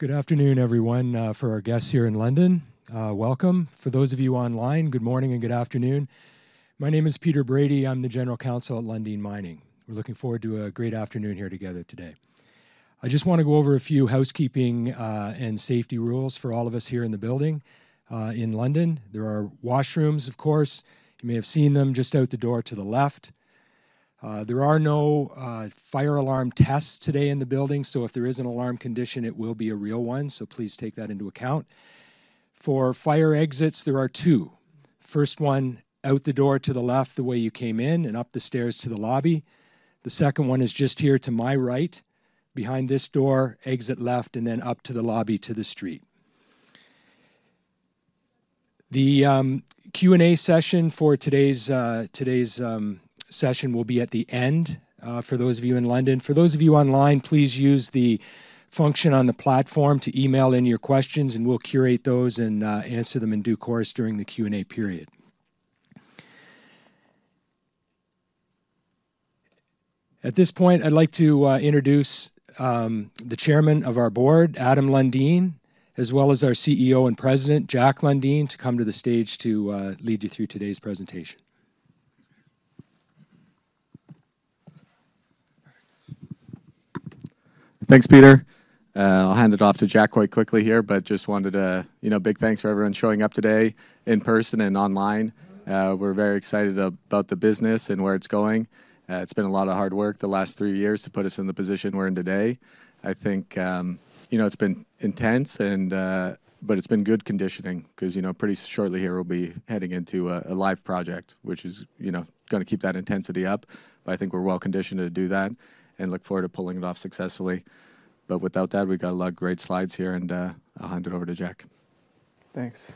Good afternoon, everyone, for our guests here in London. Welcome. For those of you online, good morning and good afternoon. My name is Peter Brady. I'm the General Counsel at Lundin Mining. We're looking forward to a great afternoon here together today. I just want to go over a few housekeeping and safety rules for all of us here in the building. In London, there are washrooms, of course. You may have seen them just out the door to the left. There are no fire alarm tests today in the building, so if there is an alarm condition, it will be a real one, so please take that into account. For fire exits, there are two. The first one out the door to the left the way you came in and up the stairs to the lobby. The second one is just here to my right, behind this door, exit left, and then up to the lobby to the street. The Q&A session for today's session will be at the end for those of you in London. For those of you online, please use the function on the platform to email in your questions, and we'll curate those and answer them in due course during the Q&A period. At this point, I'd like to introduce the Chairman of our Board, Adam Lundin, as well as our CEO and President, Jack Lundin, to come to the stage to lead you through today's presentation. Thanks, Peter. I'll hand it off to Jack quite quickly here, but just wanted to, you know, big thanks for everyone showing up today in person and online. We're very excited about the business and where it's going. It's been a lot of hard work the last three years to put us in the position we're in today. I think, you know, it's been intense, but it's been good conditioning because, you know, pretty shortly here we'll be heading into a live project, which is, you know, going to keep that intensity up. I think we're well conditioned to do that and look forward to pulling it off successfully. Without that, we've got a lot of great slides here, and I'll hand it over to Jack. Thanks.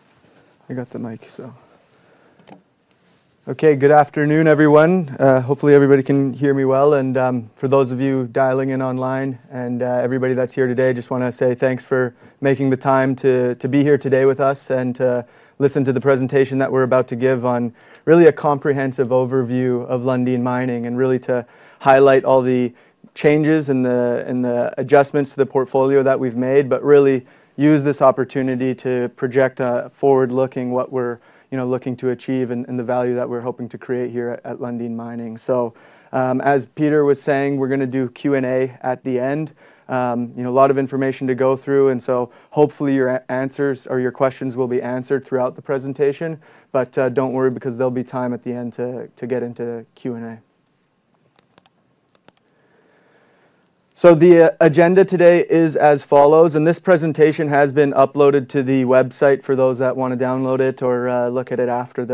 I got the mic, so. Okay, good afternoon, everyone. Hopefully, everybody can hear me well. And for those of you dialing in online and everybody that's here today, I just want to say thanks for making the time to be here today with us and to listen to the presentation that we're about to give on really a comprehensive overview of Lundin Mining and really to highlight all the changes and the adjustments to the portfolio that we've made, but really use this opportunity to project forward-looking what we're, you know, looking to achieve and the value that we're hoping to create here at Lundin Mining. So, as Peter was saying, we're going to do Q&A at the end. You know, a lot of information to go through, and so hopefully your answers or your questions will be answered throughout the presentation. Do not worry because there'll be time at the end to get into Q&A. The agenda today is as follows, and this presentation has been uploaded to the website for those that want to download it or look at it after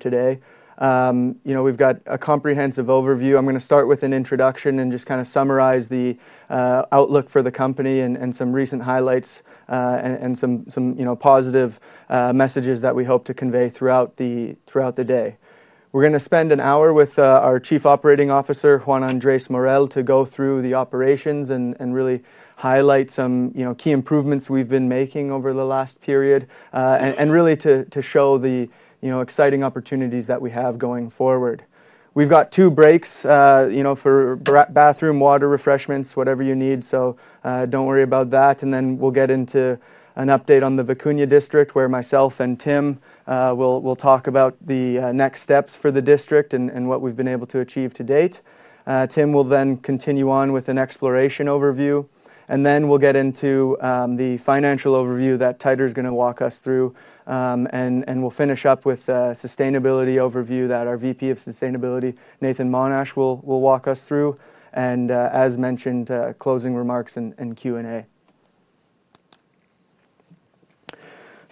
today. You know, we've got a comprehensive overview. I'm going to start with an introduction and just kind of summarize the outlook for the company and some recent highlights and some, you know, positive messages that we hope to convey throughout the day. We're going to spend an hour with our Chief Operating Officer, Juan Andrés Morel, to go through the operations and really highlight some, you know, key improvements we've been making over the last period and really to show the, you know, exciting opportunities that we have going forward. We've got two breaks, you know, for bathroom, water, refreshments, whatever you need, so do not worry about that. Then we'll get into an update on the Vicuña District where myself and Tim will talk about the next steps for the district and what we've been able to achieve to date. Tim will then continue on with an exploration overview, and then we'll get into the financial overview that Teitur is going to walk us through, and we'll finish up with a sustainability overview that our VP of Sustainability, Nathan Monash, will walk us through, and as mentioned, closing remarks and Q&A.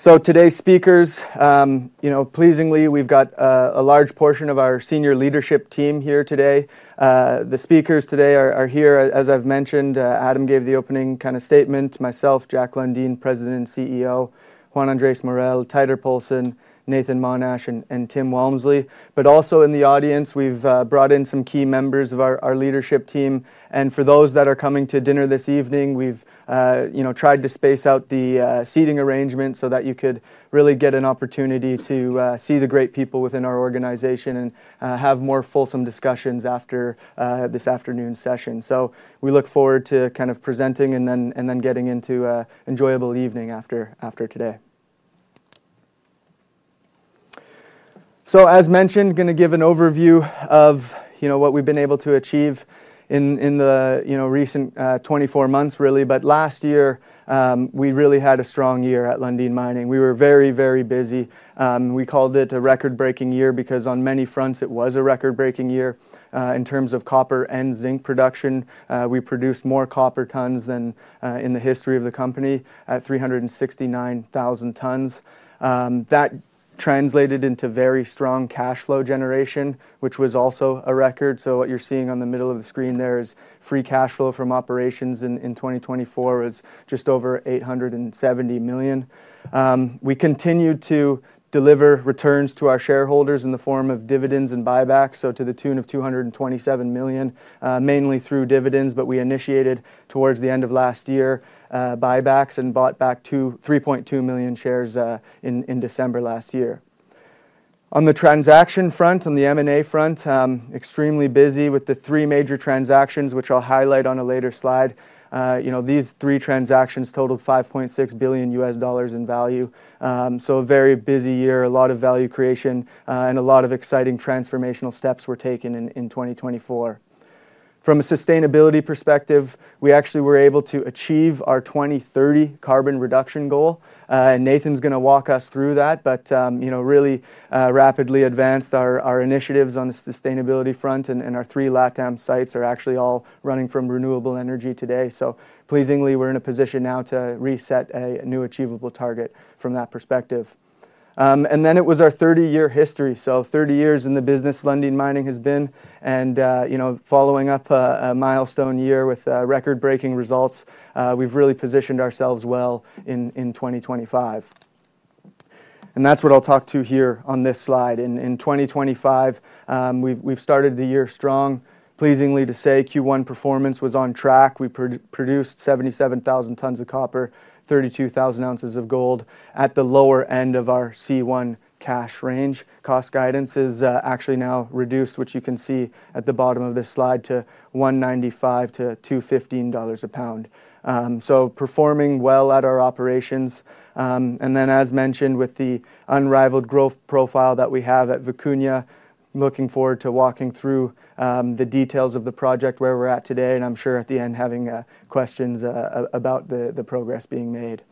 Today's speakers, you know, pleasingly, we've got a large portion of our senior leadership team here today. The speakers today are here, as I've mentioned. Adam gave the opening kind of statement, myself, Jack Lundin, President and CEO, Juan Andrés Morel, Teitur Poulsen, Nathan Monash, and Tim Walmsley. Also in the audience, we've brought in some key members of our leadership team. For those that are coming to dinner this evening, we've, you know, tried to space out the seating arrangement so that you could really get an opportunity to see the great people within our organization and have more fulsome discussions after this afternoon session. We look forward to kind of presenting and then getting into an enjoyable evening after today. As mentioned, I'm going to give an overview of, you know, what we've been able to achieve in the, you know, recent 24 months, really. Last year, we really had a strong year at Lundin Mining. We were very, very busy. We called it a record-breaking year because on many fronts it was a record-breaking year in terms of copper and zinc production. We produced more copper tons than in the history of the company at 369,000 tons. That translated into very strong cash flow generation, which was also a record. What you're seeing on the middle of the screen there is free cash flow from operations in 2024 was just over $870 million. We continued to deliver returns to our shareholders in the form of dividends and buybacks, to the tune of $227 million, mainly through dividends, but we initiated towards the end of last year buybacks and bought back 3.2 million shares in December last year. On the transaction front, on the M&A front, extremely busy with the three major transactions, which I'll highlight on a later slide. You know, these three transactions totaled $5.6 billion in value. A very busy year, a lot of value creation, and a lot of exciting transformational steps were taken in 2024. From a sustainability perspective, we actually were able to achieve our 2030 carbon reduction goal. Nathan's going to walk us through that, but, you know, really rapidly advanced our initiatives on the sustainability front, and our three LATAM sites are actually all running from renewable energy today. Pleasingly, we're in a position now to reset a new achievable target from that perspective. It was our 30-year history. Thirty years in the business Lundin Mining has been, and, you know, following up a milestone year with record-breaking results, we've really positioned ourselves well in 2025. That's what I'll talk to here on this slide. In 2025, we've started the year strong. Pleasingly to say, Q1 performance was on track. We produced 77,000 tons of copper, 32,000 ounces of gold at the lower end of our C1 cash range. Cost guidance is actually now reduced, which you can see at the bottom of this slide to $1.95-$2.15 a pound. Performing well at our operations. As mentioned, with the unrivaled growth profile that we have at Vicuña, looking forward to walking through the details of the project where we're at today, and I'm sure at the end having questions about the progress being made.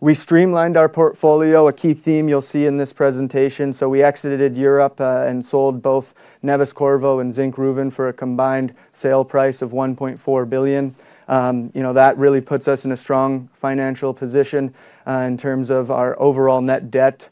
We streamlined our portfolio, a key theme you'll see in this presentation. We exited Europe and sold both Neves-Corvo and Zinkgruvan for a combined sale price of $1.4 billion. You know, that really puts us in a strong financial position in terms of our overall net debt,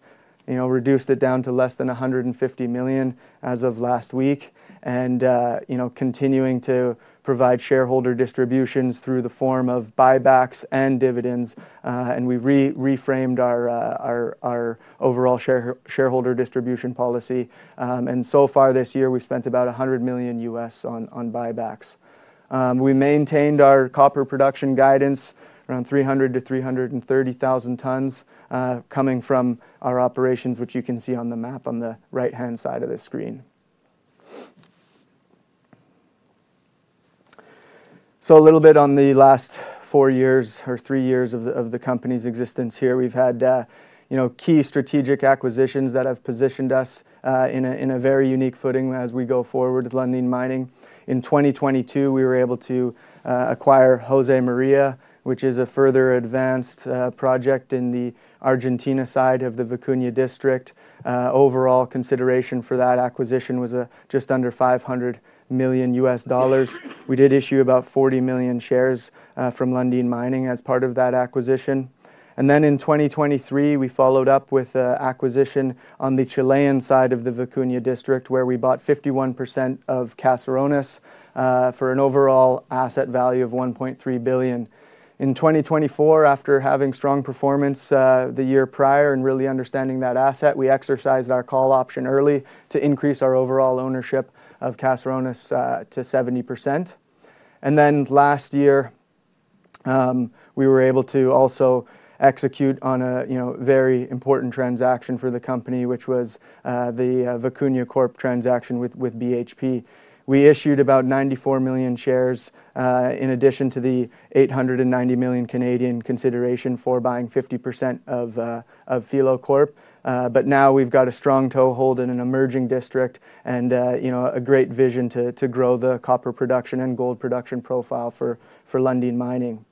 you know, reduced it down to less than $150 million as of last week, you know, continuing to provide shareholder distributions through the form of buybacks and dividends. We reframed our overall shareholder distribution policy. So far this year, we've spent about $100 million U.S. on buybacks. We maintained our copper production guidance around 300,000-330,000 tons coming from our operations, which you can see on the map on the right-hand side of the screen. A little bit on the last four years or three years of the company's existence here. We've had, you know, key strategic acquisitions that have positioned us in a very unique footing as we go forward with Lundin Mining. In 2022, we were able to acquire José María, which is a further advanced project in the Argentina side of the Vicuña District. Overall consideration for that acquisition was just under $500 million U.S. dollars. We did issue about 40 million shares from Lundin Mining as part of that acquisition. In 2023, we followed up with an acquisition on the Chilean side of the Vicuña District, where we bought 51% of Caserones for an overall asset value of $1.3 billion. In 2024, after having strong performance the year prior and really understanding that asset, we exercised our call option early to increase our overall ownership of Caserones to 70%. Last year, we were able to also execute on a, you know, very important transaction for the company, which was the Vicuña Corp transaction with BHP. We issued about 94 million shares in addition to the 890 million consideration for buying 50% of Filo Corp. Now we've got a strong toehold in an emerging district and, you know, a great vision to grow the copper production and gold production profile for Lundin Mining.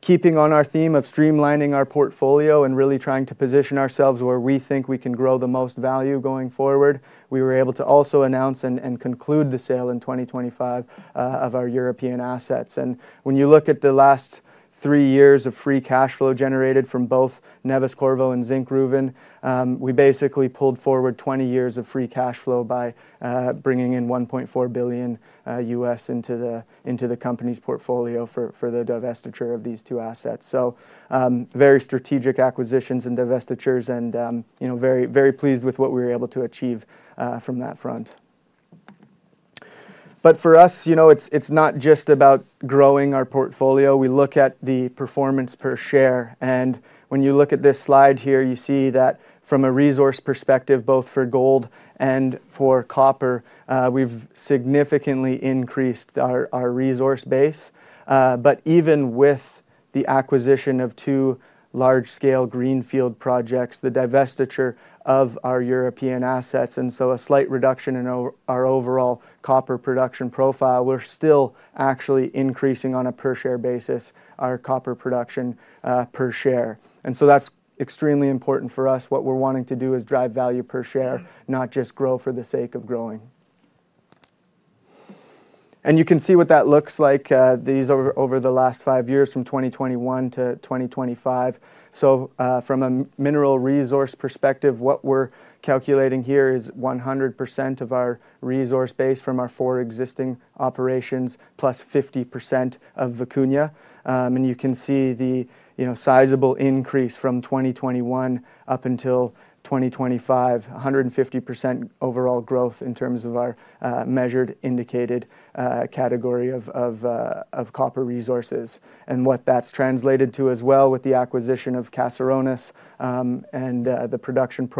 Keeping on our theme of streamlining our portfolio and really trying to position ourselves where we think we can grow the most value going forward, we were able to also announce and conclude the sale in 2025 of our European assets. When you look at the last three years of free cash flow generated from both Neves-Corvo and Zinkgruvan, we basically pulled forward 20 years of free cash flow by bringing in $1.4 billion into the company's portfolio for the divestiture of these two assets. Very strategic acquisitions and divestitures and, you know, very pleased with what we were able to achieve from that front. For us, you know, it's not just about growing our portfolio. We look at the performance per share. When you look at this slide here, you see that from a resource perspective, both for gold and for copper, we've significantly increased our resource base. Even with the acquisition of two large-scale greenfield projects, the divestiture of our European assets, and so a slight reduction in our overall copper production profile, we're still actually increasing on a per-share basis our copper production per share. That's extremely important for us. What we're wanting to do is drive value per share, not just grow for the sake of growing. You can see what that looks like over the last five years from 2021 to 2025. From a mineral resource perspective, what we're calculating here is 100% of our resource base from our four existing operations +50% of Vicuña. You can see the, you know, sizable increase from 2021 up until 2025, 150% overall growth in terms of our measured indicated category of copper resources. What that's translated to as well with the acquisition of Caserones and the production,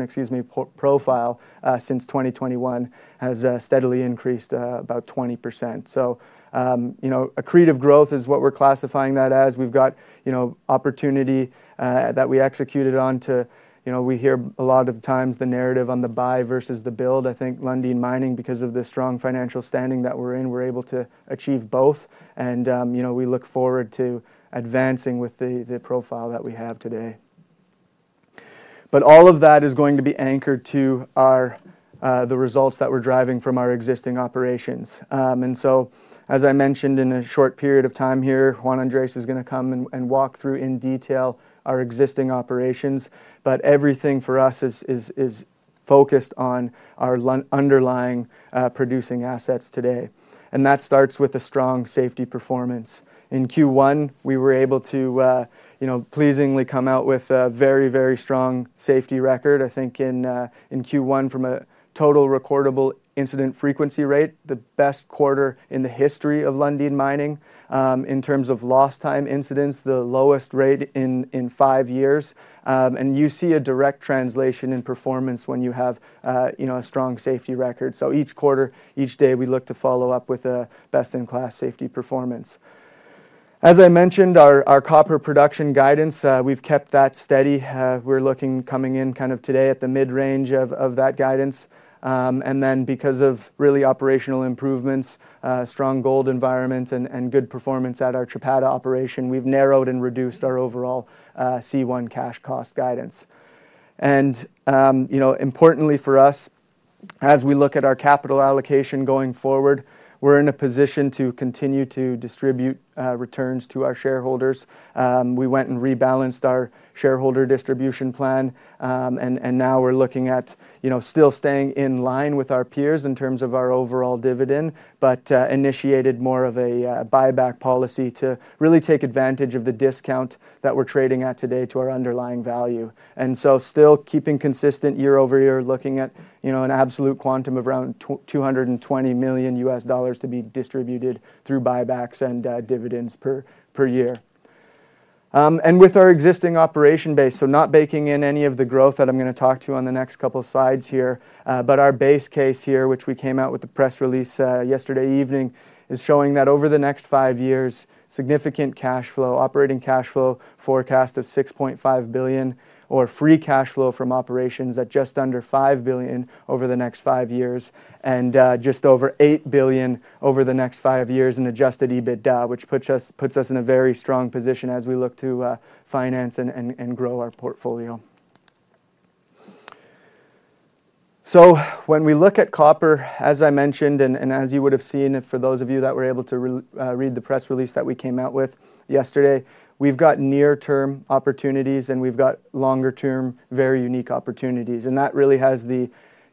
excuse me, profile since 2021 has steadily increased about 20%. You know, accretive growth is what we're classifying that as. We've got, you know, opportunity that we executed on to, you know, we hear a lot of times the narrative on the buy versus the build. I think Lundin Mining, because of the strong financial standing that we're in, we're able to achieve both. You know, we look forward to advancing with the profile that we have today. All of that is going to be anchored to the results that we're driving from our existing operations. As I mentioned, in a short period of time here, Juan Andrés is going to come and walk through in detail our existing operations. Everything for us is focused on our underlying producing assets today. That starts with a strong safety performance. In Q1, we were able to, you know, pleasingly come out with a very, very strong safety record. I think in Q1, from a total recordable incident frequency rate, the best quarter in the history of Lundin Mining in terms of lost time incidents, the lowest rate in five years. You see a direct translation in performance when you have, you know, a strong safety record. Each quarter, each day, we look to follow up with a best-in-class safety performance. As I mentioned, our copper production guidance, we've kept that steady. We're looking coming in kind of today at the mid-range of that guidance. You know, because of really operational improvements, strong gold environment, and good performance at our Chapada operation, we've narrowed and reduced our overall C1 cash cost guidance. You know, importantly for us, as we look at our capital allocation going forward, we're in a position to continue to distribute returns to our shareholders. We went and rebalanced our shareholder distribution plan, and now we're looking at, you know, still staying in line with our peers in terms of our overall dividend, but initiated more of a buyback policy to really take advantage of the discount that we're trading at today to our underlying value. Still keeping consistent year-over-year, looking at, you know, an absolute quantum of around $220 million U.S. dollars to be distributed through buybacks and dividends per year. With our existing operation base, so not baking in any of the growth that I'm going to talk to on the next couple of slides here, but our base case here, which we came out with the press release yesterday evening, is showing that over the next five years, significant cash flow, operating cash flow forecast of $6.5 billion, or free cash flow from operations at just under $5 billion over the next five years, and just over $8 billion over the next five years in Adjusted EBITDA, which puts us in a very strong position as we look to finance and grow our portfolio. When we look at copper, as I mentioned, and as you would have seen for those of you that were able to read the press release that we came out with yesterday, we've got near-term opportunities and we've got longer-term, very unique opportunities. That really has the, you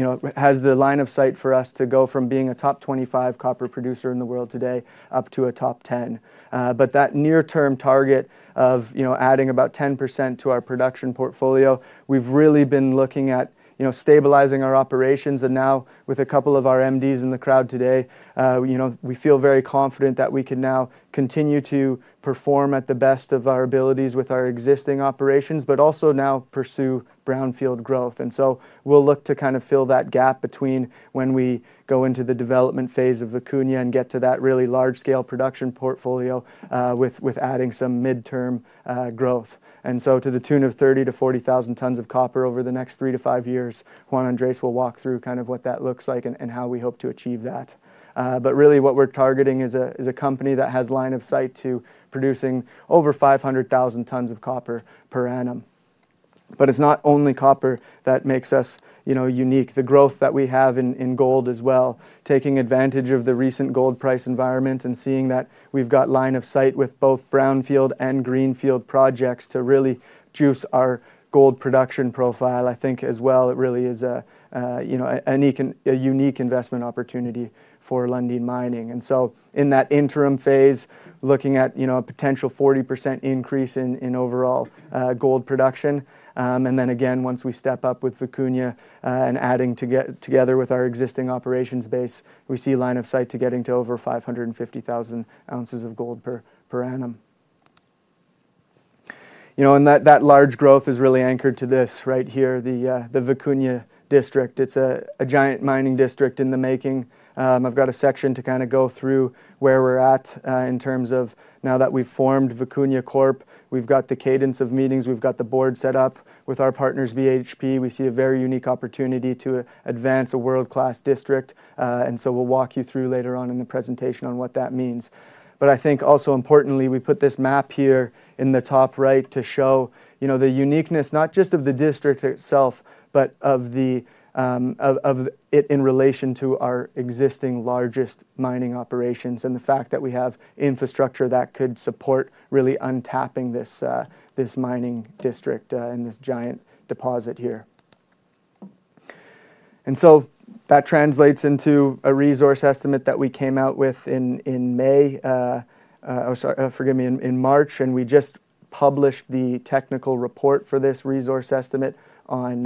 know, has the line of sight for us to go from being a top 25 copper producer in the world today up to a top 10. That near-term target of, you know, adding about 10% to our production portfolio, we've really been looking at, you know, stabilizing our operations. Now with a couple of our MDs in the crowd today, you know, we feel very confident that we can now continue to perform at the best of our abilities with our existing operations, but also now pursue brownfield growth. We will look to kind of fill that gap between when we go into the development phase of Vicuña and get to that really large-scale production portfolio with adding some mid-term growth. To the tune of 30,000-40,000 tons of copper over the next three to five years, Juan Andrés will walk through kind of what that looks like and how we hope to achieve that. What we are targeting is a company that has line of sight to producing over 500,000 tons of copper per annum. It is not only copper that makes us, you know, unique. The growth that we have in gold as well, taking advantage of the recent gold price environment and seeing that we've got line of sight with both brownfield and greenfield projects to really juice our gold production profile, I think as well, it really is a, you know, a unique investment opportunity for Lundin Mining. In that interim phase, looking at, you know, a potential 40% increase in overall gold production. Then again, once we step up with Vicuña and adding together with our existing operations base, we see line of sight to getting to over 550,000 ounces of gold per annum. You know, and that large growth is really anchored to this right here, the Vicuña District. It's a giant mining district in the making. I've got a section to kind of go through where we're at in terms of now that we've formed Vicuña Corp, we've got the cadence of meetings, we've got the board set up with our partners BHP. We see a very unique opportunity to advance a world-class district. We'll walk you through later on in the presentation on what that means. I think also importantly, we put this map here in the top right to show, you know, the uniqueness not just of the district itself, but of it in relation to our existing largest mining operations and the fact that we have infrastructure that could support really untapping this mining district and this giant deposit here. That translates into a resource estimate that we came out with in May, or sorry, forgive me, in March. We just published the technical report for this resource estimate on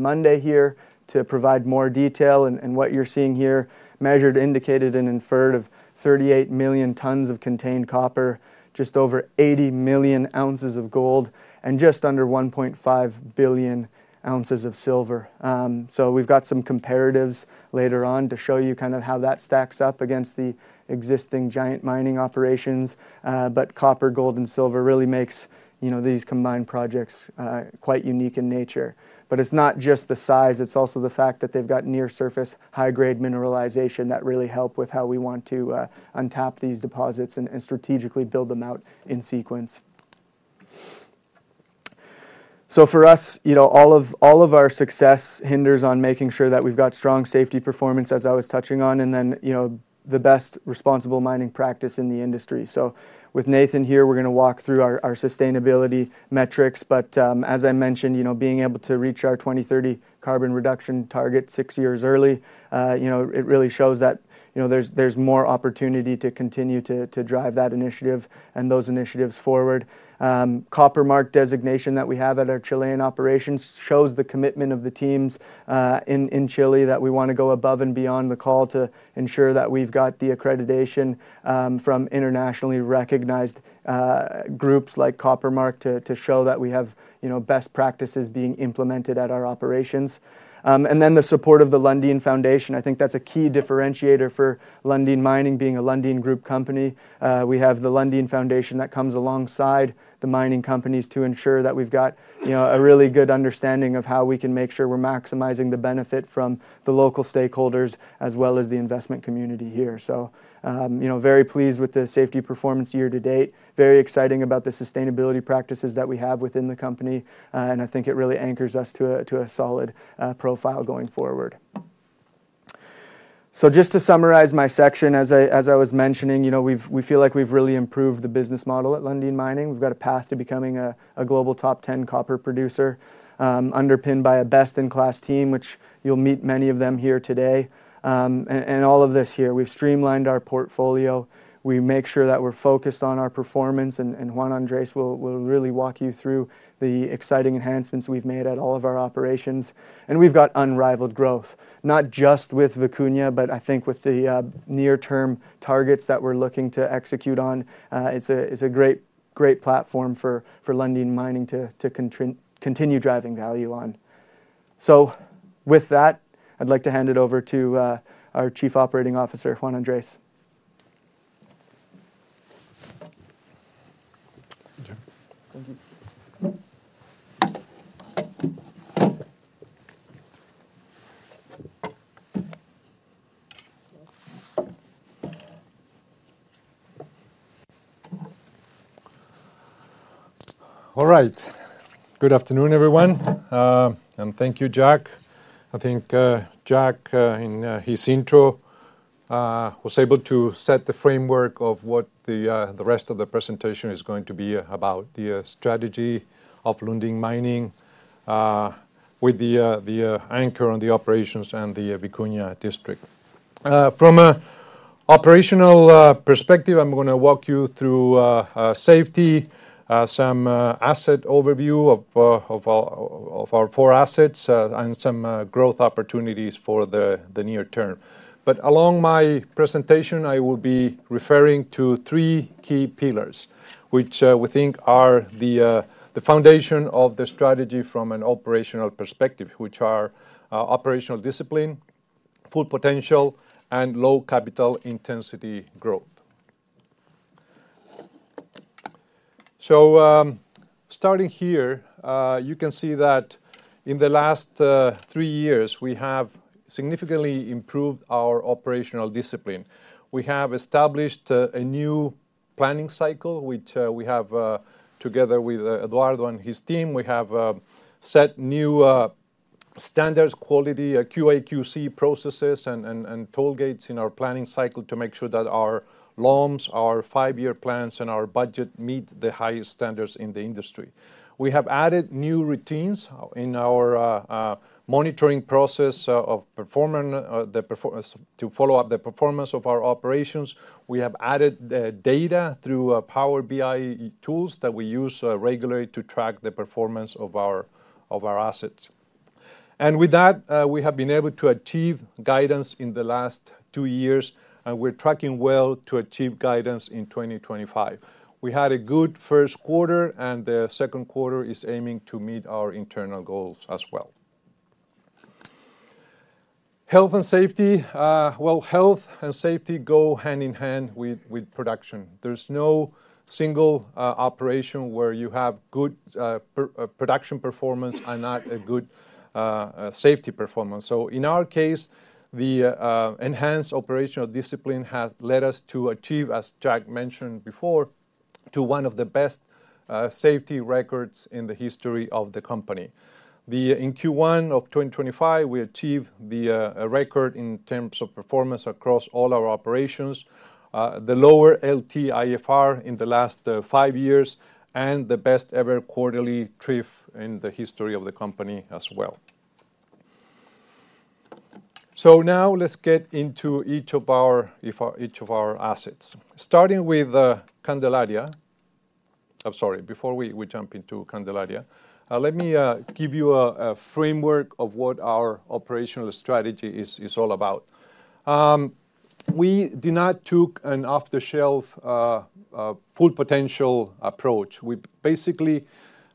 Monday here to provide more detail. What you're seeing here: measured, indicated, and inferred of 38 million tons of contained copper, just over 80 million ounces of gold, and just under 1.5 billion ounces of silver. We've got some comparatives later on to show you kind of how that stacks up against the existing giant mining operations. Copper, gold, and silver really makes, you know, these combined projects quite unique in nature. It's not just the size, it's also the fact that they've got near-surface high-grade mineralization that really help with how we want to untap these deposits and strategically build them out in sequence. For us, you know, all of our success hinges on making sure that we've got strong safety performance, as I was touching on, and then, you know, the best responsible mining practice in the industry. With Nathan here, we're going to walk through our sustainability metrics. As I mentioned, you know, being able to reach our 2030 carbon reduction target six years early, you know, it really shows that, you know, there's more opportunity to continue to drive that initiative and those initiatives forward. Copper Mark designation that we have at our Chilean operations shows the commitment of the teams in Chile that we want to go above and beyond the call to ensure that we've got the accreditation from internationally recognized groups like Copper Mark to show that we have, you know, best practices being implemented at our operations. The support of the Lundin Foundation, I think that's a key differentiator for Lundin Mining being a Lundin Group company. We have the Lundin Foundation that comes alongside the mining companies to ensure that we've got, you know, a really good understanding of how we can make sure we're maximizing the benefit from the local stakeholders as well as the investment community here. You know, very pleased with the safety performance year to date, very excited about the sustainability practices that we have within the company. I think it really anchors us to a solid profile going forward. Just to summarize my section, as I was mentioning, you know, we feel like we've really improved the business model at Lundin Mining. have got a path to becoming a global top 10 copper producer underpinned by a best-in-class team, which you will meet many of them here today. All of this here, we have streamlined our portfolio. We make sure that we are focused on our performance. Juan Andrés will really walk you through the exciting enhancements we have made at all of our operations. We have got unrivaled growth, not just with Vicuña, but I think with the near-term targets that we are looking to execute on. It is a great, great platform for Lundin Mining to continue driving value on. With that, I would like to hand it over to our Chief Operating Officer, Juan Andrés. Thank you. All right. Good afternoon, everyone. Thank you, Jack. I think Jack in his intro was able to set the framework of what the rest of the presentation is going to be about, the strategy of Lundin Mining with the anchor on the operations and the Vicuña District. From an operational perspective, I'm going to walk you through safety, some asset overview of our four assets, and some growth opportunities for the near term. Along my presentation, I will be referring to three key pillars, which we think are the foundation of the strategy from an operational perspective, which are operational discipline, full potential, and low capital intensity growth. Starting here, you can see that in the last three years, we have significantly improved our operational discipline. We have established a new planning cycle, which we have together with Eduardo and his team. We have set new standards, quality, QA/QC processes, and toll gates in our planning cycle to make sure that our LOMs, our five-year plans, and our budget meet the highest standards in the industry. We have added new routines in our monitoring process of performance to follow up the performance of our operations. We have added data through Power BI tools that we use regularly to track the performance of our assets. With that, we have been able to achieve guidance in the last two years, and we're tracking well to achieve guidance in 2025. We had a good first quarter, and the second quarter is aiming to meet our internal goals as well. Health and safety go hand in hand with production. There's no single operation where you have good production performance and not a good safety performance. In our case, the enhanced operational discipline has led us to achieve, as Jack mentioned before, one of the best safety records in the history of the company. In Q1 of 2025, we achieved the record in terms of performance across all our operations, the lower LTIFR in the last five years, and the best ever quarterly TRIF in the history of the company as well. Now let's get into each of our assets. Starting with Candelaria, I'm sorry, before we jump into Candelaria, let me give you a framework of what our operational strategy is all about. We did not take an off-the-shelf full potential approach. We basically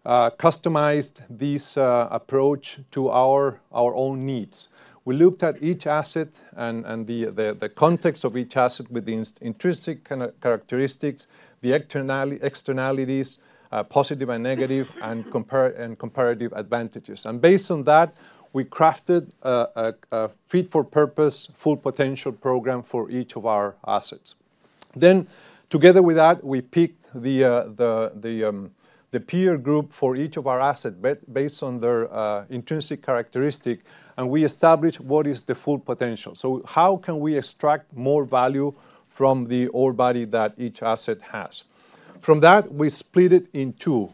customized this approach to our own needs. We looked at each asset and the context of each asset with intrinsic characteristics, the externalities, positive and negative, and comparative advantages. Based on that, we crafted a fit-for-purpose full potential program for each of our assets. Together with that, we picked the peer group for each of our assets based on their intrinsic characteristics, and we established what is the full potential. How can we extract more value from the ore body that each asset has? From that, we split it in two,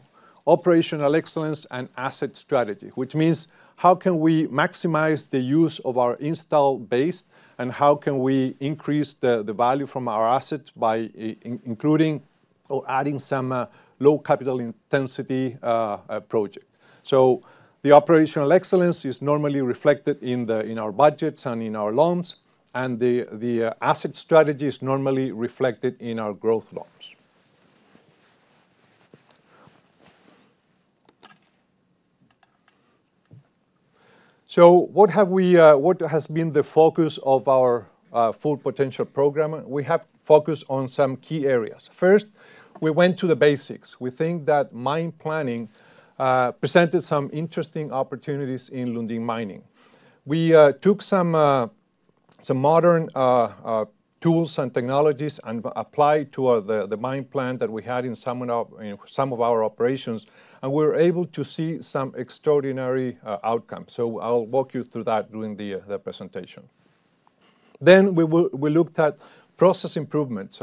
operational excellence and asset strategy, which means how can we maximize the use of our install base and how can we increase the value from our assets by including or adding some low capital intensity project. The operational excellence is normally reflected in our budgets and in our loans, and the asset strategy is normally reflected in our growth loans. What has been the focus of our full potential program? We have focused on some key areas. First, we went to the basics. We think that mine planning presented some interesting opportunities in Lundin Mining. We took some modern tools and technologies and applied to the mine plan that we had in some of our operations, and we were able to see some extraordinary outcomes. I will walk you through that during the presentation. We looked at process improvements.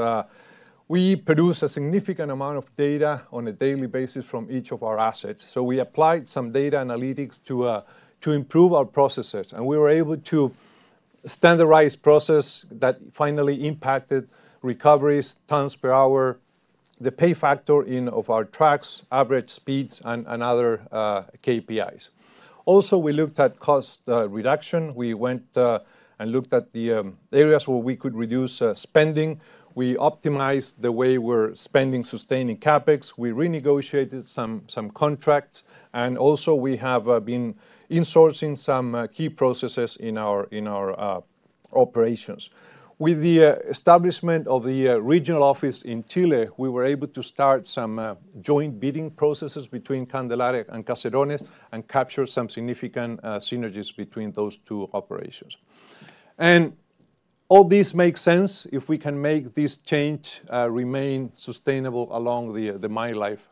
We produced a significant amount of data on a daily basis from each of our assets. We applied some data analytics to improve our processes, and we were able to standardize processes that finally impacted recoveries, tons per hour, the pay factor of our trucks, average speeds, and other KPIs. We looked at cost reduction. We went and looked at the areas where we could reduce spending. We optimized the way we are spending sustaining CapEx. We renegotiated some contracts, and also we have been insourcing some key processes in our operations. With the establishment of the regional office in Chile, we were able to start some joint bidding processes between Candelaria and Caserones and capture some significant synergies between those two operations. All this makes sense if we can make this change remain sustainable along the mine life.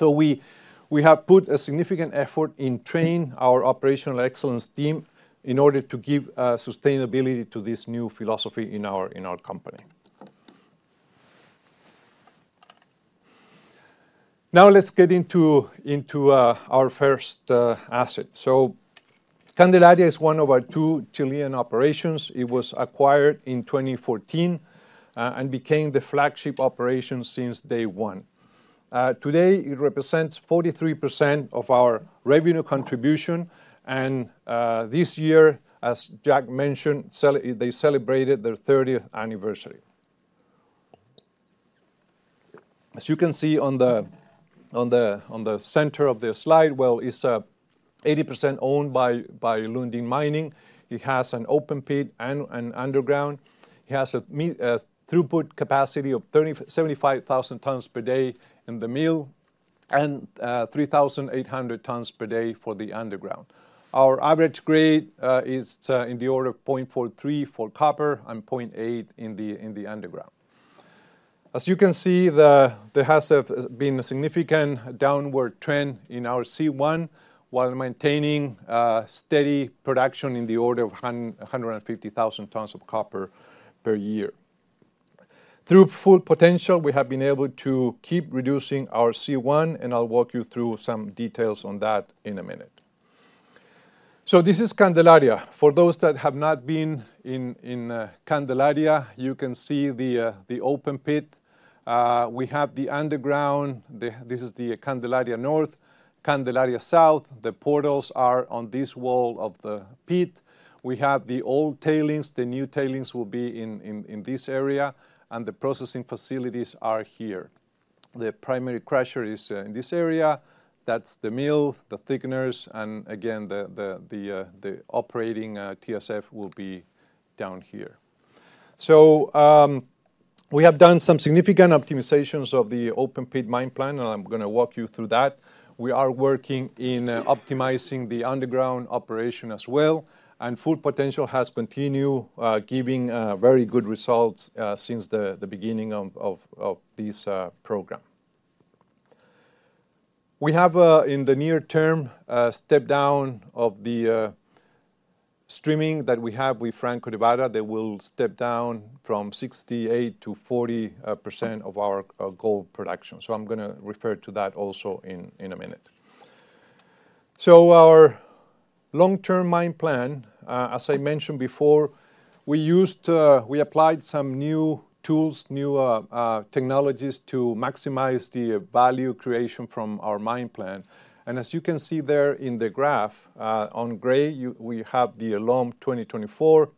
We have put a significant effort in training our operational excellence team in order to give sustainability to this new philosophy in our company. Now let's get into our first asset. Candelaria is one of our two Chilean operations. It was acquired in 2014 and became the flagship operation since day one. Today, it represents 43% of our revenue contribution, and this year, as Jack mentioned, they celebrated their 30th anniversary. As you can see on the center of the slide, it's 80% owned by Lundin Mining. It has an open pit and an underground. It has a throughput capacity of 75,000 tons per day in the mill and 3,800 tons per day for the underground. Our average grade is in the order of 0.43% for copper and 0.8% in the underground. As you can see, there has been a significant downward trend in our C1 while maintaining steady production in the order of 150,000 tons of copper per year. Through full potential, we have been able to keep reducing our C1, and I'll walk you through some details on that in a minute. This is Candelaria. For those that have not been in Candelaria, you can see the open pit. We have the underground. This is the Candelaria North, Candelaria South. The portals are on this wall of the pit. We have the old tailings. The new tailings will be in this area, and the processing facilities are here. The primary crusher is in this area. That is the mill, the thickeners, and again, the operating TSF will be down here. We have done some significant optimizations of the open pit mine plan, and I am going to walk you through that. We are working in optimizing the underground operation as well, and full potential has continued giving very good results since the beginning of this program. We have in the near term stepped down of the streaming that we have with Franco-Nevada. They will step down from 68%-40% of our gold production. I am going to refer to that also in a minute. Our long-term mine plan, as I mentioned before, we applied some new tools, new technologies to maximize the value creation from our mine plan. As you can see there in the graph, in gray, we have the LOM 2024.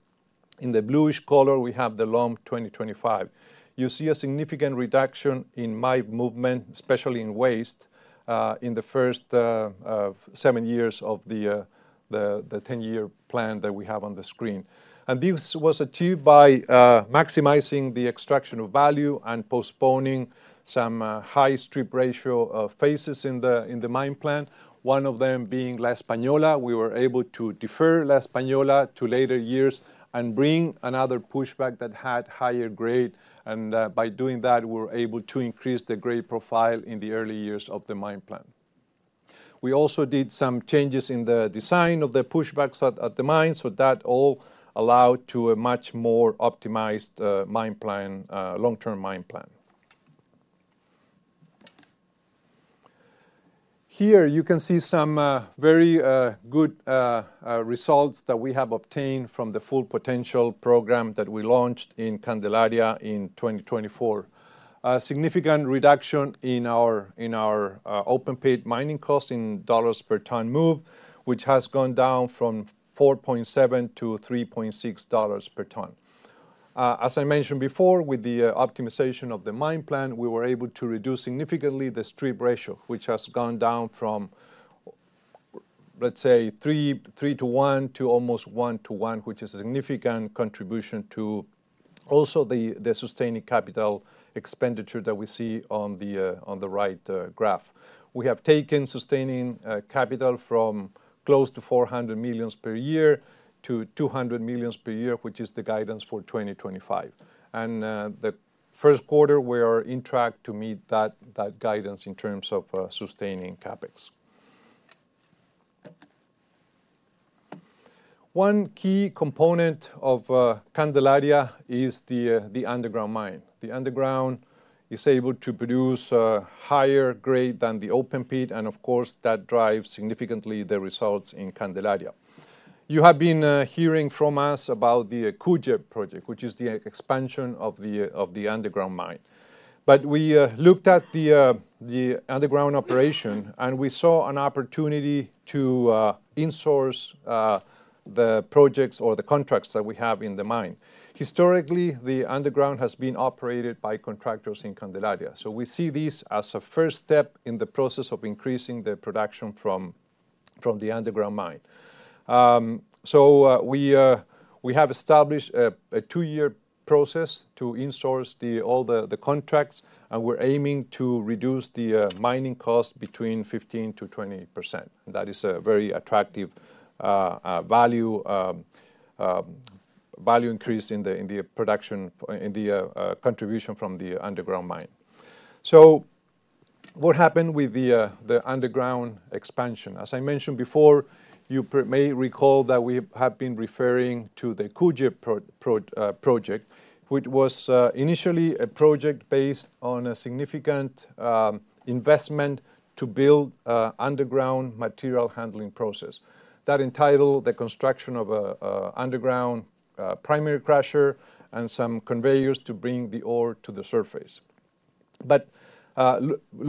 In the bluish color, we have the LOM 2025. You see a significant reduction in mine movement, especially in waste, in the first seven years of the 10-year plan that we have on the screen. This was achieved by maximizing the extraction of value and postponing some high strip ratio phases in the mine plan, one of them being La Española. We were able to defer La Española to later years and bring another pushback that had higher grade. By doing that, we were able to increase the grade profile in the early years of the mine plan. We also did some changes in the design of the pushbacks at the mine, so that all allowed to a much more optimized mine plan, long-term mine plan. Here you can see some very good results that we have obtained from the full potential program that we launched in Candelaria in 2024. Significant reduction in our open pit mining cost in dollars per ton move, which has gone down from $4.7-$3.6 per ton. As I mentioned before, with the optimization of the mine plan, we were able to reduce significantly the strip ratio, which has gone down from, let's say, 3-1 to almost 1-1, which is a significant contribution to also the sustaining capital expenditure that we see on the right graph. We have taken sustaining capital from close to $400 million per year to $200 million per year, which is the guidance for 2025. The first quarter, we are on track to meet that guidance in terms of sustaining CapEx. One key component of Candelaria is the underground mine. The underground is able to produce a higher grade than the open pit, and of course, that drives significantly the results in Candelaria. You have been hearing from us about the CUJE project, which is the expansion of the underground mine. We looked at the underground operation, and we saw an opportunity to insource the projects or the contracts that we have in the mine. Historically, the underground has been operated by contractors in Candelaria. We see this as a first step in the process of increasing the production from the underground mine. We have established a two-year process to insource all the contracts, and we're aiming to reduce the mining cost between 15%-20%. That is a very attractive value increase in the contribution from the underground mine. What happened with the underground expansion? As I mentioned before, you may recall that we have been referring to the CUJE project, which was initially a project based on a significant investment to build an underground material handling process. That entitled the construction of an underground primary crusher and some conveyors to bring the ore to the surface.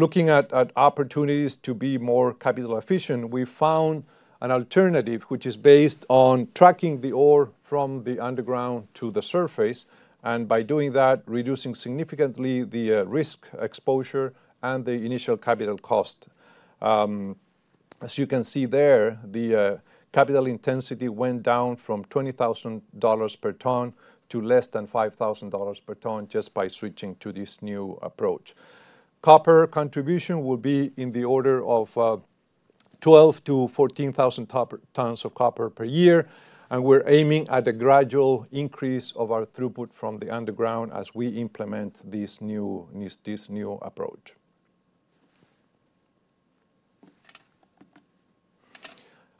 Looking at opportunities to be more capital efficient, we found an alternative, which is based on trucking the ore from the underground to the surface, and by doing that, reducing significantly the risk exposure and the initial capital cost. As you can see there, the capital intensity went down from $20,000 per ton to less than $5,000 per ton just by switching to this new approach. Copper contribution will be in the order of 12,000-14,000 tons of copper per year, and we're aiming at a gradual increase of our throughput from the underground as we implement this new approach.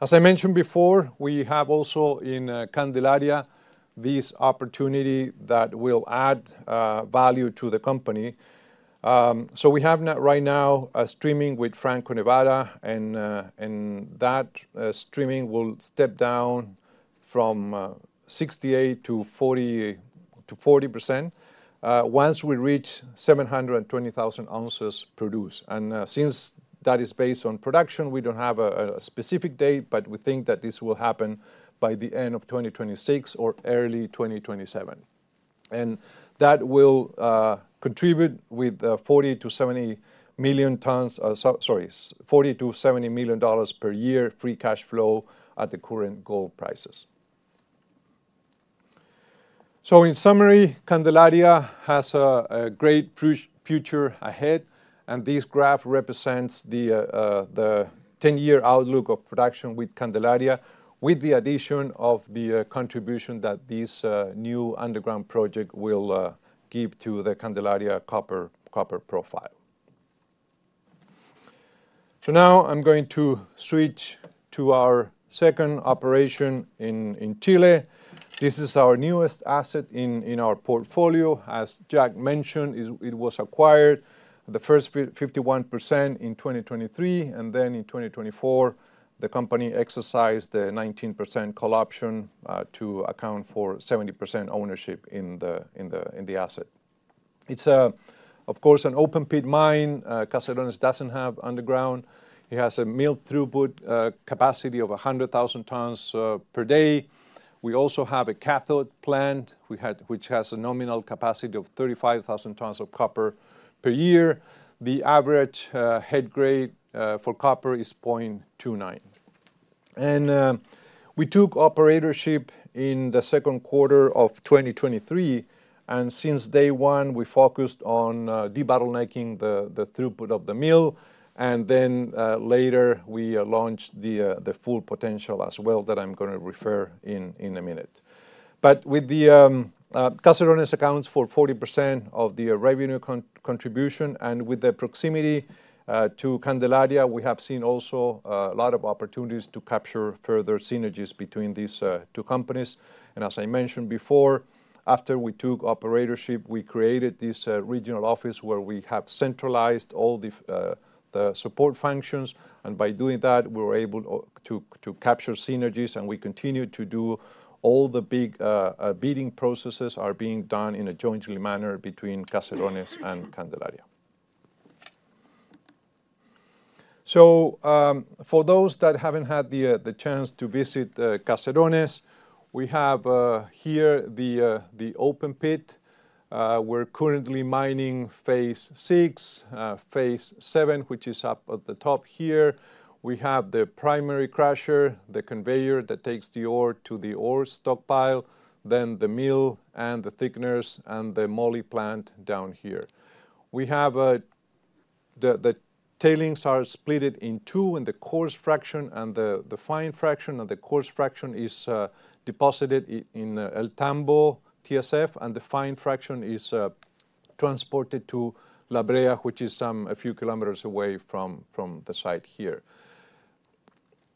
As I mentioned before, we have also in Candelaria this opportunity that will add value to the company. We have right now a streaming with Franco-Nevada, and that streaming will step down from 68%-40% once we reach 720,000 ounces produced. Since that is based on production, we don't have a specific date, but we think that this will happen by the end of 2026 or early 2027. That will contribute with $40 million-$70 million per year free cash flow at the current gold prices. In summary, Candelaria has a great future ahead, and this graph represents the 10-year outlook of production with Candelaria, with the addition of the contribution that this new underground project will give to the Candelaria copper profile. Now I am going to switch to our second operation in Chile. This is our newest asset in our portfolio. As Jack mentioned, it was acquired, the first 51% in 2023, and then in 2024, the company exercised the 19% co-option to account for 70% ownership in the asset. It is, of course, an open pit mine. Caserones does not have underground. It has a mill throughput capacity of 100,000 tons per day. We also have a cathode plant, which has a nominal capacity of 35,000 tons of copper per year. The average head grade for copper is 0.29. We took operatorship in the second quarter of 2023, and since day one, we focused on de-bottlenecking the throughput of the mill, and later we launched the full potential as well that I am going to refer to in a minute. Caserones accounts for 40% of the revenue contribution, and with the proximity to Candelaria, we have seen also a lot of opportunities to capture further synergies between these two companies. As I mentioned before, after we took operatorship, we created this regional office where we have centralized all the support functions, and by doing that, we were able to capture synergies, and we continue to do all the big bidding processes that are being done in a jointly manner between Caserones and Candelaria. For those that have not had the chance to visit Caserones, we have here the open pit. We are currently mining phase six, phase seven, which is up at the top here. We have the primary crusher, the conveyor that takes the ore to the ore stockpile, then the mill and the thickeners and the moly plant down here. The tailings are split in two in the coarse fraction and the fine fraction, and the coarse fraction is deposited in El Tambo TSF, and the fine fraction is transported to La Brea, which is a few kilometers away from the site here.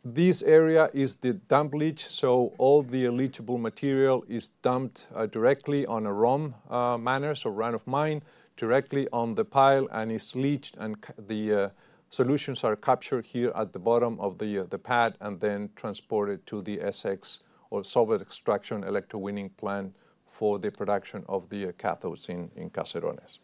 This area is the dump leach, so all the leachable material is dumped directly on a ROM manner, so run of mine, directly on the pile, and it is leached, and the solutions are captured here at the bottom of the pad and then transported to the SX or solvent extraction electro-winning plant for the production of the cathodes in Caserones.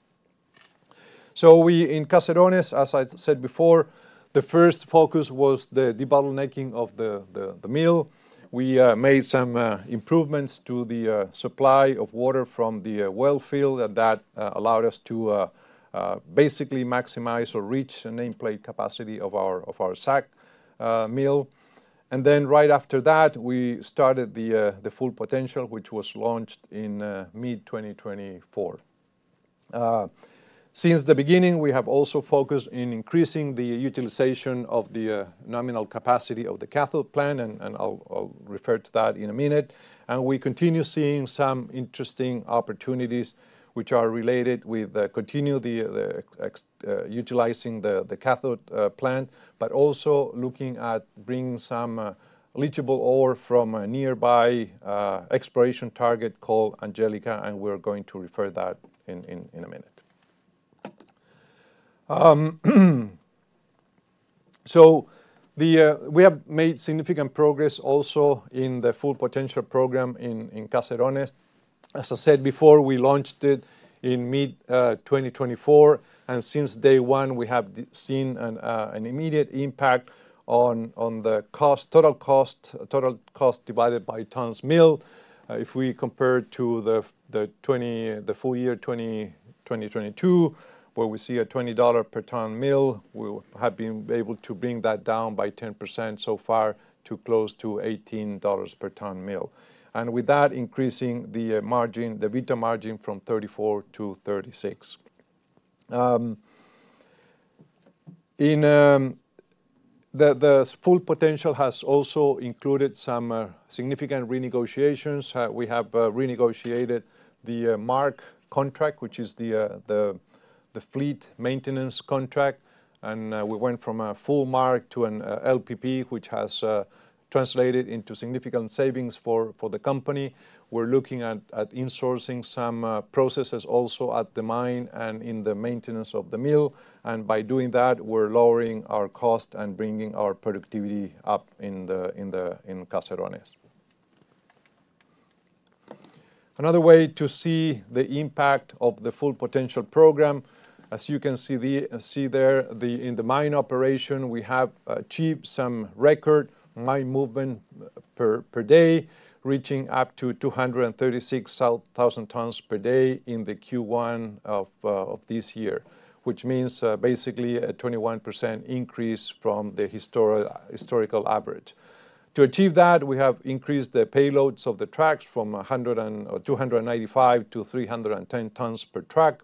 In Caserones, as I said before, the first focus was the de-bottlenecking of the mill. We made some improvements to the supply of water from the well field that allowed us to basically maximize or reach the nameplate capacity of our SAG mill. Right after that, we started the full potential, which was launched in mid-2024. Since the beginning, we have also focused on increasing the utilization of the nominal capacity of the cathode plant, and I'll refer to that in a minute. We continue seeing some interesting opportunities which are related with continuing utilizing the cathode plant, but also looking at bringing some leachable ore from a nearby exploration target called Angelica, and we're going to refer to that in a minute. We have made significant progress also in the full potential program in Caserones. As I said before, we launched it in mid-2024, and since day one, we have seen an immediate impact on the total cost divided by tons mill. If we compare to the full year 2022, where we see a $20 per ton mill, we have been able to bring that down by 10% so far to close to $18 per ton mill. With that, increasing the EBITDA margin from 34%-36%. The full potential has also included some significant renegotiations. We have renegotiated the MARC contract, which is the fleet maintenance contract, and we went from a full MARC to an LPP, which has translated into significant savings for the company. We are looking at insourcing some processes also at the mine and in the maintenance of the mill, and by doing that, we are lowering our cost and bringing our productivity up in Caserones. Another way to see the impact of the full potential program, as you can see there, in the mine operation, we have achieved some record mine movement per day, reaching up to 236,000 tons per day in the Q1 of this year, which means basically a 21% increase from the historical average. To achieve that, we have increased the payloads of the trucks from 295-310 tons per truck.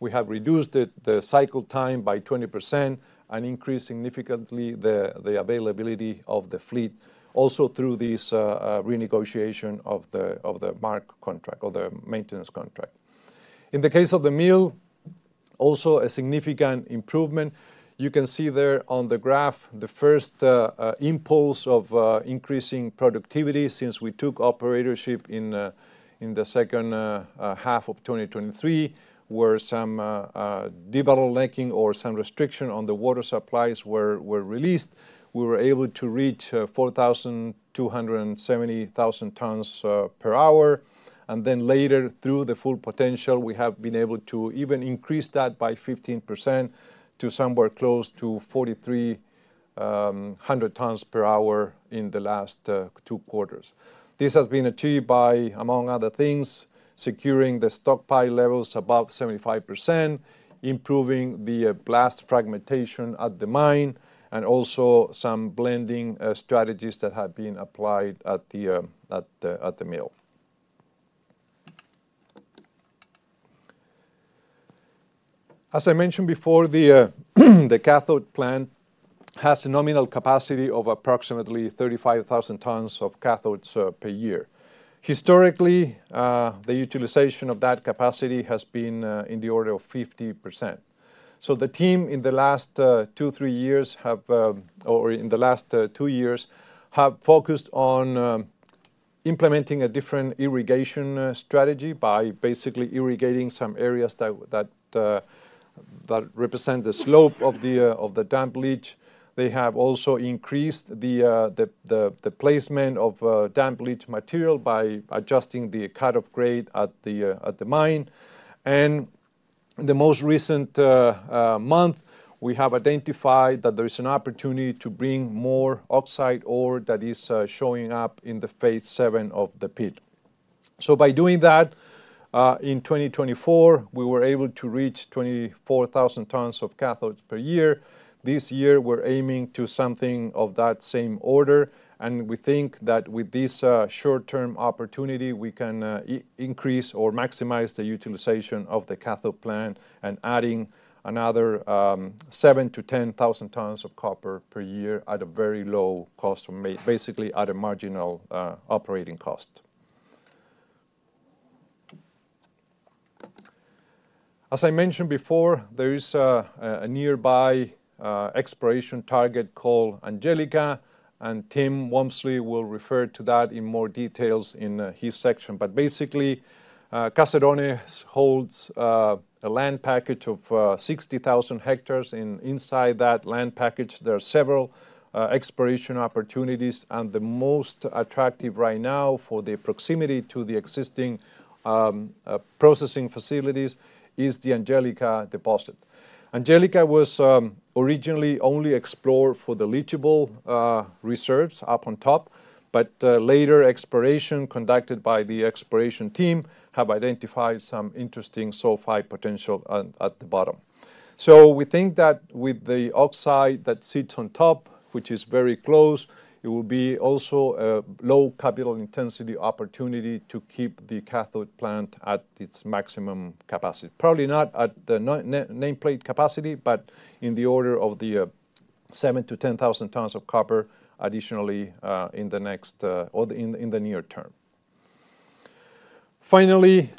We have reduced the cycle time by 20% and increased significantly the availability of the fleet, also through this renegotiation of the MARC contract or the maintenance contract. In the case of the mill, also a significant improvement. You can see there on the graph, the first impulse of increasing productivity since we took operatorship in the second half of 2023, where some de-bottlenecking or some restriction on the water supplies were released. We were able to reach 4,270 tons per hour, and then later through the full potential, we have been able to even increase that by 15% to somewhere close to 4,300 tons per hour in the last two quarters. This has been achieved by, among other things, securing the stockpile levels above 75%, improving the blast fragmentation at the mine, and also some blending strategies that have been applied at the mill. As I mentioned before, the cathode plant has a nominal capacity of approximately 35,000 tons of cathodes per year. Historically, the utilization of that capacity has been in the order of 50%. The team in the last two, three years, or in the last two years, have focused on implementing a different irrigation strategy by basically irrigating some areas that represent the slope of the dump leach. They have also increased the placement of dump leach material by adjusting the cut-off grade at the mine. In the most recent month, we have identified that there is an opportunity to bring more oxide ore that is showing up in the phase seven of the pit. By doing that, in 2024, we were able to reach 24,000 tons of cathodes per year. This year, we're aiming to something of that same order, and we think that with this short-term opportunity, we can increase or maximize the utilization of the cathode plant and add another 7,000-10,000 tons of copper per year at a very low cost, basically at a marginal operating cost. As I mentioned before, there is a nearby exploration target called Angelica, and Tim Walmsley will refer to that in more detail in his section. Basically, Caserones holds a land package of 60,000 hectares. Inside that land package, there are several exploration opportunities, and the most attractive right now for the proximity to the existing processing facilities is the Angelica deposit. Angelica was originally only explored for the leachable reserves up on top, but later exploration conducted by the exploration team has identified some interesting sulfide potential at the bottom. We think that with the oxide that sits on top, which is very close, it will be also a low capital intensity opportunity to keep the cathode plant at its maximum capacity. Probably not at the nameplate capacity, but in the order of 7,000-10,000 tons of copper additionally in the near term. Finally,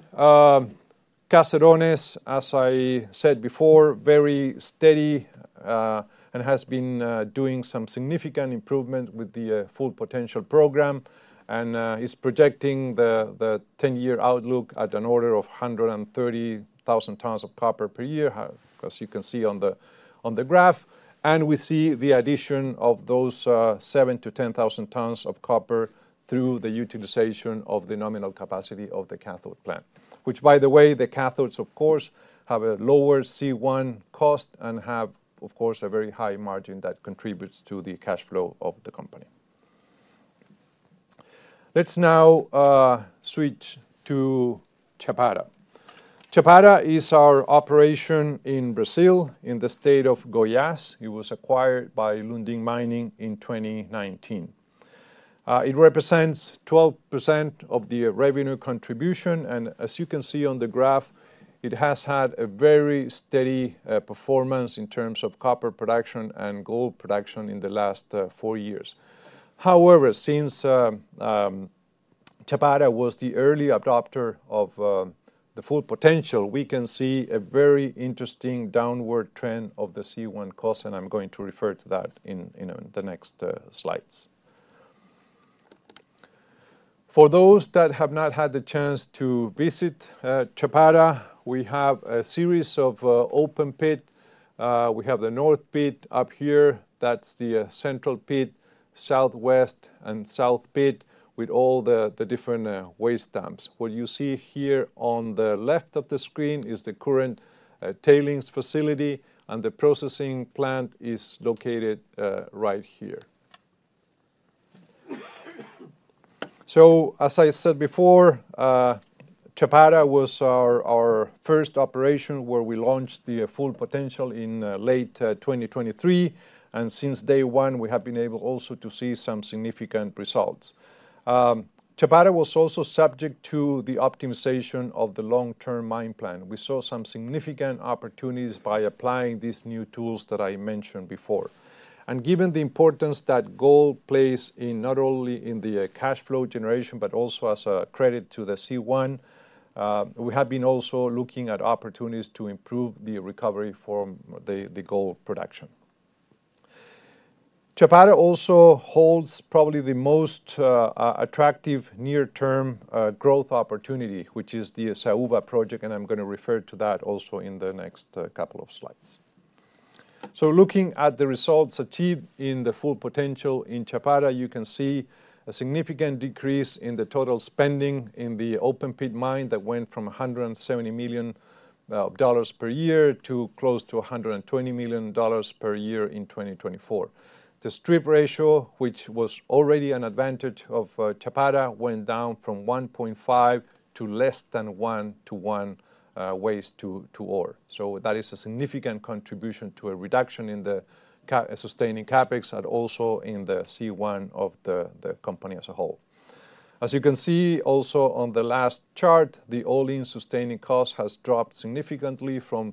Caserones, as I said before, is very steady and has been doing some significant improvement with the full potential program and is projecting the 10-year outlook at an order of 130,000 tons of copper per year, as you can see on the graph. We see the addition of those 7,000 to 10,000 tons of copper through the utilization of the nominal capacity of the cathode plant, which, by the way, the cathodes, of course, have a lower C1 cost and have, of course, a very high margin that contributes to the cash flow of the company. Let's now switch to Chapada. Chapada is our operation in Brazil, in the state of Goiás. It was acquired by Lundin Mining in 2019. It represents 12% of the revenue contribution, and as you can see on the graph, it has had a very steady performance in terms of copper production and gold production in the last four years. However, since Chapada was the early adopter of the full potential, we can see a very interesting downward trend of the C1 cost, and I'm going to refer to that in the next slides. For those that have not had the chance to visit Chapada, we have a series of open pits. We have the north pit up here. That's the central pit, southwest, and south pit with all the different waste dumps. What you see here on the left of the screen is the current tailings facility, and the processing plant is located right here. As I said before, Chapada was our first operation where we launched the full potential in late 2023, and since day one, we have been able also to see some significant results. Chapada was also subject to the optimization of the long-term mine plan. We saw some significant opportunities by applying these new tools that I mentioned before. Given the importance that gold plays not only in the cash flow generation, but also as a credit to the C1, we have been also looking at opportunities to improve the recovery from the gold production. Chapada also holds probably the most attractive near-term growth opportunity, which is the Saúva project, and I am going to refer to that also in the next couple of slides. Looking at the results achieved in the full potential in Chapada, you can see a significant decrease in the total spending in the open pit mine that went from $170 million per year to close to $120 million per year in 2024. The strip ratio, which was already an advantage of Chapada, went down from 1.5 to less than 1-1 waste to ore. That is a significant contribution to a reduction in the sustaining CapEx and also in the C1 of the company as a whole. As you can see also on the last chart, the all-in sustaining cost has dropped significantly from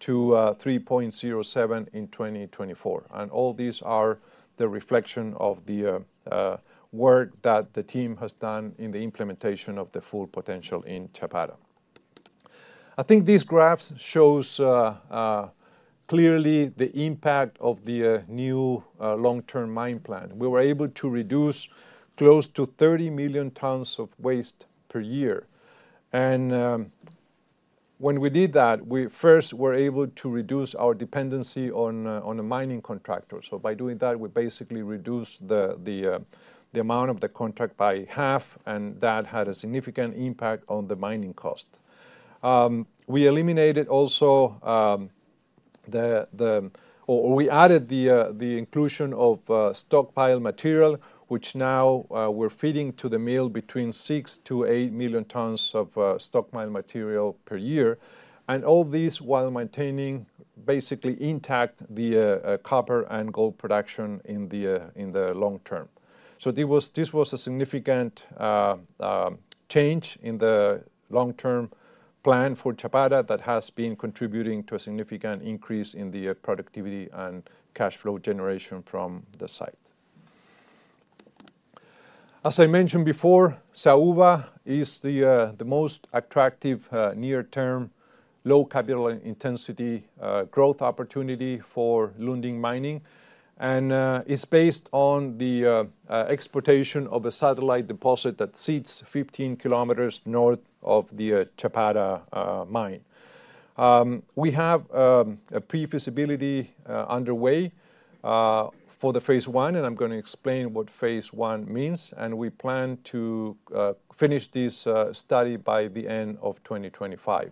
3.36-3.07 in 2024. All these are the reflection of the work that the team has done in the implementation of the full potential in Chapada. I think these graphs show clearly the impact of the new long-term mine plan. We were able to reduce close to 30 million tons of waste per year. When we did that, we first were able to reduce our dependency on a mining contractor. By doing that, we basically reduced the amount of the contract by half, and that had a significant impact on the mining cost. We also added the inclusion of stockpile material, which now we are feeding to the mill between 6 million-8 million tons of stockpile material per year. All these while maintaining basically intact the copper and gold production in the long term. This was a significant change in the long-term plan for Chapada that has been contributing to a significant increase in the productivity and cash flow generation from the site. As I mentioned before, Saúva is the most attractive near-term low capital intensity growth opportunity for Lundin Mining, and it's based on the exploitation of a satellite deposit that sits 15 km north of the Chapada mine. We have a pre-feasibility underway for the phase one, and I'm going to explain what phase one means, and we plan to finish this study by the end of 2025.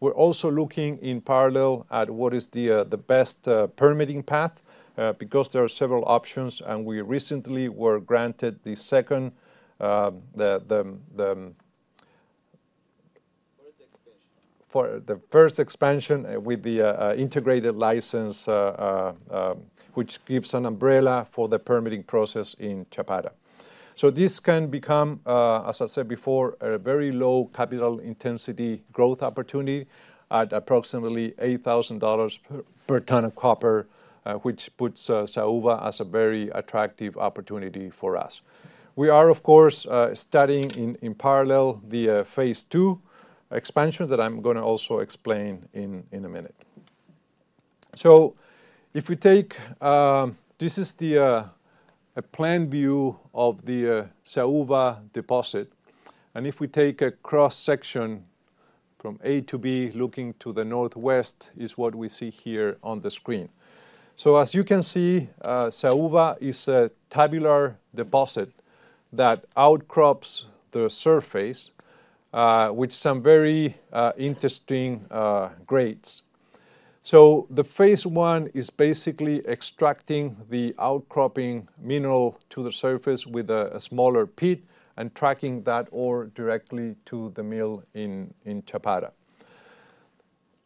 We're also looking in parallel at what is the best permitting path because there are several options, and we recently were granted the second. What is the expansion? For the first expansion with the integrated license, which gives an umbrella for the permitting process in Chapada. This can become, as I said before, a very low capital intensity growth opportunity at approximately $8,000 per ton of copper, which puts Saúva as a very attractive opportunity for us. We are, of course, studying in parallel the phase two expansion that I'm going to also explain in a minute. If we take, this is a plan view of the Saúva deposit, and if we take a cross-section from A to B looking to the northwest, it is what we see here on the screen. As you can see, Saúva is a tabular deposit that outcrops the surface with some very interesting grades. The phase one is basically extracting the outcropping mineral to the surface with a smaller pit and tracking that ore directly to the mill in Chapada.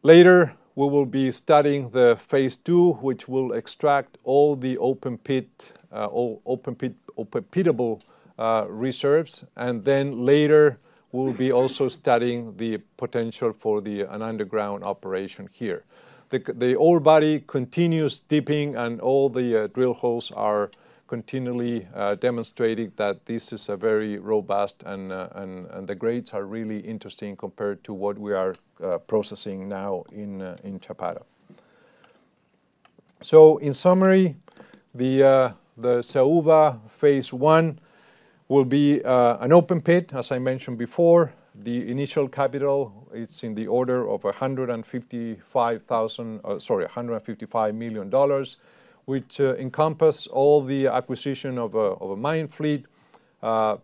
Later, we will be studying the phase two, which will extract all the open pit open pitable reserves, and then later we'll be also studying the potential for an underground operation here. The ore body continues dipping, and all the drill holes are continually demonstrating that this is a very robust, and the grades are really interesting compared to what we are processing now in Chapada. In summary, the Saúva phase one will be an open pit, as I mentioned before. The initial capital is in the order of $155 million, which encompasses all the acquisition of a mine fleet.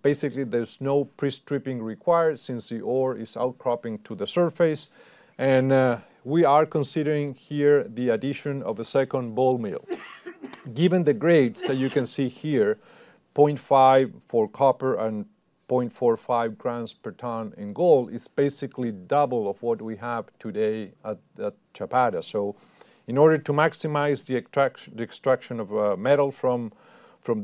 Basically, there is no pre-stripping required since the ore is outcropping to the surface, and we are considering here the addition of a second bowl mill. Given the grades that you can see here, 0.5% for copper and 0.45 grams per ton in gold, it is basically double of what we have today at Chapada. In order to maximize the extraction of metal from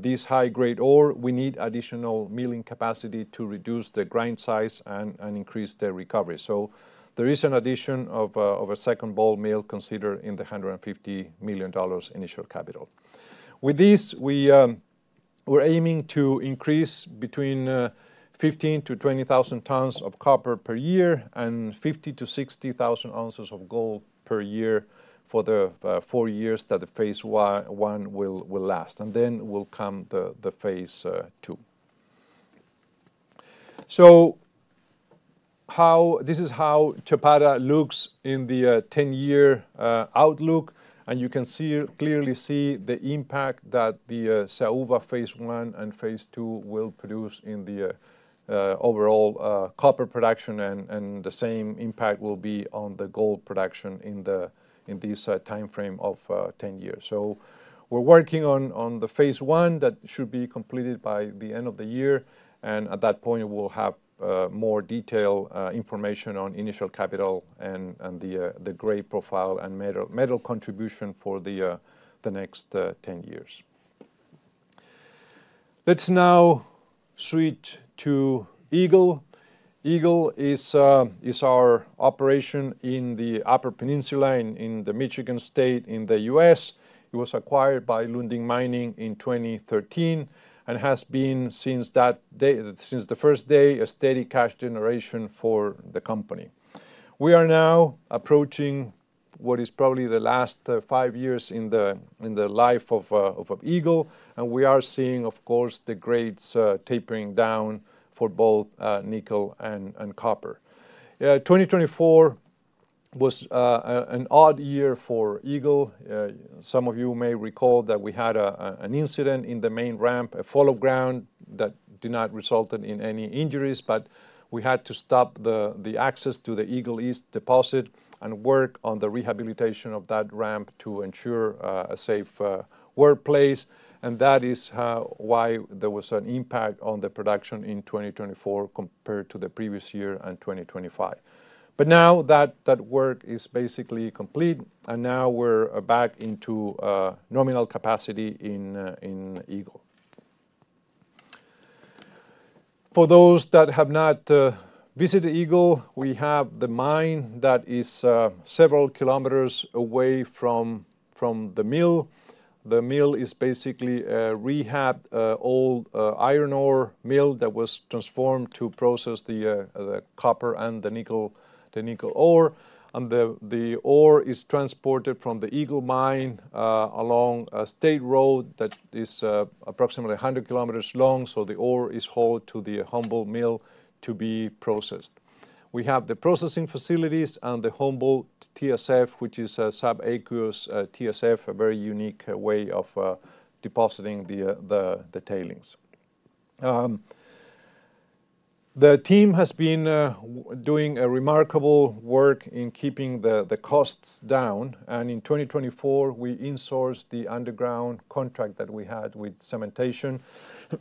these high-grade ore, we need additional milling capacity to reduce the grind size and increase the recovery. There is an addition of a second bowl mill considered in the $150 million initial capital. With this, we're aiming to increase between 15,000-20,000 tons of copper per year and 50,000-60,000 ounces of gold per year for the four years that the phase one will last, and then will come the phase two. This is how Chapada looks in the 10-year outlook, and you can clearly see the impact that the Saúva phase one and phase two will produce in the overall copper production, and the same impact will be on the gold production in this timeframe of 10 years. We're working on the phase one that should be completed by the end of the year, and at that point, we'll have more detailed information on initial capital and the grade profile and metal contribution for the next 10 years. Let's now switch to Eagle. Eagle is our operation in the Upper Peninsula in the Michigan State in the U.S. It was acquired by Lundin Mining in 2013 and has been since the first day a steady cash generation for the company. We are now approaching what is probably the last five years in the life of Eagle, and we are seeing, of course, the grades tapering down for both nickel and copper. 2024 was an odd year for Eagle. Some of you may recall that we had an incident in the main ramp, a fall of ground that did not result in any injuries, but we had to stop the access to the Eagle East deposit and work on the rehabilitation of that ramp to ensure a safe workplace, and that is why there was an impact on the production in 2024 compared to the previous year and 2025. Now that work is basically complete, and now we're back into nominal capacity in Eagle. For those that have not visited Eagle, we have the mine that is several kilometers away from the mill. The mill is basically a rehabbed old iron ore mill that was transformed to process the copper and the nickel ore, and the ore is transported from the Eagle mine along a state road that is approximately 100 km long, so the ore is hauled to the Humboldt Mill to be processed. We have the processing facilities and the Humboldt TSF, which is a sub-aqueous TSF, a very unique way of depositing the tailings. The team has been doing remarkable work in keeping the costs down, and in 2024, we insourced the underground contract that we had with Cementation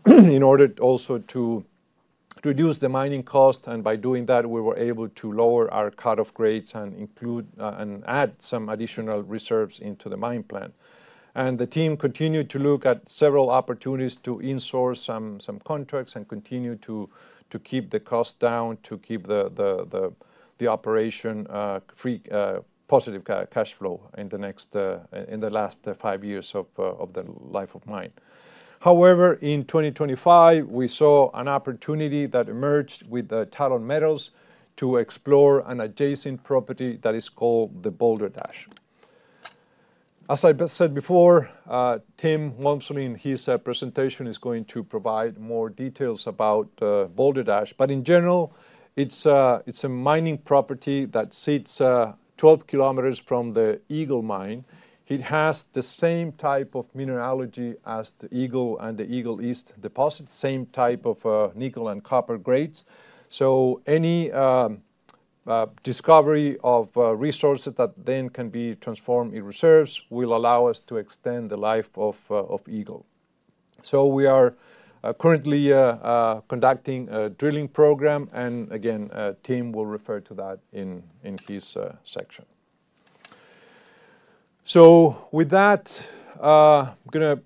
in order also to reduce the mining cost, and by doing that, we were able to lower our cut-off grades and include and add some additional reserves into the mine plan. The team continued to look at several opportunities to insource some contracts and continue to keep the costs down to keep the operation positive cash flow in the last five years of the life of mine. However, in 2025, we saw an opportunity that emerged with Talon Metals to explore an adjacent property that is called the Boulder-Dash. As I said before, Tim Walmsley, in his presentation, is going to provide more details about Boulder-Dash, but in general, it's a mining property that sits 12 km from the Eagle mine. It has the same type of mineralogy as the Eagle and the Eagle East deposit, same type of nickel and copper grades. Any discovery of resources that then can be transformed in reserves will allow us to extend the life of Eagle. We are currently conducting a drilling program, and again, Tim will refer to that in his section. With that, I'm going to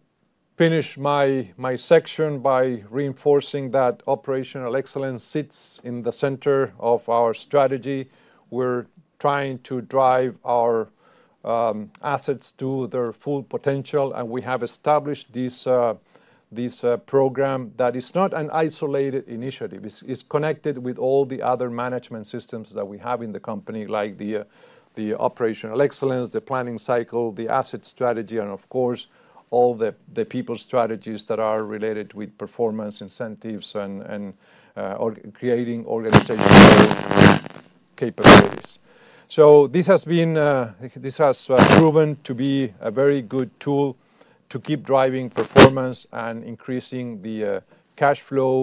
finish my section by reinforcing that operational excellence sits in the center of our strategy. We're trying to drive our assets to their full potential, and we have established this program that is not an isolated initiative. It's connected with all the other management systems that we have in the company, like the operational excellence, the planning cycle, the asset strategy, and of course, all the people strategies that are related with performance incentives and creating organizational capabilities. This has proven to be a very good tool to keep driving performance and increasing the cash flow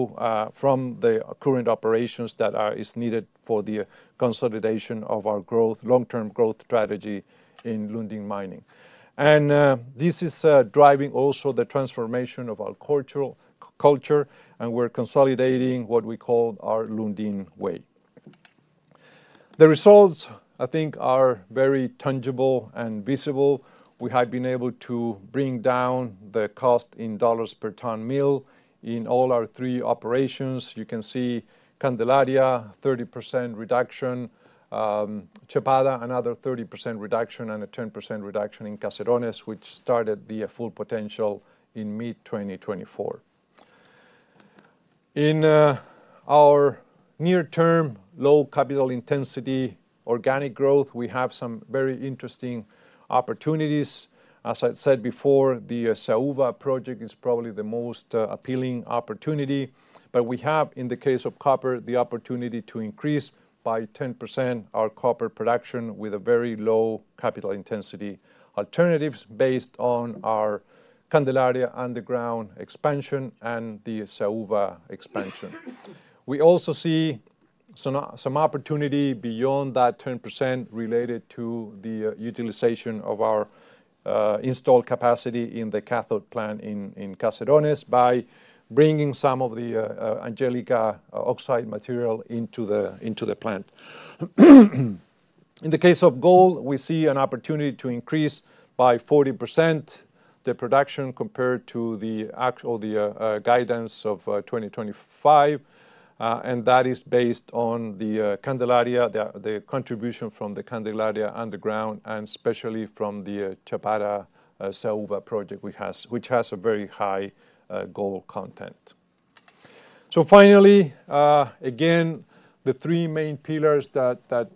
from the current operations that are needed for the consolidation of our growth, long-term growth strategy in Lundin Mining. This is driving also the transformation of our culture, and we're consolidating what we call our Lundin Way. The results, I think, are very tangible and visible. We have been able to bring down the cost in dollars per ton mill in all our three operations. You can see Candelaria, 30% reduction, Chapada, another 30% reduction, and a 10% reduction in Caserones, which started the full potential in mid-2024. In our near-term low capital intensity organic growth, we have some very interesting opportunities. As I said before, the Saúva project is probably the most appealing opportunity, but we have, in the case of copper, the opportunity to increase by 10% our copper production with very low capital intensity alternatives based on our Candelaria underground expansion and the Saúva expansion. We also see some opportunity beyond that 10% related to the utilization of our installed capacity in the cathode plant in Caserones by bringing some of the Angelica oxide material into the plant. In the case of gold, we see an opportunity to increase by 40% the production compared to the actual guidance of 2025, and that is based on the Candelaria, the contribution from the Candelaria underground, and especially from the Chapada Saúva project, which has a very high gold content. Finally, again, the three main pillars that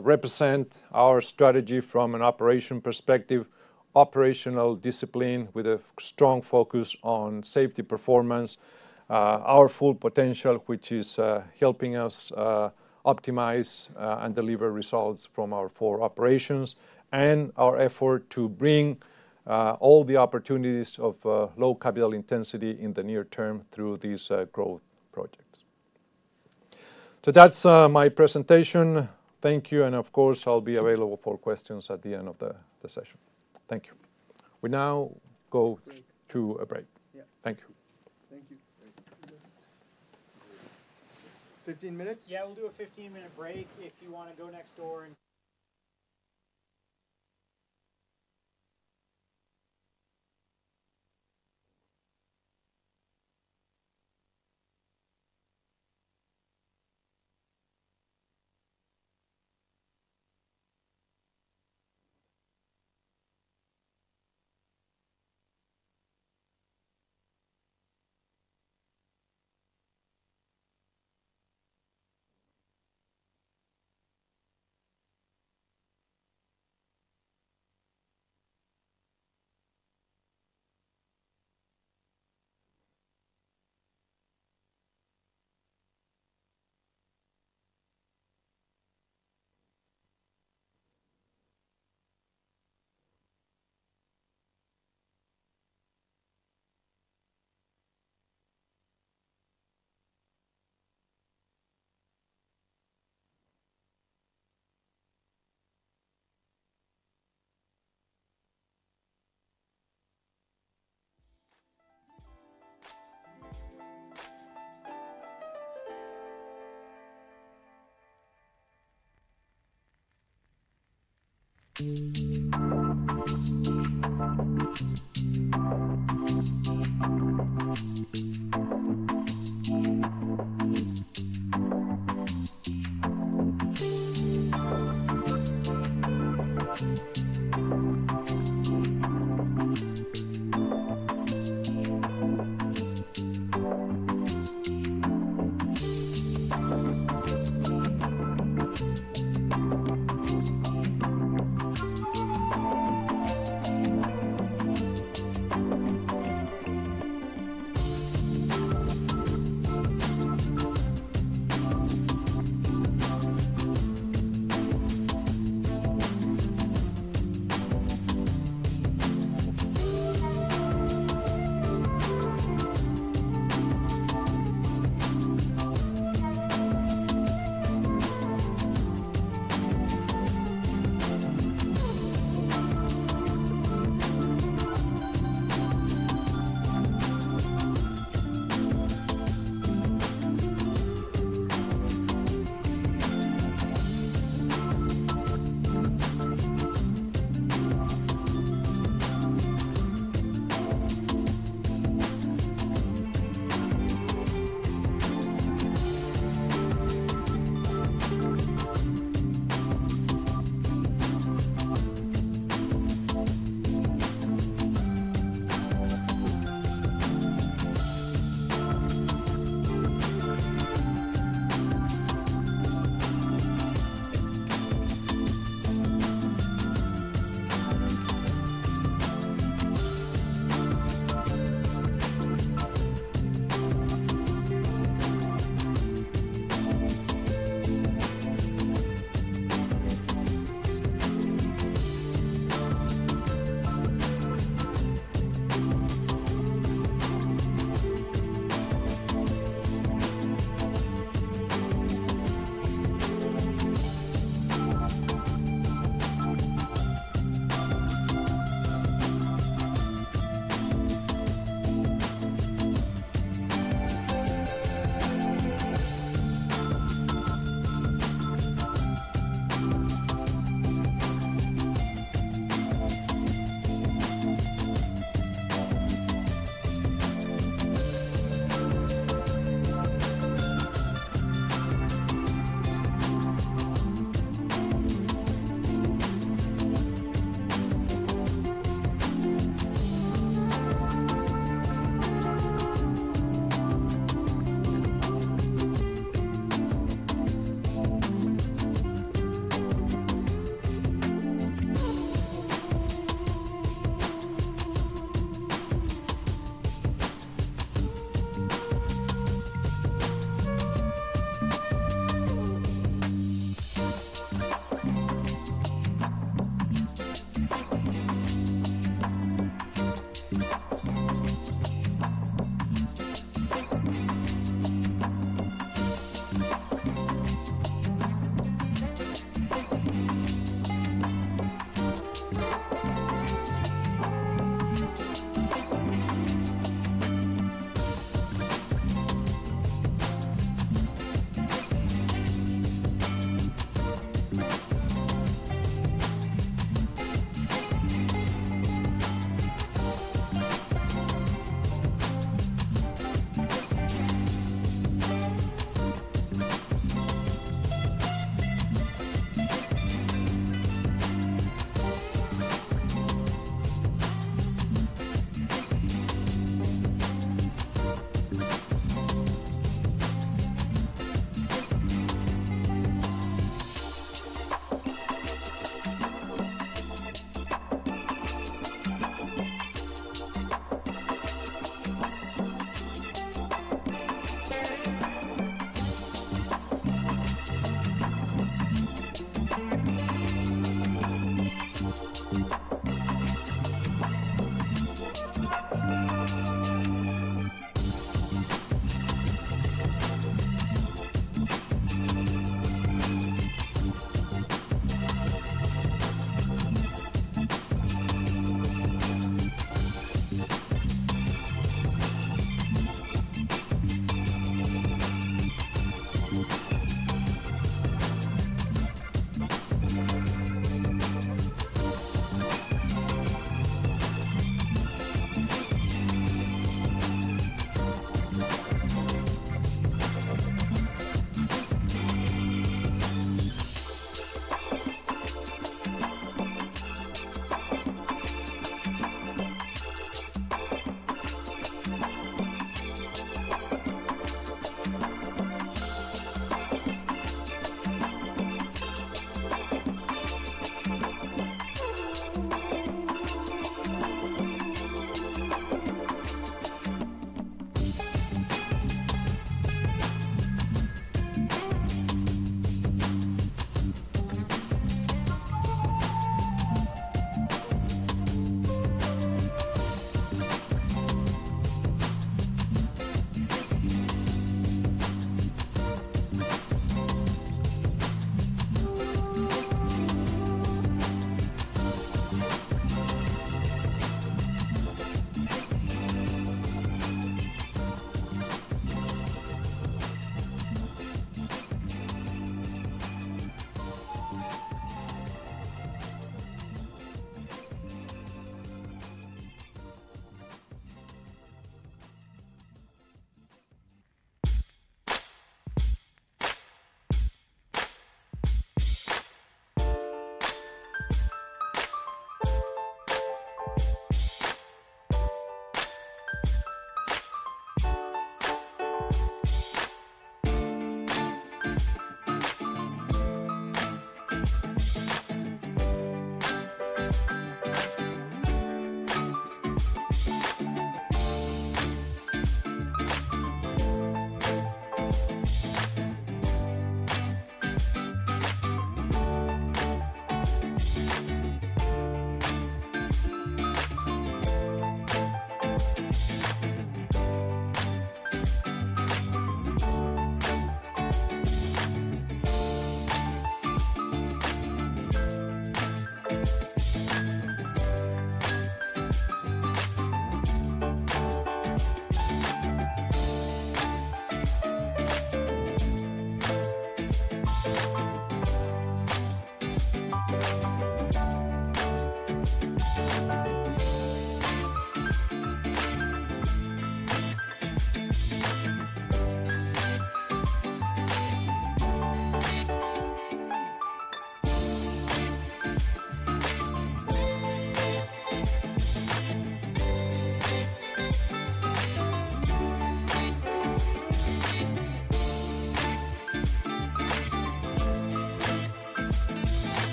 represent our strategy from an operation perspective: operational discipline with a strong focus on safety performance, our full potential, which is helping us optimize and deliver results from our four operations, and our effort to bring all the opportunities of low capital intensity in the near term through these growth projects. That is my presentation. Thank you, and of course, I'll be available for questions at the end of the session. Thank you. We now go to a break. Thank you. Fifteen minutes? Yeah, we'll do a fifteen-minute break if you want to go next door. Yeah,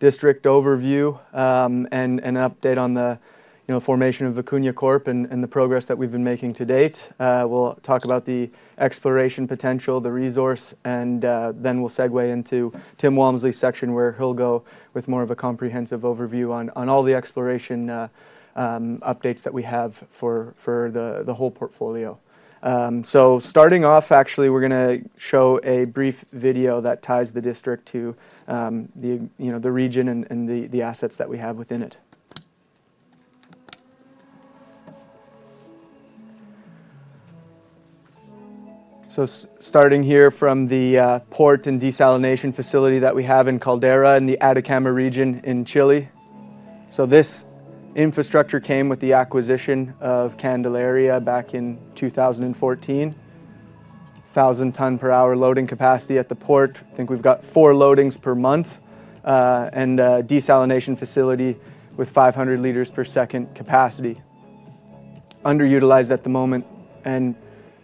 district overview, and an update on the, you know, formation of Vicuña Corp and the progress that we've been making to date. We'll talk about the exploration potential, the resource, and then we'll segue into Tim Walmsley's section where he'll go with more of a comprehensive overview on all the exploration updates that we have for the whole portfolio. So starting off, actually, we're going to show a brief video that ties the district to the, you know, the region and the assets that we have within it. Starting here from the port and desalination facility that we have in Caldera in the Atacama region in Chile. This infrastructure came with the acquisition of Candelaria back in 2014, 1,000 ton per hour loading capacity at the port. I think we've got four loadings per month, and a desalination facility with 500 L per second capacity, underutilized at the moment, and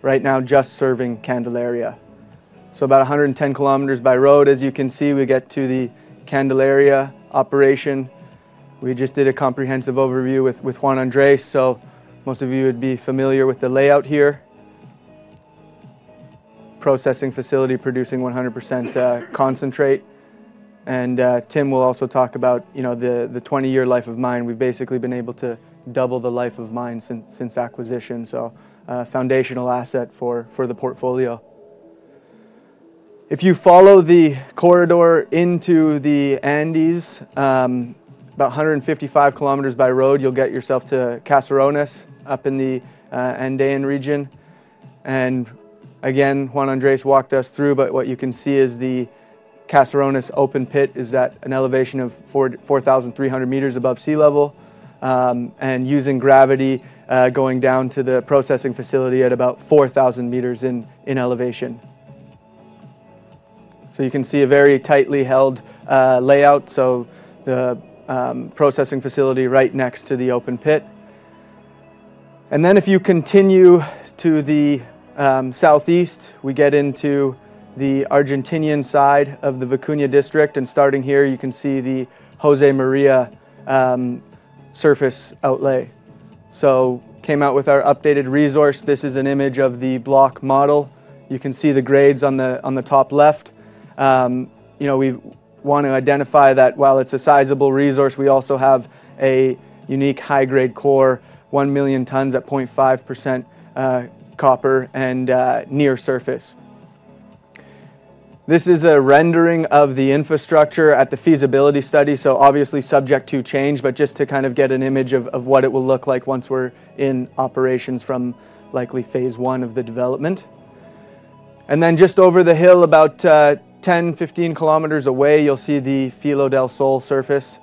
right now just serving Candelaria. About 110 km by road, as you can see, we get to the Candelaria operation. We just did a comprehensive overview with Juan Andrés, so most of you would be familiar with the layout here. Processing facility producing 100% concentrate, and Tim will also talk about, you know, the 20-year life of mine. We've basically been able to double the life of mine since acquisition, so a foundational asset for the portfolio. If you follow the corridor into the Andes, about 155 km by road, you'll get yourself to Caserones up in the Andean region. Juan Andrés walked us through, but what you can see is the Caserones open pit is at an elevation of 4,300 meters above sea level, and using gravity, going down to the processing facility at about 4,000 meters in elevation. You can see a very tightly held layout, so the processing facility is right next to the open pit. If you continue to the southeast, we get into the Argentinian side of the Vicuña District, and starting here, you can see the José María surface outlay. Came out with our updated resource. This is an image of the block model. You can see the grades on the top left. you know, we want to identify that while it's a sizable resource, we also have a unique high-grade core, 1 million tons at 0.5% copper and, near surface. This is a rendering of the infrastructure at the feasibility study, so obviously subject to change, but just to kind of get an image of what it will look like once we're in operations from likely phase one of the development. Just over the hill, about 10-15 km away, you'll see the Filo del Sol surface.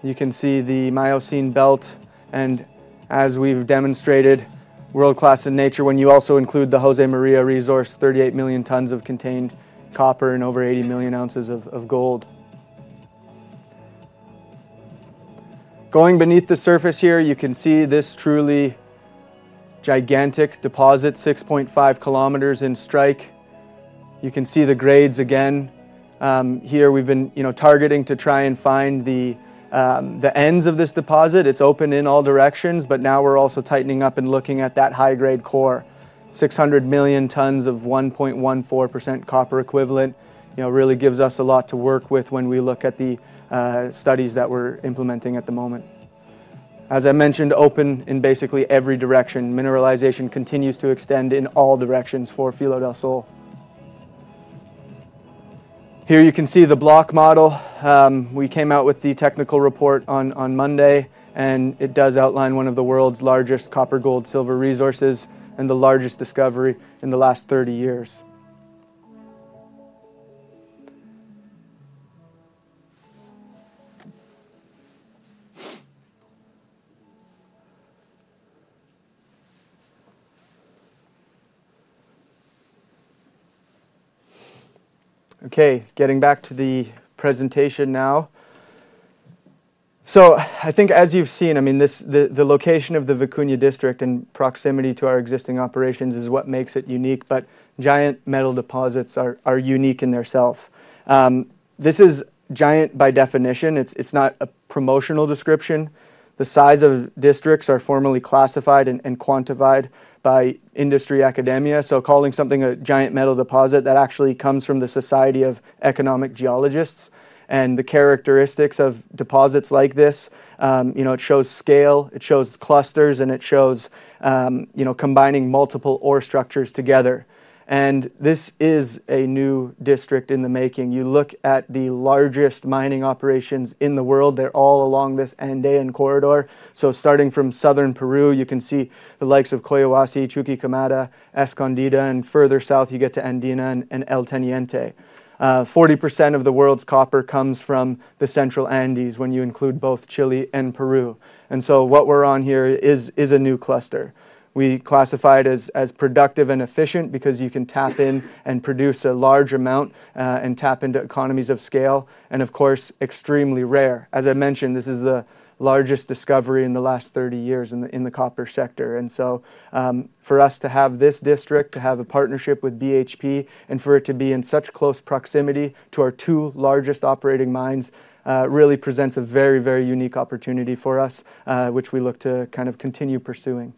You can see the Miocene belt, and as we've demonstrated, world-class in nature when you also include the José María resource, 38 million tons of contained copper and over 80 million ounces of gold. Going beneath the surface here, you can see this truly gigantic deposit, 6.5 km in strike. You can see the grades again. Here we've been, you know, targeting to try and find the ends of this deposit. It's open in all directions, but now we're also tightening up and looking at that high-grade core, 600 million tons of 1.14% copper equivalent, you know, really gives us a lot to work with when we look at the studies that we're implementing at the moment. As I mentioned, open in basically every direction. Mineralization continues to extend in all directions for Filo del Sol. Here you can see the block model. We came out with the technical report on Monday, and it does outline one of the world's largest copper, gold, silver resources and the largest discovery in the last 30 years. Okay, getting back to the presentation now. I think, as you've seen, I mean, the location of the Vicuña District and proximity to our existing operations is what makes it unique, but giant metal deposits are unique in themselves. This is giant by definition. It's not a promotional description. The size of districts are formally classified and quantified by industry academia, so calling something a giant metal deposit, that actually comes from the Society of Economic Geologists. The characteristics of deposits like this, you know, it shows scale, it shows clusters, and it shows, you know, combining multiple ore structures together. This is a new district in the making. You look at the largest mining operations in the world. They're all along this Andean corridor. Starting from southern Peru, you can see the likes of Cuajone, Chuquicamata, Escondida, and further south you get to Andina and El Teniente. 40% of the world's copper comes from the Central Andes when you include both Chile and Peru. What we are on here is a new cluster. We classify it as productive and efficient because you can tap in and produce a large amount and tap into economies of scale, and of course, extremely rare. As I mentioned, this is the largest discovery in the last 30 years in the copper sector. For us to have this district, to have a partnership with BHP, and for it to be in such close proximity to our two largest operating mines really presents a very, very unique opportunity for us, which we look to kind of continue pursuing.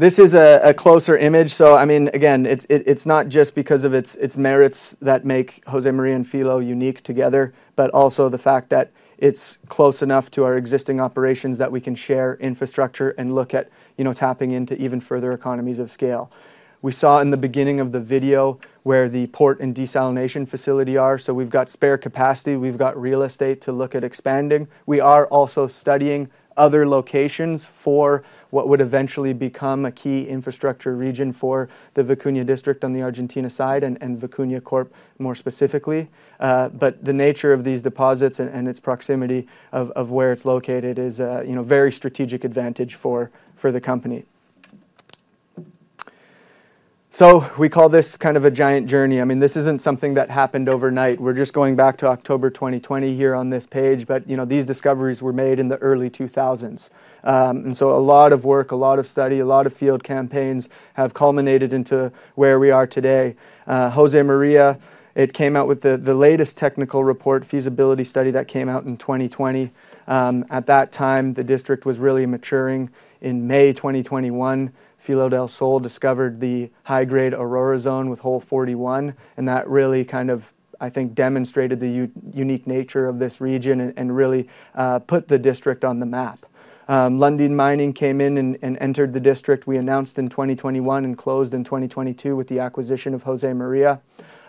This is a closer image. I mean, again, it's not just because of its merits that make José María and Filo unique together, but also the fact that it's close enough to our existing operations that we can share infrastructure and look at, you know, tapping into even further economies of scale. We saw in the beginning of the video where the port and desalination facility are, so we've got spare capacity, we've got real estate to look at expanding. We are also studying other locations for what would eventually become a key infrastructure region for the Vicuña District on the Argentina side and Vicuña Corp more specifically. The nature of these deposits and its proximity of where it's located is a, you know, very strategic advantage for the company. We call this kind of a giant journey. I mean, this isn't something that happened overnight. We're just going back to October 2020 here on this page, but, you know, these discoveries were made in the early 2000s. And so a lot of work, a lot of study, a lot of field campaigns have culminated into where we are today. José María, it came out with the latest technical report, feasibility study that came out in 2020. At that time, the district was really maturing. In May 2021, Filo del Sol discovered the high-grade Aurora zone with hole 41, and that really kind of, I think, demonstrated the unique nature of this region and really put the district on the map. Lundin Mining came in and entered the district. We announced in 2021 and closed in 2022 with the acquisition of José María.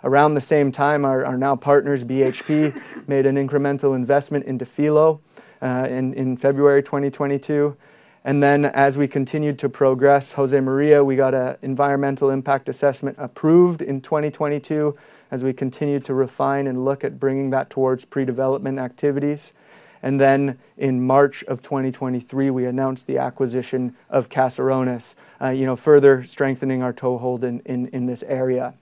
Around the same time, our now partners, BHP, made an incremental investment into Filo in February 2022. As we continued to progress, José María, we got an Environmental Impact Assessment approved in 2022 as we continued to refine and look at bringing that towards pre-development activities. In March of 2023, we announced the acquisition of Caserones, you know, further strengthening our toehold in this area.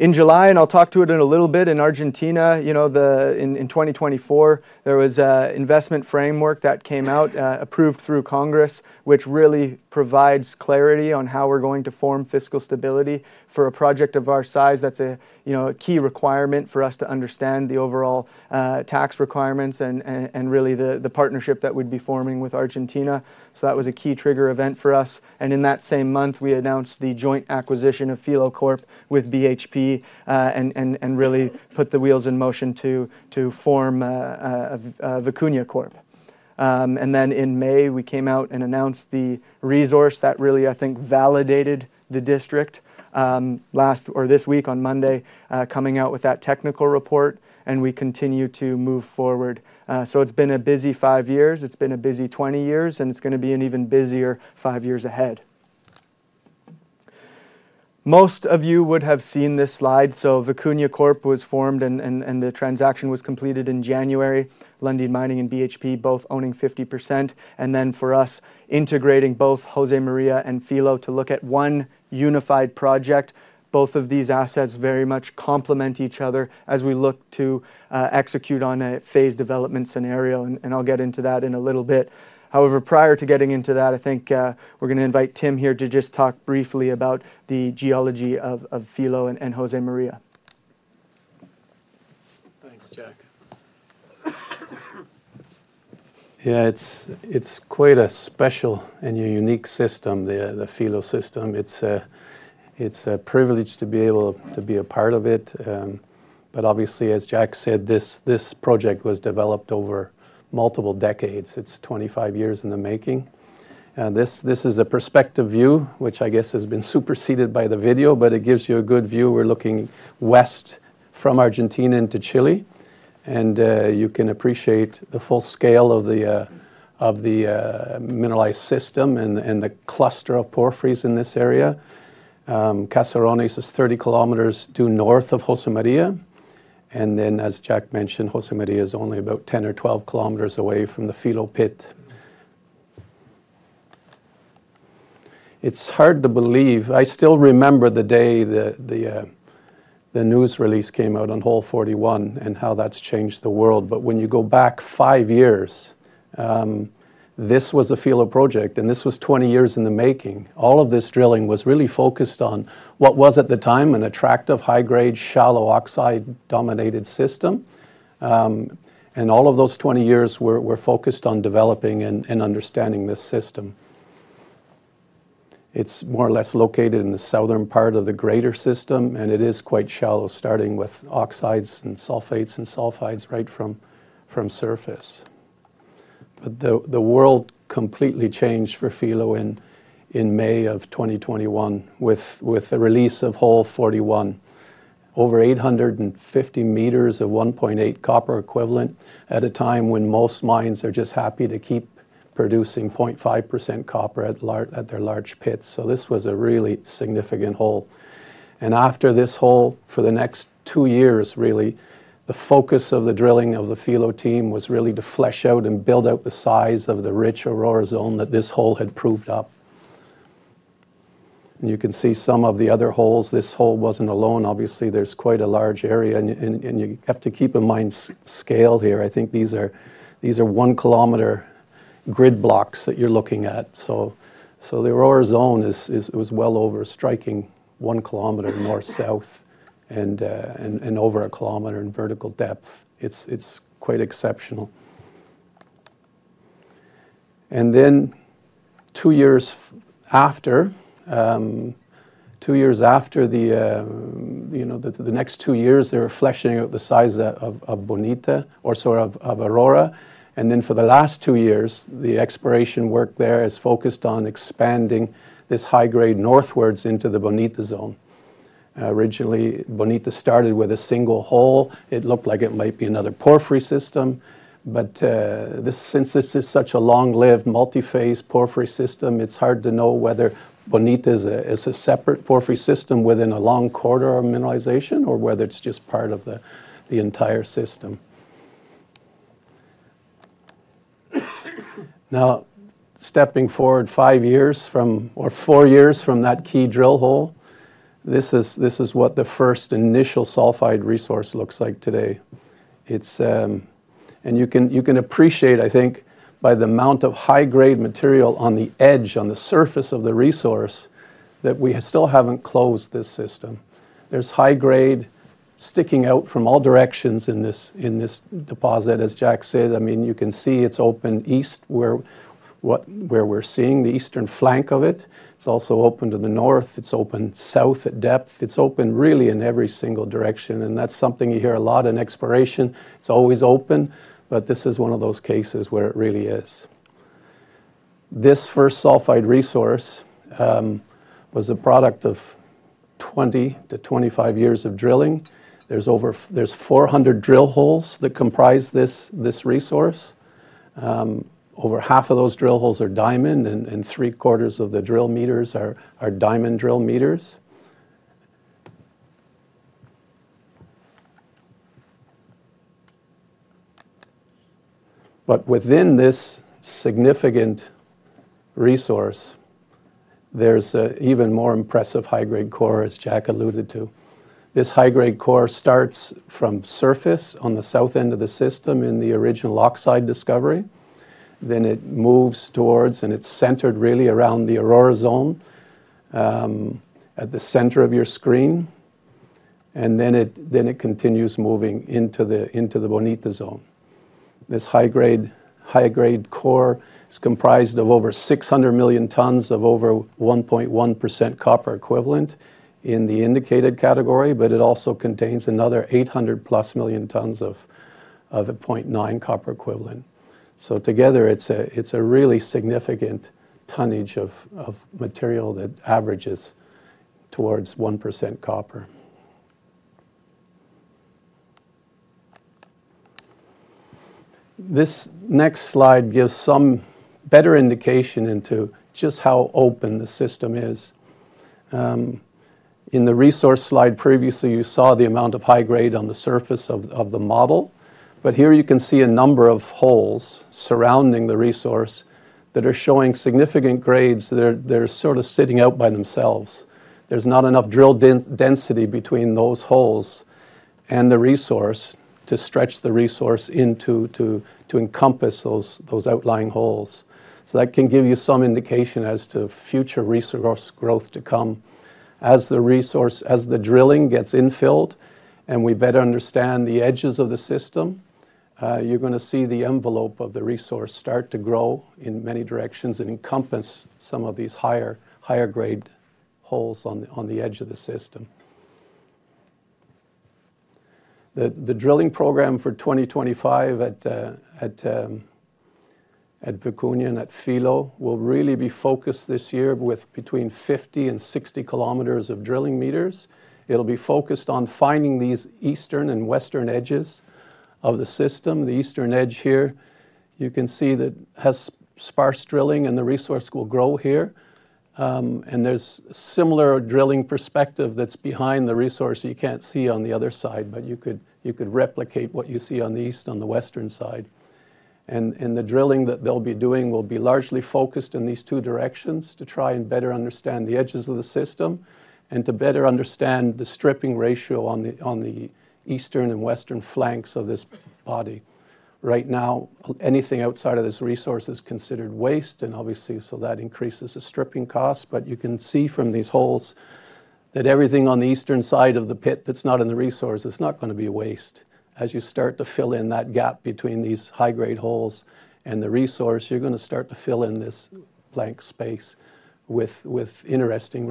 In July, and I'll talk to it in a little bit, in Argentina, you know, in 2024, there was an investment framework that came out, approved through Congress, which really provides clarity on how we're going to form fiscal stability for a project of our size. That's a, you know, a key requirement for us to understand the overall tax requirements and really the partnership that we'd be forming with Argentina. That was a key trigger event for us. In that same month, we announced the joint acquisition of Filo Corp with BHP and really put the wheels in motion to form Vicuña Corp. Then, in May, we came out and announced the resource that really, I think, validated the district last or this week on Monday, coming out with that technical report, and we continue to move forward. It has been a busy five years, it has been a busy 20 years, and it is going to be an even busier five years ahead. Most of you would have seen this slide. Vicuña Corp was formed and the transaction was completed in January, Lundin Mining and BHP both owning 50%, and then for us integrating both José María and Filo to look at one unified project. Both of these assets very much complement each other as we look to execute on a phased development scenario, and I'll get into that in a little bit. However, prior to getting into that, I think we're going to invite Tim here to just talk briefly about the geology of Filo and José María. Thanks, Jack. Yeah, it's quite a special and unique system, the Filo system. It's a privilege to be able to be a part of it. Obviously, as Jack said, this project was developed over multiple decades. It's 25 years in the making. This is a perspective view, which I guess has been superseded by the video, but it gives you a good view. We're looking west from Argentina into Chile, and you can appreciate the full scale of the mineralized system and the cluster of porphyries in this area. Caserones is 30 km due north of José María, and then, as Jack mentioned, José María is only about 10 km or 12 km away from the Filo pit. It's hard to believe. I still remember the day the news release came out on hole 41 and how that's changed the world. When you go back five years, this was a Filo project, and this was 20 years in the making. All of this drilling was really focused on what was at the time an attractive high-grade, shallow oxide-dominated system. All of those 20 years were focused on developing and understanding this system. It's more or less located in the southern part of the greater system, and it is quite shallow, starting with oxides and sulfates and sulfides right from surface. The world completely changed for Filo in May of 2021 with the release of hole 41, over 850 meters of 1.8% copper equivalent at a time when most mines are just happy to keep producing 0.5% copper at their large pits. This was a really significant hole. After this hole, for the next two years, really, the focus of the drilling of the Filo team was really to flesh out and build out the size of the rich Aurora zone that this hole had proved up. You can see some of the other holes. This hole was not alone. Obviously, there is quite a large area, and you have to keep in mind scale here. I think these are 1 km grid blocks that you are looking at. The Aurora zone was well over a striking 1 km north-south and over a kilometer in vertical depth. It is quite exceptional. Two years after, two years after the, you know, the next two years, they were fleshing out the size of Bonita or sort of Aurora. For the last two years, the exploration work there is focused on expanding this high grade northwards into the Bonita zone. Originally, Bonita started with a single hole. It looked like it might be another porphyry system. Since this is such a long-lived multi-phase porphyry system, it's hard to know whether Bonita is a separate porphyry system within a long corridor of mineralization or whether it's just part of the entire system. Now, stepping forward five years from, or four years from that key drill hole, this is what the first initial sulfide resource looks like today. You can appreciate, I think, by the amount of high-grade material on the edge, on the surface of the resource, that we still have not closed this system. There is high grade sticking out from all directions in this deposit, as Jack said. I mean, you can see it is open east where we are seeing the eastern flank of it. It is also open to the north. It is open south at depth. It is open really in every single direction. That is something you hear a lot in exploration. It is always open, but this is one of those cases where it really is. This first sulfide resource was the product of 20-25 years of drilling. There are 400 drill holes that comprise this resource. Over half of those drill holes are diamond, and three quarters of the drill meters are diamond drill meters. Within this significant resource, there's an even more impressive high-grade core, as Jack alluded to. This high-grade core starts from surface on the south end of the system in the original oxide discovery. It moves towards, and it's centered really around the Aurora zone at the center of your screen. It continues moving into the Bonita zone. This high-grade core is comprised of over 600 million tons of over 1.1% copper equivalent in the indicated category, but it also contains another 800+ million tons of 0.9% copper equivalent. Together, it's a really significant tonnage of material that averages towards 1% copper. This next slide gives some better indication into just how open the system is. In the resource slide previously, you saw the amount of high grade on the surface of the model, but here you can see a number of holes surrounding the resource that are showing significant grades. They're sort of sitting out by themselves. There's not enough drill density between those holes and the resource to stretch the resource to encompass those outlying holes. That can give you some indication as to future resource growth to come. As the resource, as the drilling gets infilled and we better understand the edges of the system, you're going to see the envelope of the resource start to grow in many directions and encompass some of these higher grade holes on the edge of the system. The drilling program for 2025 at Vicuña and at Filo will really be focused this year with between 50 km-60 km of drilling meters. It'll be focused on finding these eastern and western edges of the system. The eastern edge here, you can see that has sparse drilling, and the resource will grow here. There's a similar drilling perspective that's behind the resource you can't see on the other side, but you could replicate what you see on the east, on the western side. The drilling that they'll be doing will be largely focused in these two directions to try and better understand the edges of the system and to better understand the stripping ratio on the eastern and western flanks of this body. Right now, anything outside of this resource is considered waste, and obviously, so that increases the stripping costs. You can see from these holes that everything on the eastern side of the pit that's not in the resource is not going to be waste. As you start to fill in that gap between these high grade holes and the resource, you're going to start to fill in this blank space with interesting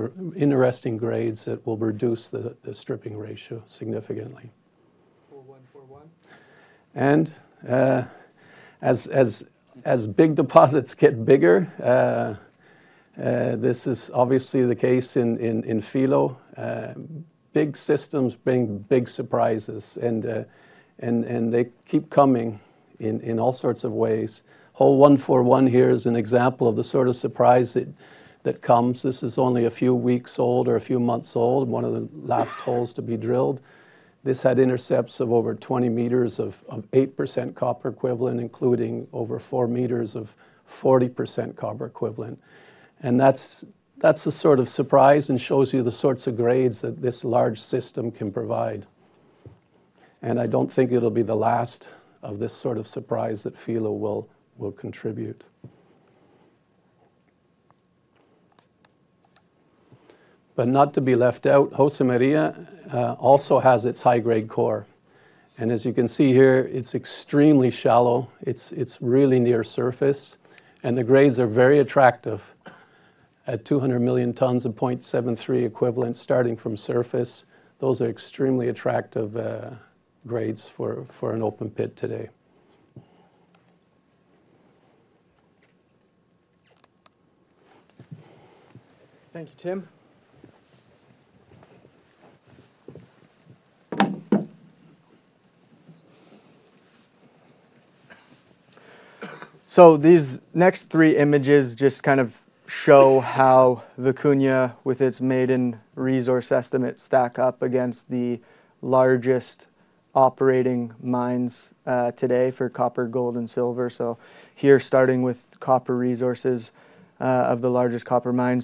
grades that will reduce the stripping ratio significantly. As big deposits get bigger, this is obviously the case in Filo. Big systems bring big surprises, and they keep coming in all sorts of ways. Hole 141 here is an example of the sort of surprise that comes. This is only a few weeks old or a few months old, one of the last holes to be drilled. This had intercepts of over 20 meters of 8% copper equivalent, including over 4 meters of 40% copper equivalent. That's a sort of surprise and shows you the sorts of grades that this large system can provide. I don't think it'll be the last of this sort of surprise that Filo will contribute. Not to be left out, José María also has its high grade core. As you can see here, it's extremely shallow. It's really near surface. The grades are very attractive. At 200 million tons of 0.73 equivalent starting from surface, those are extremely attractive grades for an open pit today. Thank you, Tim. These next three images just kind of show how Vicuña, with its maiden resource estimate, stack up against the largest operating mines today for copper, gold, and silver. Here, starting with copper resources of the largest copper mine.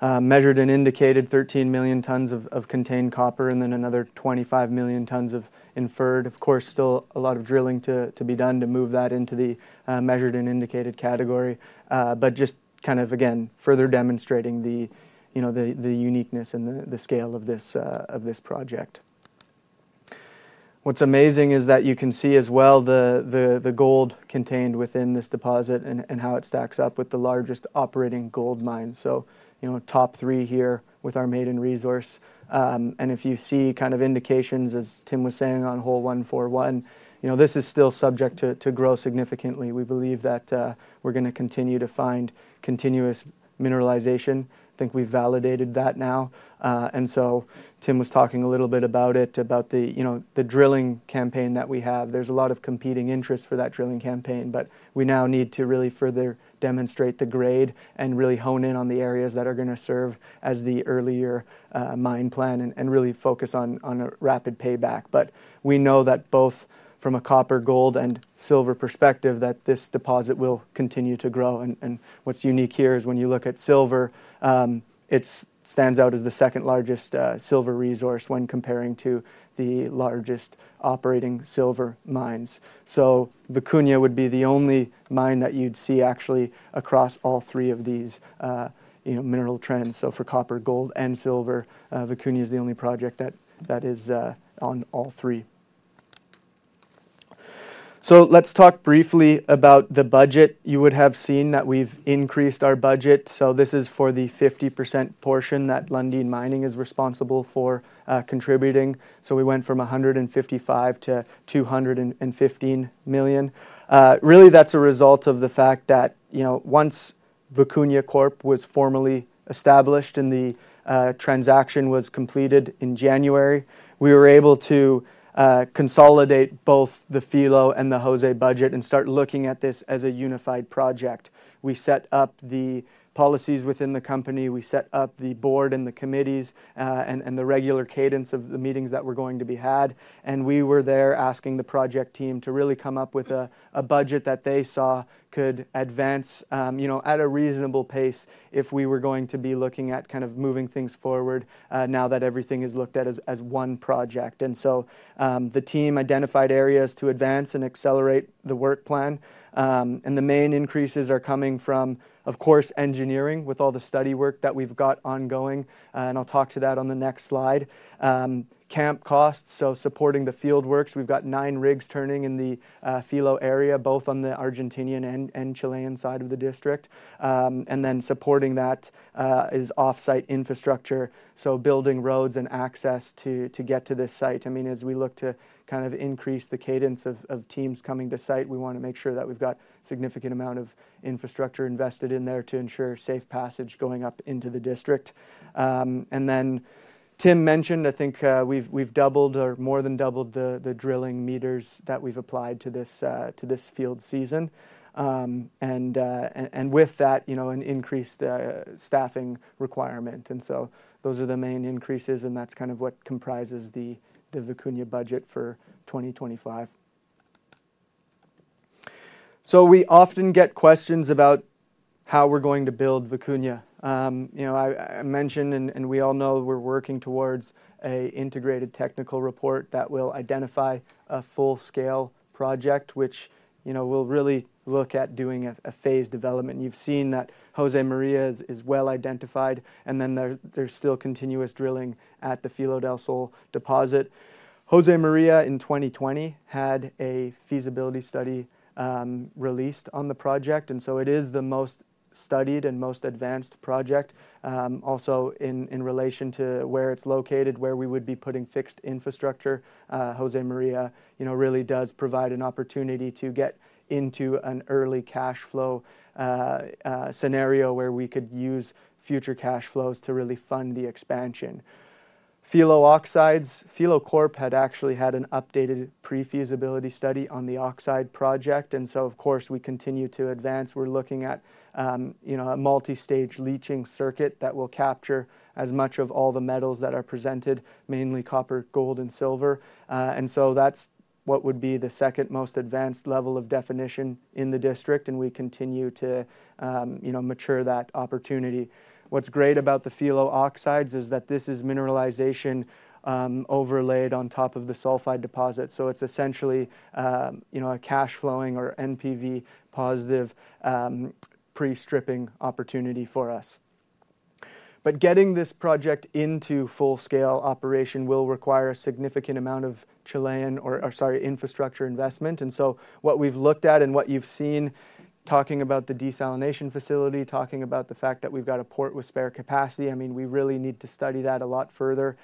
Measured and indicated 13 million tons of contained copper, and then another 25 million tons of inferred. Of course, still a lot of drilling to be done to move that into the measured and indicated category. Just kind of, again, further demonstrating the uniqueness and the scale of this project. What's amazing is that you can see as well the gold contained within this deposit and how it stacks up with the largest operating gold mine. You know, top three here with our maiden resource. If you see kind of indications, as Tim was saying on hole 141, you know, this is still subject to grow significantly. We believe that we're going to continue to find continuous mineralization. I think we've validated that now. Tim was talking a little bit about it, about the drilling campaign that we have. is a lot of competing interests for that drilling campaign, but we now need to really further demonstrate the grade and really hone in on the areas that are going to serve as the earlier mine plan and really focus on a rapid payback. We know that both from a copper, gold, and silver perspective, this deposit will continue to grow. What is unique here is when you look at silver, it stands out as the second largest silver resource when comparing to the largest operating silver mines. Vicuña would be the only mine that you would see actually across all three of these mineral trends. For copper, gold, and silver, Vicuña is the only project that is on all three. Let's talk briefly about the budget. You would have seen that we have increased our budget. This is for the 50% portion that Lundin Mining is responsible for contributing. We went from $155 million to $215 million. Really, that's a result of the fact that once Vicuña Corp was formally established and the transaction was completed in January, we were able to consolidate both the Filo and the José budget and start looking at this as a unified project. We set up the policies within the company. We set up the board and the committees and the regular cadence of the meetings that were going to be had. We were there asking the project team to really come up with a budget that they saw could advance at a reasonable pace if we were going to be looking at kind of moving things forward now that everything is looked at as one project. The team identified areas to advance and accelerate the work plan. The main increases are coming from, of course, engineering with all the study work that we have got ongoing. I will talk to that on the next slide. Camp costs, so supporting the field works. We have got nine rigs turning in the Filo area, both on the Argentinian and Chilean side of the district. Supporting that is off-site infrastructure, so building roads and access to get to this site. I mean, as we look to kind of increase the cadence of teams coming to site, we want to make sure that we have got a significant amount of infrastructure invested in there to ensure safe passage going up into the district. Tim mentioned, I think we have doubled or more than doubled the drilling meters that we have applied to this field season. With that, an increased staffing requirement. Those are the main increases, and that's kind of what comprises the Vicuña budget for 2025. We often get questions about how we're going to build Vicuña. I mentioned, and we all know we're working towards an integrated technical report that will identify a full-scale project, which will really look at doing a phased development. You've seen that José María is well identified, and then there's still continuous drilling at the Filo del Sol deposit. José María in 2020 had a feasibility study released on the project, and it is the most studied and most advanced project. Also, in relation to where it's located, where we would be putting fixed infrastructure, José María really does provide an opportunity to get into an early cash flow scenario where we could use future cash flows to really fund the expansion. Filo oxides, Filo Corp had actually had an updated pre-feasibility study on the oxide project. Of course, we continue to advance. We're looking at a multi-stage leaching circuit that will capture as much of all the metals that are presented, mainly copper, gold, and silver. That would be the second most advanced level of definition in the district, and we continue to mature that opportunity. What's great about the Filo oxides is that this is mineralization overlaid on top of the sulfide deposit. It is essentially a cash flowing or NPV positive pre-stripping opportunity for us. Getting this project into full-scale operation will require a significant amount of infrastructure investment. What we've looked at and what you've seen, talking about the desalination facility, talking about the fact that we've got a port with spare capacity, I mean, we really need to study that a lot further.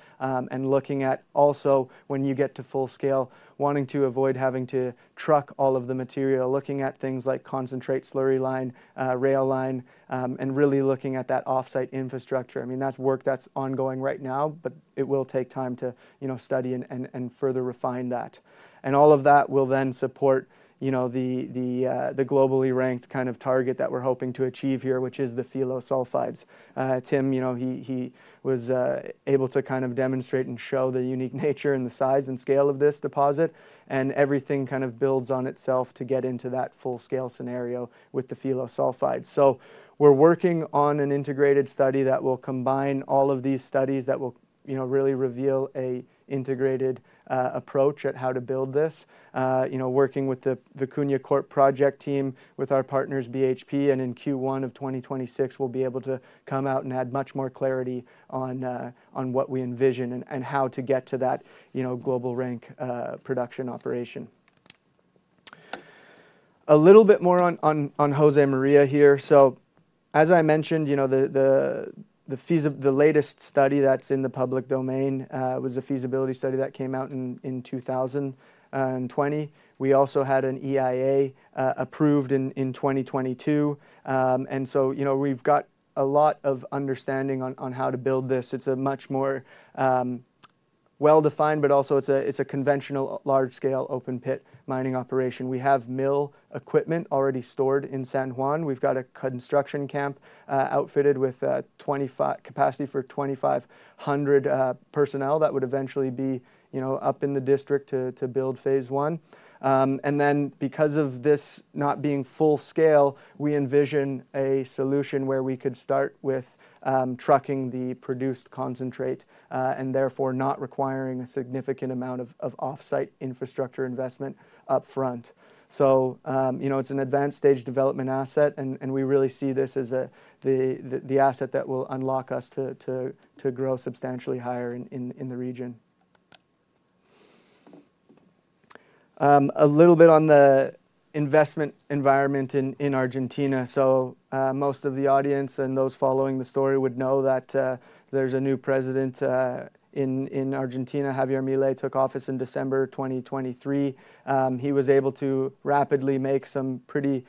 Looking at also when you get to full-scale, wanting to avoid having to truck all of the material, looking at things like concentrate slurry line, rail line, and really looking at that off-site infrastructure. I mean, that's work that's ongoing right now, but it will take time to study and further refine that. All of that will then support the globally ranked kind of target that we're hoping to achieve here, which is the Filo sulfides. Tim, he was able to kind of demonstrate and show the unique nature and the size and scale of this deposit. Everything kind of builds on itself to get into that full-scale scenario with the Filo sulfides. We're working on an integrated study that will combine all of these studies that will really reveal an integrated approach at how to build this. Working with the Vicuña Corp project team with our partners, BHP, and in Q1 of 2026, we'll be able to come out and add much more clarity on what we envision and how to get to that global rank production operation. A little bit more on José María here. As I mentioned, the latest study that's in the public domain was a feasibility study that came out in 2020. We also had an EIA approved in 2022. We've got a lot of understanding on how to build this. It's much more well-defined, but also it's a conventional large-scale open pit mining operation. We have mill equipment already stored in San Juan. We've got a construction camp outfitted with capacity for 2,500 personnel that would eventually be up in the district to build phase one. Because of this not being full-scale, we envision a solution where we could start with trucking the produced concentrate and therefore not requiring a significant amount of off-site infrastructure investment upfront. It is an advanced stage development asset, and we really see this as the asset that will unlock us to grow substantially higher in the region. A little bit on the investment environment in Argentina. Most of the audience and those following the story would know that there is a new president in Argentina. Javier Milei took office in December 2023. He was able to rapidly make some pretty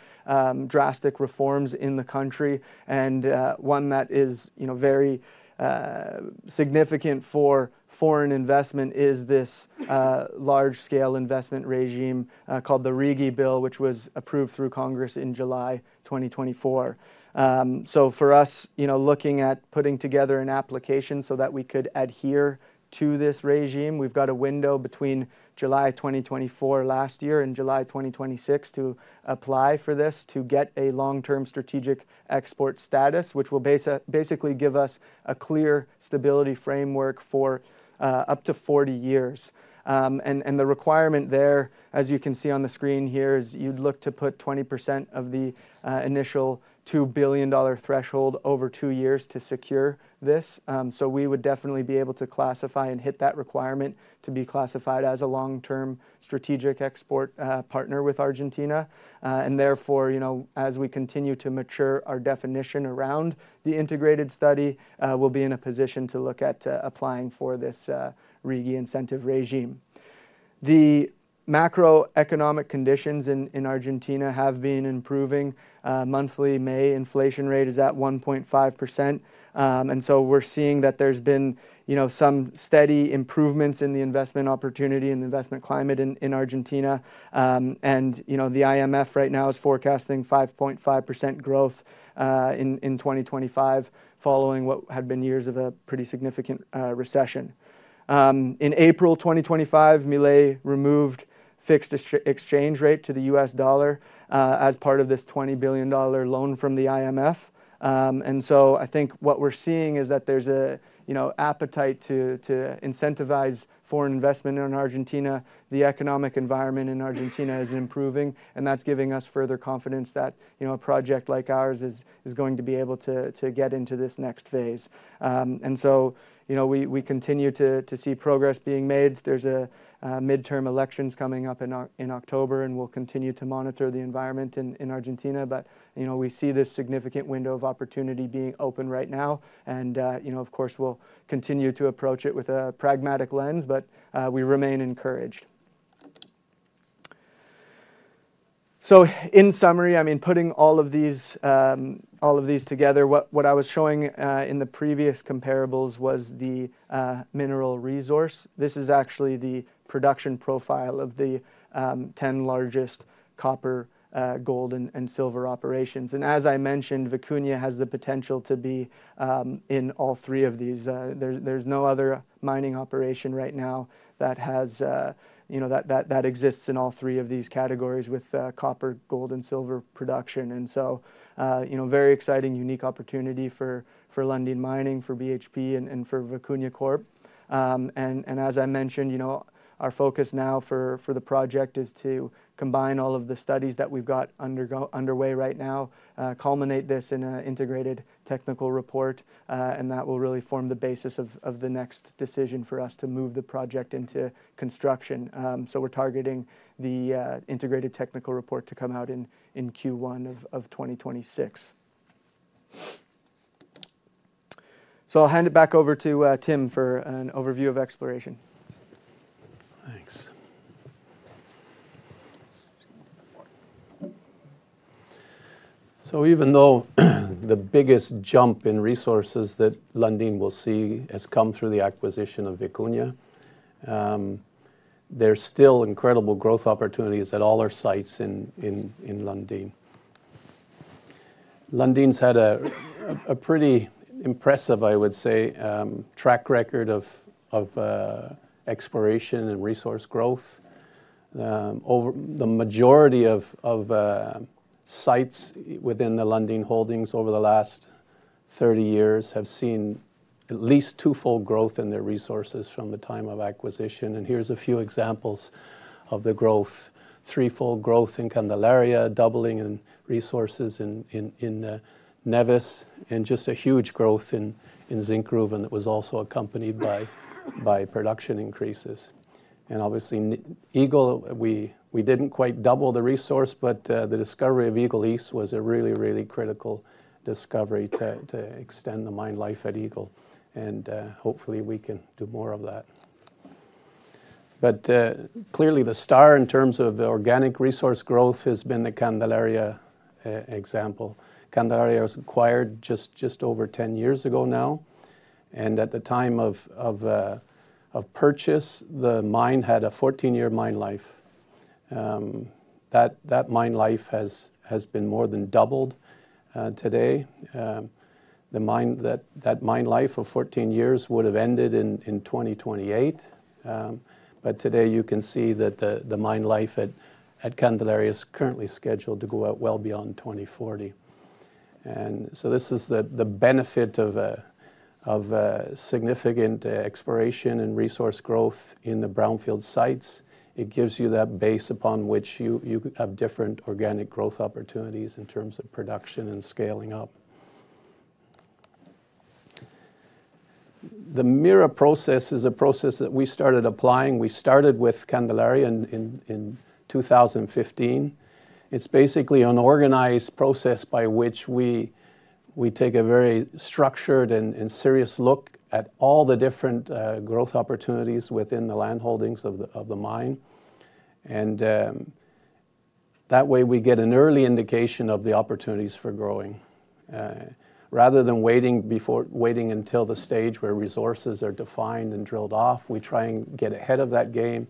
drastic reforms in the country. One that is very significant for foreign investment is this large-scale investment regime called the REGI bill, which was approved through Congress in July 2024. For us, looking at putting together an application so that we could adhere to this regime, we've got a window between July 2024 last year and July 2026 to apply for this to get a long-term strategic export status, which will basically give us a clear stability framework for up to 40 years. The requirement there, as you can see on the screen here, is you'd look to put 20% of the initial $2 billion threshold over two years to secure this. We would definitely be able to classify and hit that requirement to be classified as a long-term strategic export partner with Argentina. Therefore, as we continue to mature our definition around the integrated study, we'll be in a position to look at applying for this REGI incentive regime. The macroeconomic conditions in Argentina have been improving. Monthly May inflation rate is at 1.5%. We're seeing that there's been some steady improvements in the investment opportunity and the investment climate in Argentina. The IMF right now is forecasting 5.5% growth in 2025, following what had been years of a pretty significant recession. In April 2025, Milei removed fixed exchange rate to the U.S. dollar as part of this $20 billion loan from the IMF. I think what we're seeing is that there's an appetite to incentivize foreign investment in Argentina. The economic environment in Argentina is improving, and that's giving us further confidence that a project like ours is going to be able to get into this next phase. We continue to see progress being made. There are midterm elections coming up in October, and we'll continue to monitor the environment in Argentina. We see this significant window of opportunity being open right now. Of course, we'll continue to approach it with a pragmatic lens, but we remain encouraged. In summary, I mean, putting all of these together, what I was showing in the previous comparables was the mineral resource. This is actually the production profile of the 10 largest copper, gold, and silver operations. As I mentioned, Vicuña has the potential to be in all three of these. is no other mining operation right now that exists in all three of these categories with copper, gold, and silver production. It is a very exciting, unique opportunity for Lundin Mining, for BHP, and for Vicuña Corp. As I mentioned, our focus now for the project is to combine all of the studies that we have got underway right now, culminate this in an integrated technical report, and that will really form the basis of the next decision for us to move the project into construction. We are targeting the integrated technical report to come out in Q1 of 2026. I will hand it back over to Tim for an overview of exploration. Thanks. Even though the biggest jump in resources that Lundin will see has come through the acquisition of Vicuña, there are still incredible growth opportunities at all our sites in Lundin. Lundin's had a pretty impressive, I would say, track record of exploration and resource growth. The majority of sites within the Lundin holdings over the last 30 years have seen at least twofold growth in their resources from the time of acquisition. Here's a few examples of the growth: threefold growth in Candelaria, doubling in resources in Neves and just a huge growth in Zinkgruvan. It was also accompanied by production increases. Obviously, Eagle, we didn't quite double the resource, but the discovery of Eagle East was a really, really critical discovery to extend the mine life at Eagle. Hopefully, we can do more of that. Clearly, the star in terms of organic resource growth has been the Candelaria example. Candelaria was acquired just over 10 years ago now. At the time of purchase, the mine had a 14-year mine life. That mine life has been more than doubled today. That mine life of 14 years would have ended in 2028. Today, you can see that the mine life at Candelaria is currently scheduled to go out well beyond 2040. This is the benefit of significant exploration and resource growth in the brownfield sites. It gives you that base upon which you have different organic growth opportunities in terms of production and scaling up. The MIRA process is a process that we started applying. We started with Candelaria in 2015. It is basically an organized process by which we take a very structured and serious look at all the different growth opportunities within the land holdings of the mine. That way, we get an early indication of the opportunities for growing. Rather than waiting until the stage where resources are defined and drilled off, we try and get ahead of that game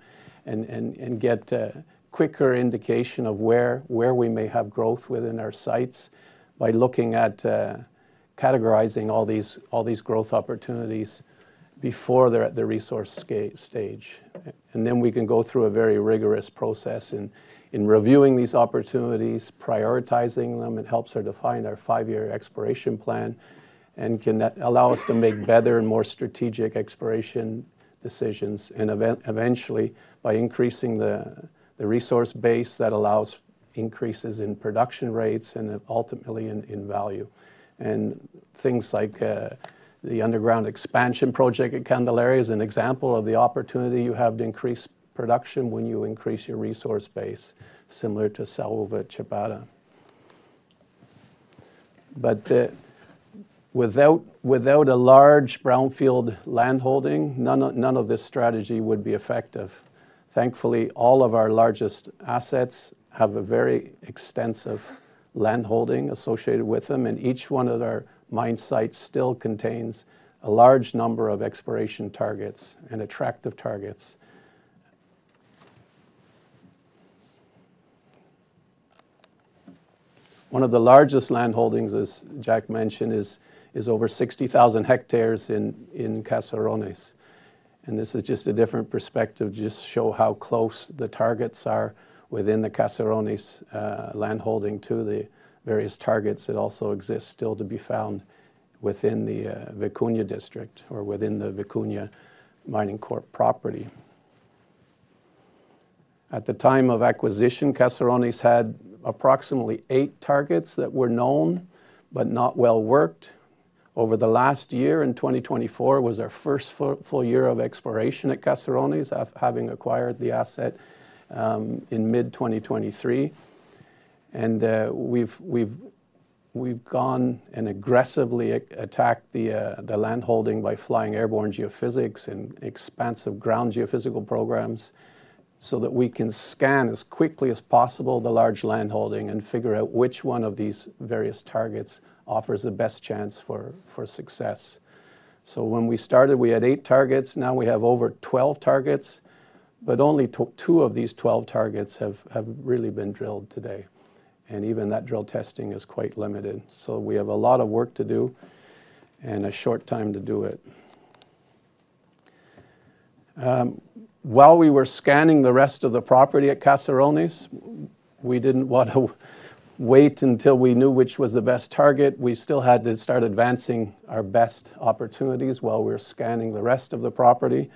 and get a quicker indication of where we may have growth within our sites by looking at categorizing all these growth opportunities before they're at the resource stage. We can go through a very rigorous process in reviewing these opportunities, prioritizing them. It helps us define our five-year exploration plan and can allow us to make better and more strategic exploration decisions. Eventually, by increasing the resource base, that allows increases in production rates and ultimately in value. Things like the underground expansion project at Candelaria is an example of the opportunity you have to increase production when you increase your resource base, similar to Saúva. Without a large brownfield land holding, none of this strategy would be effective. Thankfully, all of our largest assets have a very extensive land holding associated with them. Each one of our mine sites still contains a large number of exploration targets and attractive targets. One of the largest land holdings, as Jack mentioned, is over 60,000 hectares in Caserones. This is just a different perspective to just show how close the targets are within the Caserones land holding to the various targets that also exist still to be found within the Vicuña District or within the Vicuña Mining Corp property. At the time of acquisition, Caserones had approximately eight targets that were known but not well worked. Over the last year, in 2024, was our first full year of exploration at Caserones, having acquired the asset in mid-2023. We have gone and aggressively attacked the land holding by flying airborne geophysics and expansive ground geophysical programs so that we can scan as quickly as possible the large land holding and figure out which one of these various targets offers the best chance for success. When we started, we had eight targets. Now we have over 12 targets, but only two of these 12 targets have really been drilled today. Even that drill testing is quite limited. We have a lot of work to do and a short time to do it. While we were scanning the rest of the property at Caserones, we did not want to wait until we knew which was the best target. We still had to start advancing our best opportunities while we were scanning the rest of the property.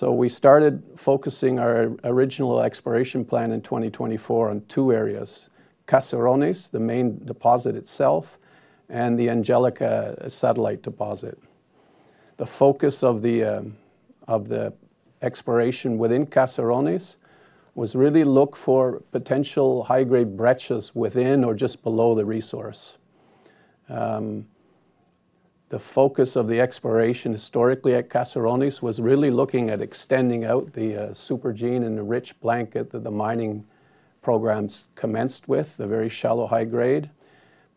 We started focusing our original exploration plan in 2024 on two areas: Caserones, the main deposit itself, and the Angelica satellite deposit. The focus of the exploration within Caserones was really to look for potential high-grade breccias within or just below the resource. The focus of the exploration historically at Caserones was really looking at extending out the supergene and the rich blanket that the mining programs commenced with, the very shallow high-grade.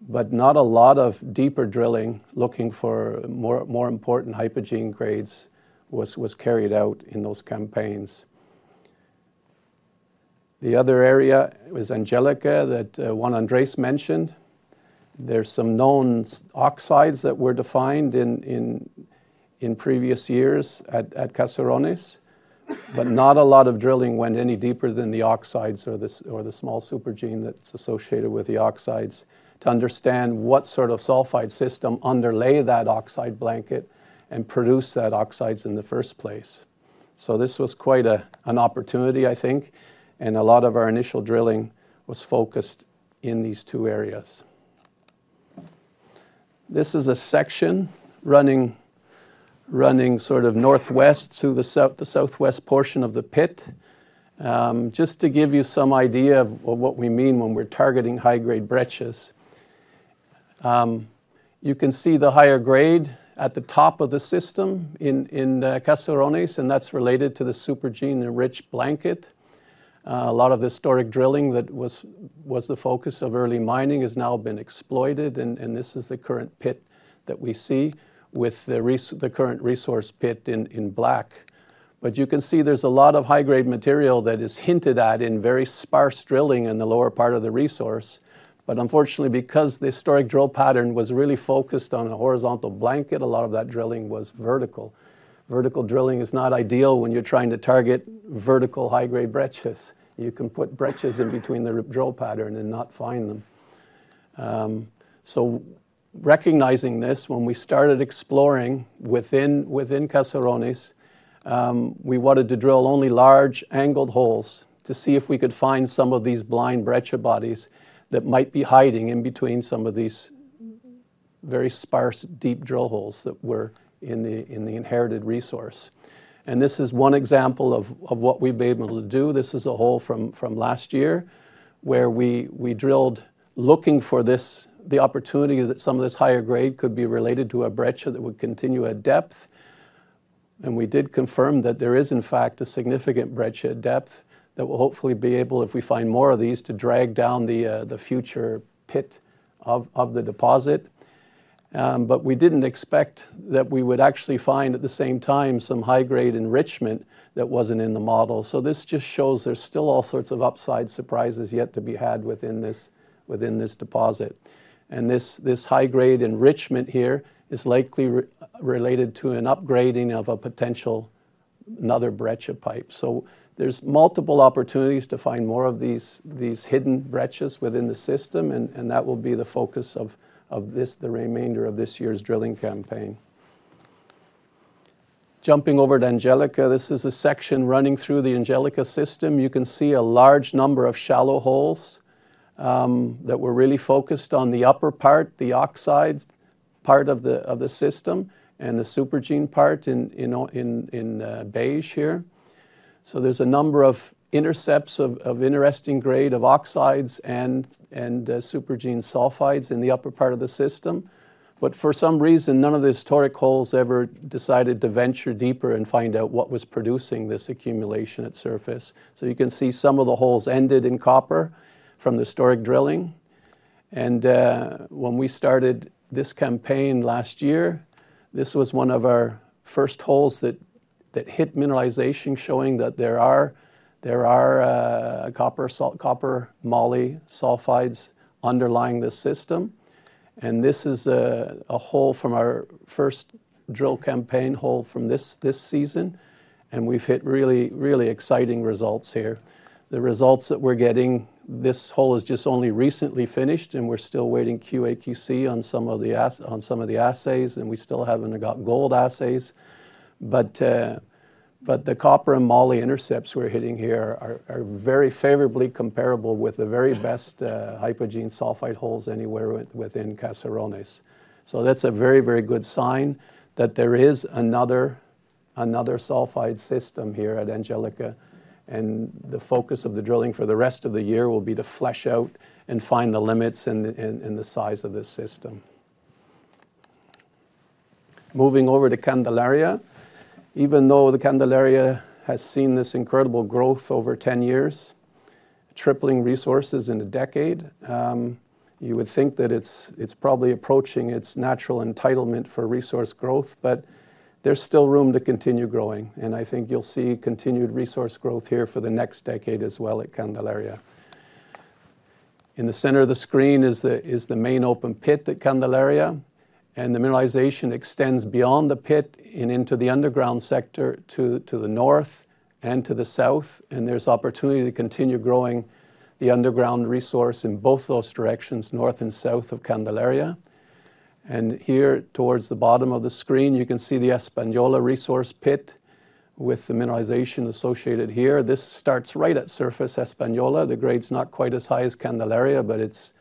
Not a lot of deeper drilling looking for more important hypogene grades was carried out in those campaigns. The other area was Angelica that Juan Andrés mentioned. There's some known oxides that were defined in previous years at Caserones, but not a lot of drilling went any deeper than the oxides or the small supergene that's associated with the oxides to understand what sort of sulfide system underlay that oxide blanket and produced that oxides in the first place. This was quite an opportunity, I think. A lot of our initial drilling was focused in these two areas. This is a section running sort of northwest to the southwest portion of the pit. Just to give you some idea of what we mean when we're targeting high-grade breccias, you can see the higher grade at the top of the system in Caserones, and that's related to the supergene and enriched blanket. A lot of the historic drilling that was the focus of early mining has now been exploited, and this is the current pit that we see with the current resource pit in black. You can see there's a lot of high-grade material that is hinted at in very sparse drilling in the lower part of the resource. Unfortunately, because the historic drill pattern was really focused on a horizontal blanket, a lot of that drilling was vertical. Vertical drilling is not ideal when you're trying to target vertical high-grade breccias. You can put breccias in between the drill pattern and not find them. Recognizing this, when we started exploring within Caserones, we wanted to drill only large angled holes to see if we could find some of these blind breccia bodies that might be hiding in between some of these very sparse deep drill holes that were in the inherited resource. This is one example of what we've been able to do. This is a hole from last year where we drilled looking for the opportunity that some of this higher grade could be related to a breccia that would continue at depth. We did confirm that there is, in fact, a significant breccia at depth that will hopefully be able, if we find more of these, to drag down the future pit of the deposit. We didn't expect that we would actually find at the same time some high-grade enrichment that wasn't in the model. This just shows there's still all sorts of upside surprises yet to be had within this deposit. This high-grade enrichment here is likely related to an upgrading of a potential another breccia pipe. There are multiple opportunities to find more of these hidden breccias within the system, and that will be the focus of the remainder of this year's drilling campaign. Jumping over to Angelica, this is a section running through the Angelica system. You can see a large number of shallow holes that were really focused on the upper part, the oxide part of the system, and the supergene part in beige here. There are a number of intercepts of interesting grade of oxides and supergene sulfides in the upper part of the system. For some reason, none of the historic holes ever decided to venture deeper and find out what was producing this accumulation at surface. You can see some of the holes ended in copper from the historic drilling. When we started this campaign last year, this was one of our first holes that hit mineralization, showing that there are copper, salt, copper, moly, sulfides underlying the system. This is a hole from our first drill campaign hole from this season. We've hit really, really exciting results here. The results that we're getting, this hole is just only recently finished, and we're still waiting QA/QC on some of the assays, and we still haven't got gold assays. The copper and moly intercepts we're hitting here are very favorably comparable with the very best hypogene sulfide holes anywhere within Caserones. That's a very, very good sign that there is another sulfide system here at Angelica. The focus of the drilling for the rest of the year will be to flesh out and find the limits and the size of this system. Moving over to Candelaria. Even though Candelaria has seen this incredible growth over 10 years, tripling resources in a decade, you would think that it's probably approaching its natural entitlement for resource growth, but there's still room to continue growing. I think you'll see continued resource growth here for the next decade as well at Candelaria. In the center of the screen is the main open pit at Candelaria. The mineralization extends beyond the pit and into the underground sector to the north and to the south. There is opportunity to continue growing the underground resource in both those directions, north and south of Candelaria. Here towards the bottom of the screen, you can see the Española resource pit with the mineralization associated here. This starts right at surface, Española. The grade is not quite as high as Candelaria, but it is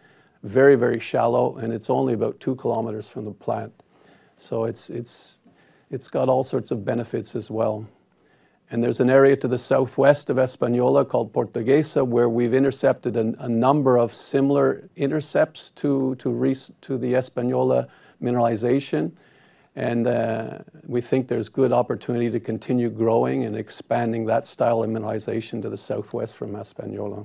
very, very shallow, and it is only about 2 km from the plant. It has all sorts of benefits as well. There is an area to the southwest of Española called Portuguesa where we have intercepted a number of similar intercepts to the Española mineralization. We think there is good opportunity to continue growing and expanding that style of mineralization to the southwest from Española.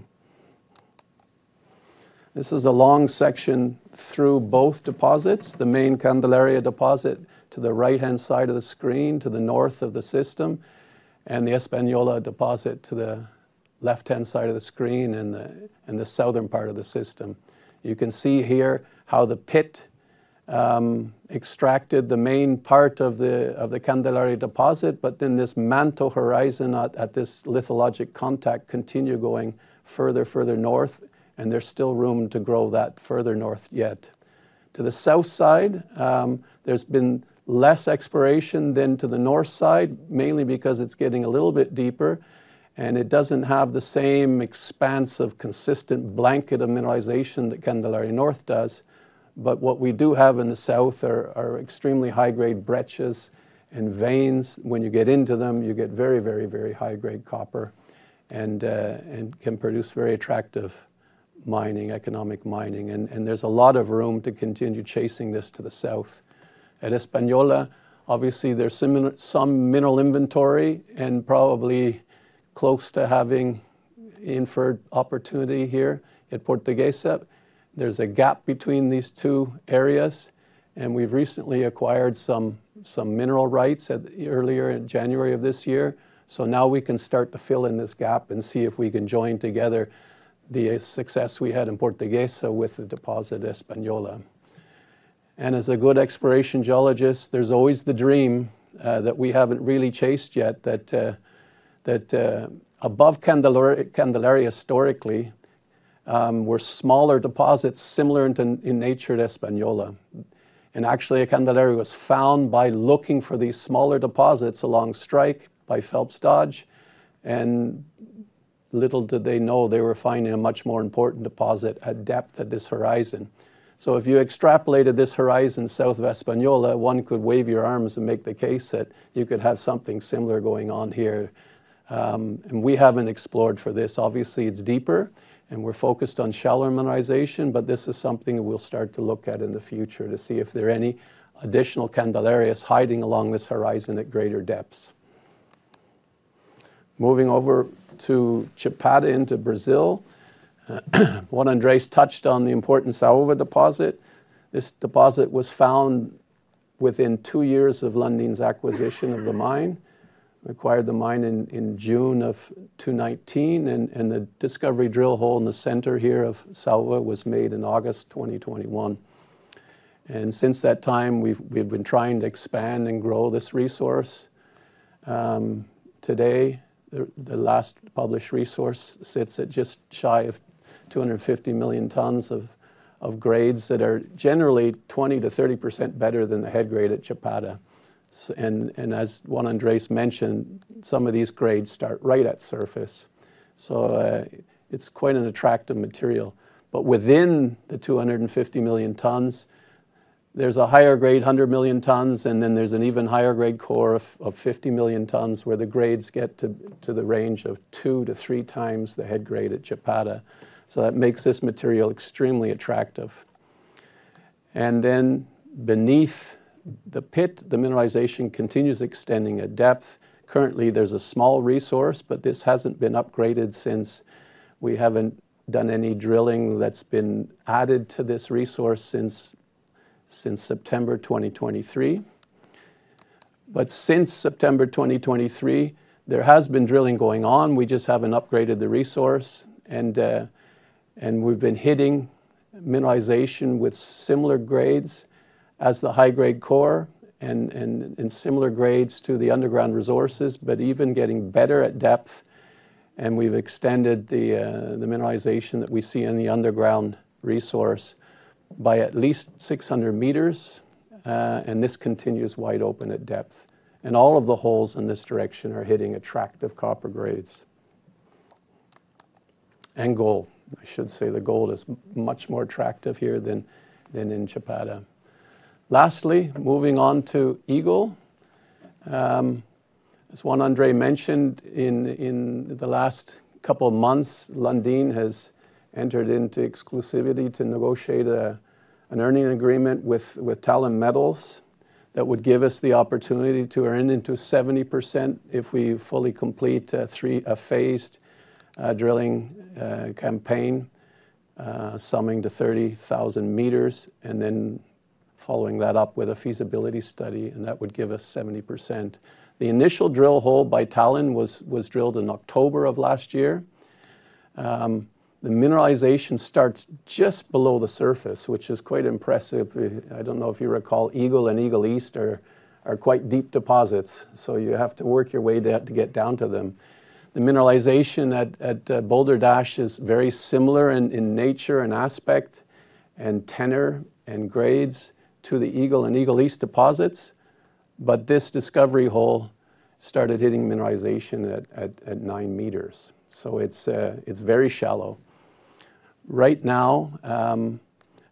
This is a long section through both deposits, the main Candelaria deposit to the right-hand side of the screen to the north of the system, and the Española deposit to the left-hand side of the screen and the southern part of the system. You can see here how the pit extracted the main part of the Candelaria deposit, but then this mantle horizon at this lithologic contact continued going further, further north, and there's still room to grow that further north yet. To the south side, there's been less exploration than to the north side, mainly because it's getting a little bit deeper, and it doesn't have the same expanse of consistent blanket of mineralization that Candelaria north does. What we do have in the south are extremely high-grade breccias and veins. When you get into them, you get very, very, very high-grade copper and can produce very attractive mining, economic mining. There is a lot of room to continue chasing this to the south. At Española, obviously, there is some mineral inventory and probably close to having inferred opportunity here. At Portuguesa, there is a gap between these two areas, and we have recently acquired some mineral rights earlier in January of this year. Now we can start to fill in this gap and see if we can join together the success we had in Portuguesa with the deposit at Española. As a good exploration geologist, there is always the dream that we have not really chased yet that above Candelaria, historically, were smaller deposits similar in nature to Española. Actually, Candelaria was found by looking for these smaller deposits along strike by Phelps Dodge. Little did they know they were finding a much more important deposit at depth at this horizon. If you extrapolated this horizon south of Española, one could wave your arms and make the case that you could have something similar going on here. We have not explored for this. Obviously, it is deeper, and we are focused on shallow mineralization, but this is something we will start to look at in the future to see if there are any additional Candelarias hiding along this horizon at greater depths. Moving over to Chapada in Brazil, Juan Andrés touched on the importance of the Saúva deposit. This deposit was found within two years of Lundin's acquisition of the mine. We acquired the mine in June 2019, and the discovery drill hole in the center here of Saúva was made in August 2021. Since that time, we've been trying to expand and grow this resource. Today, the last published resource sits at just shy of 250 million tons of grades that are generally 20%-30% better than the head grade at Chapada. As Juan Andrés mentioned, some of these grades start right at surface. It is quite an attractive material. Within the 250 million tons, there is a higher grade, 100 million tons, and then there is an even higher grade core of 50 million tons where the grades get to the range of two to three times the head grade at Chapada. That makes this material extremely attractive. Beneath the pit, the mineralization continues extending at depth. Currently, there is a small resource, but this has not been upgraded since we have not done any drilling that has been added to this resource since September 2023. Since September 2023, there has been drilling going on. We just haven't upgraded the resource, and we've been hitting mineralization with similar grades as the high-grade core and similar grades to the underground resources, but even getting better at depth. We've extended the mineralization that we see in the underground resource by at least 600 meters, and this continues wide open at depth. All of the holes in this direction are hitting attractive copper grades. Gold, I should say the gold is much more attractive here than in Chapada. Lastly, moving on to Eagle. As Juan Andrés mentioned, in the last couple of months, Lundin has entered into exclusivity to negotiate an earning agreement with Talon Metals that would give us the opportunity to earn into 70% if we fully complete a phased drilling campaign summing to 30,000 meters, and then following that up with a feasibility study, and that would give us 70%. The initial drill hole by Talon was drilled in October of last year. The mineralization starts just below the surface, which is quite impressive. I don't know if you recall, Eagle and Eagle East are quite deep deposits, so you have to work your way to get down to them. The mineralization at Boulder-Dash is very similar in nature and aspect and tenor and grades to the Eagle and Eagle East deposits, but this discovery hole started hitting mineralization at nine meters. It is very shallow. Right now,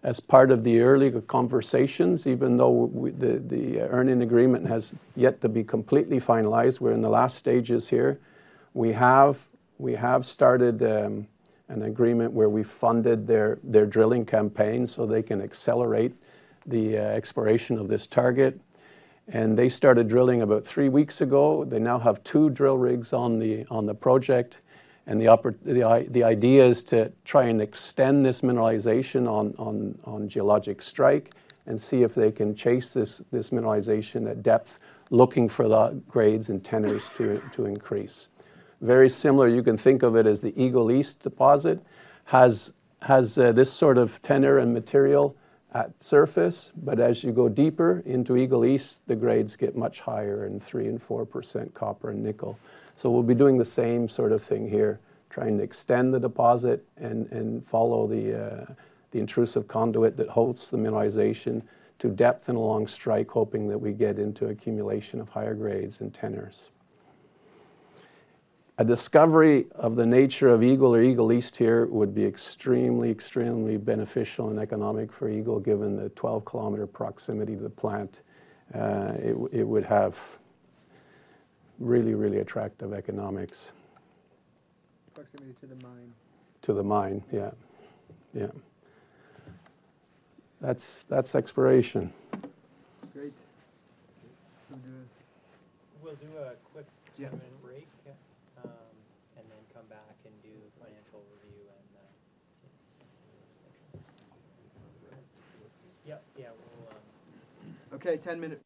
as part of the early conversations, even though the earning agreement has yet to be completely finalized, we're in the last stages here. We have started an agreement where we funded their drilling campaign so they can accelerate the exploration of this target. They started drilling about three weeks ago. They now have two drill rigs on the project. The idea is to try and extend this mineralization on geologic strike and see if they can chase this mineralization at depth, looking for the grades and tenors to increase. Very similar, you can think of it as the Eagle East deposit has this sort of tenor and material at surface, but as you go deeper into Eagle East, the grades get much higher in 3% and 4% copper and nickel. We'll be doing the same sort of thing here, trying to extend the deposit and follow the intrusive conduit that holds the mineralization to depth and along strike, hoping that we get into accumulation of higher grades and tenors. A discovery of the nature of Eagle or Eagle East here would be extremely, extremely beneficial and economic for Eagle, given the 12 km proximity to the plant. It would have really, really attractive economics. Proximity to the mine. To the mine, yeah. Yeah. That's exploration. Great. We'll do a quick 10-minute break and then come back and do financial review and see if this is a good session. Yep. Yeah. Okay.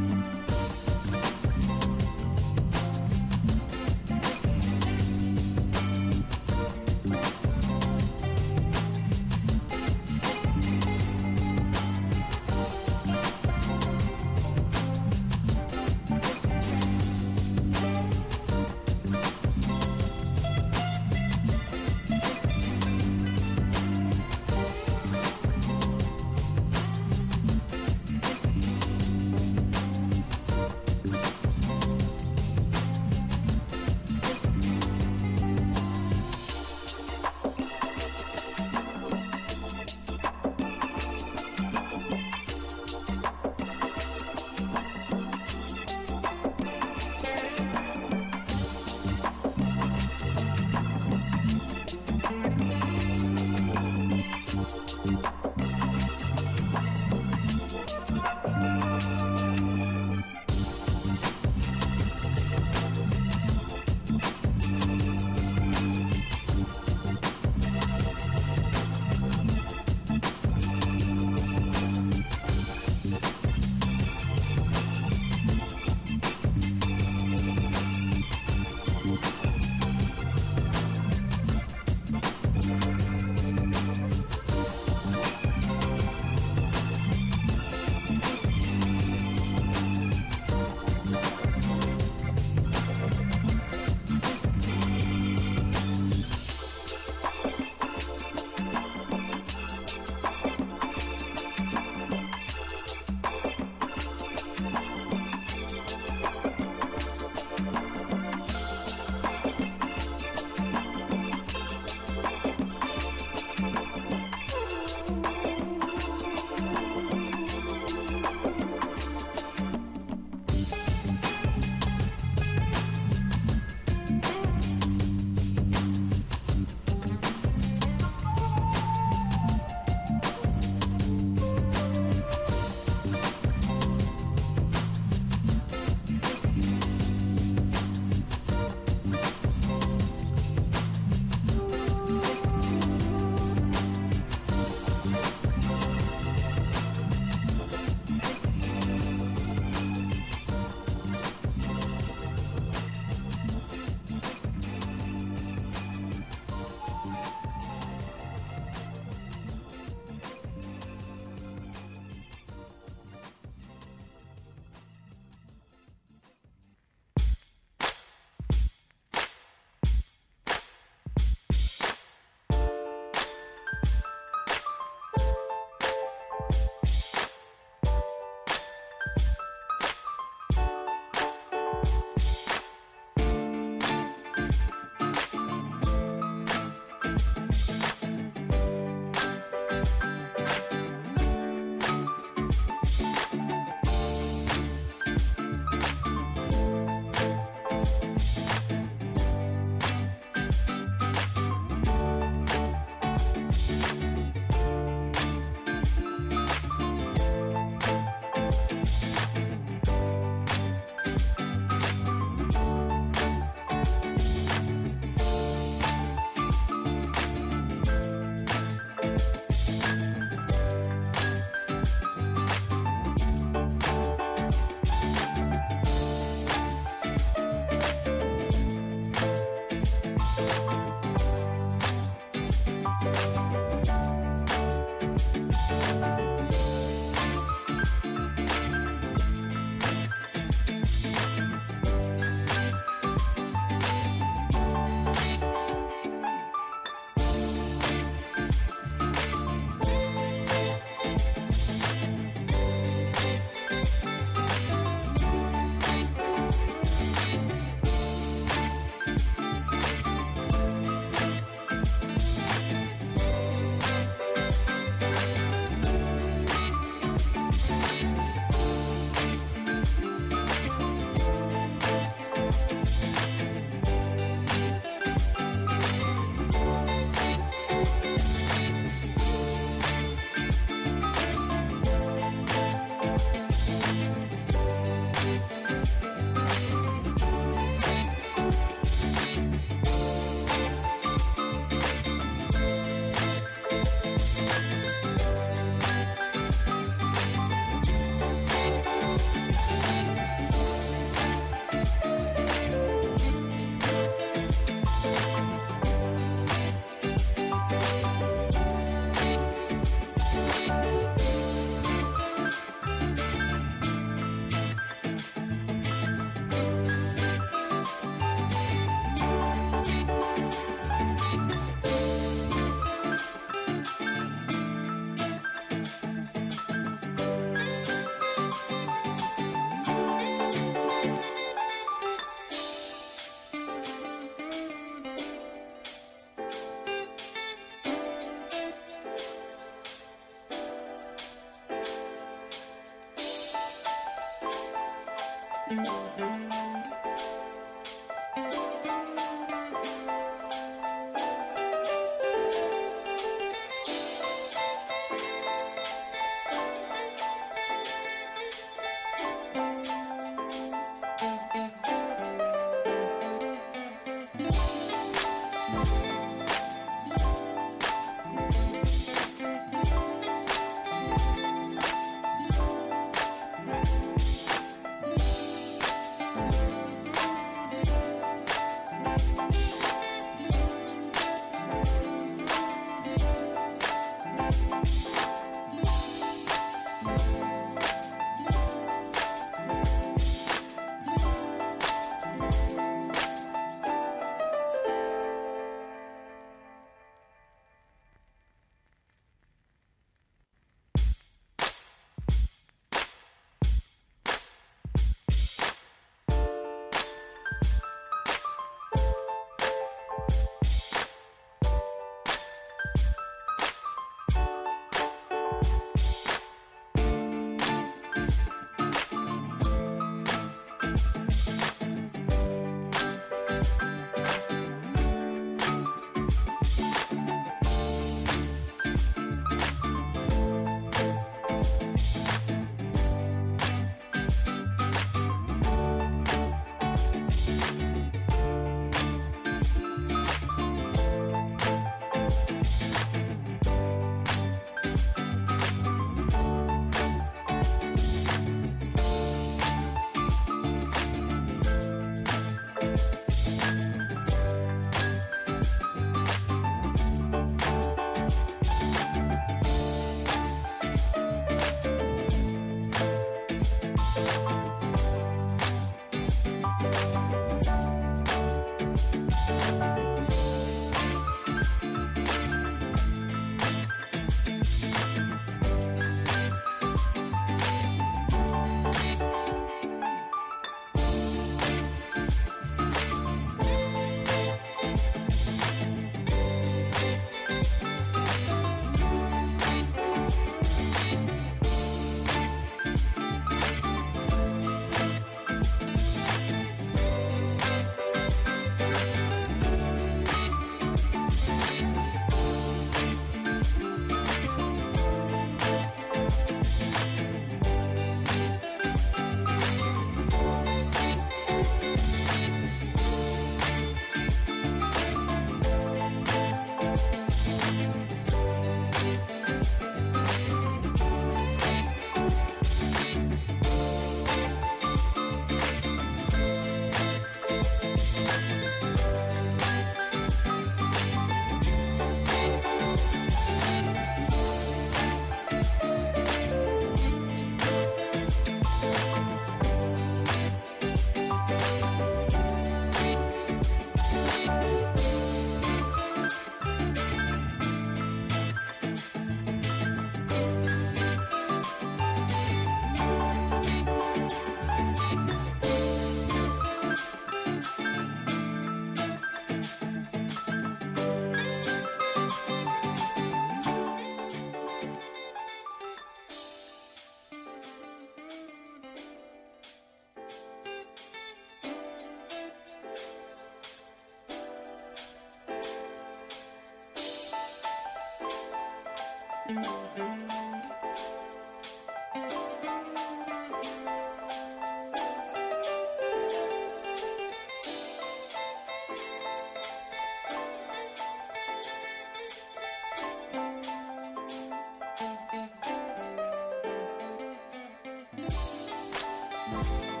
10-minute. Okay.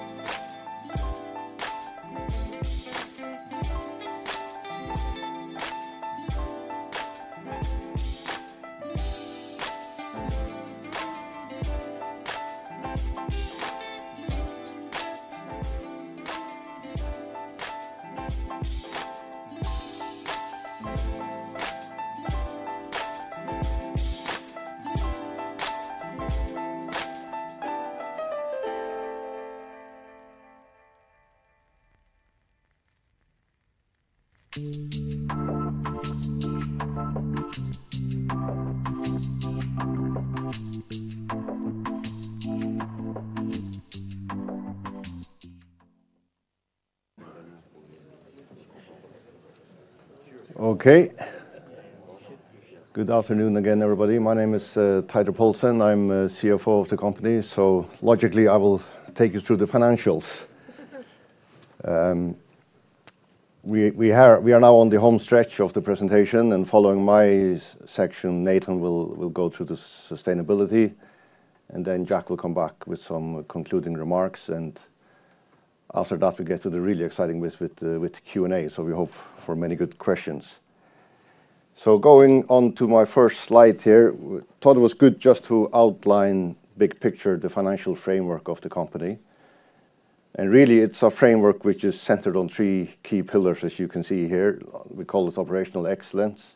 Good afternoon again, everybody. My name is Teitur Poulsen. I'm CFO of the company. Logically, I will take you through the financials. We are now on the home stretch of the presentation. Following my section, Nathan will go through the sustainability. Jack will come back with some concluding remarks. After that, we get to the really exciting bits with the Q&A. We hope for many good questions. Going on to my first slide here, I thought it was good just to outline big picture, the financial framework of the company. Really, it is a framework which is centered on three key pillars, as you can see here. We call it operational excellence.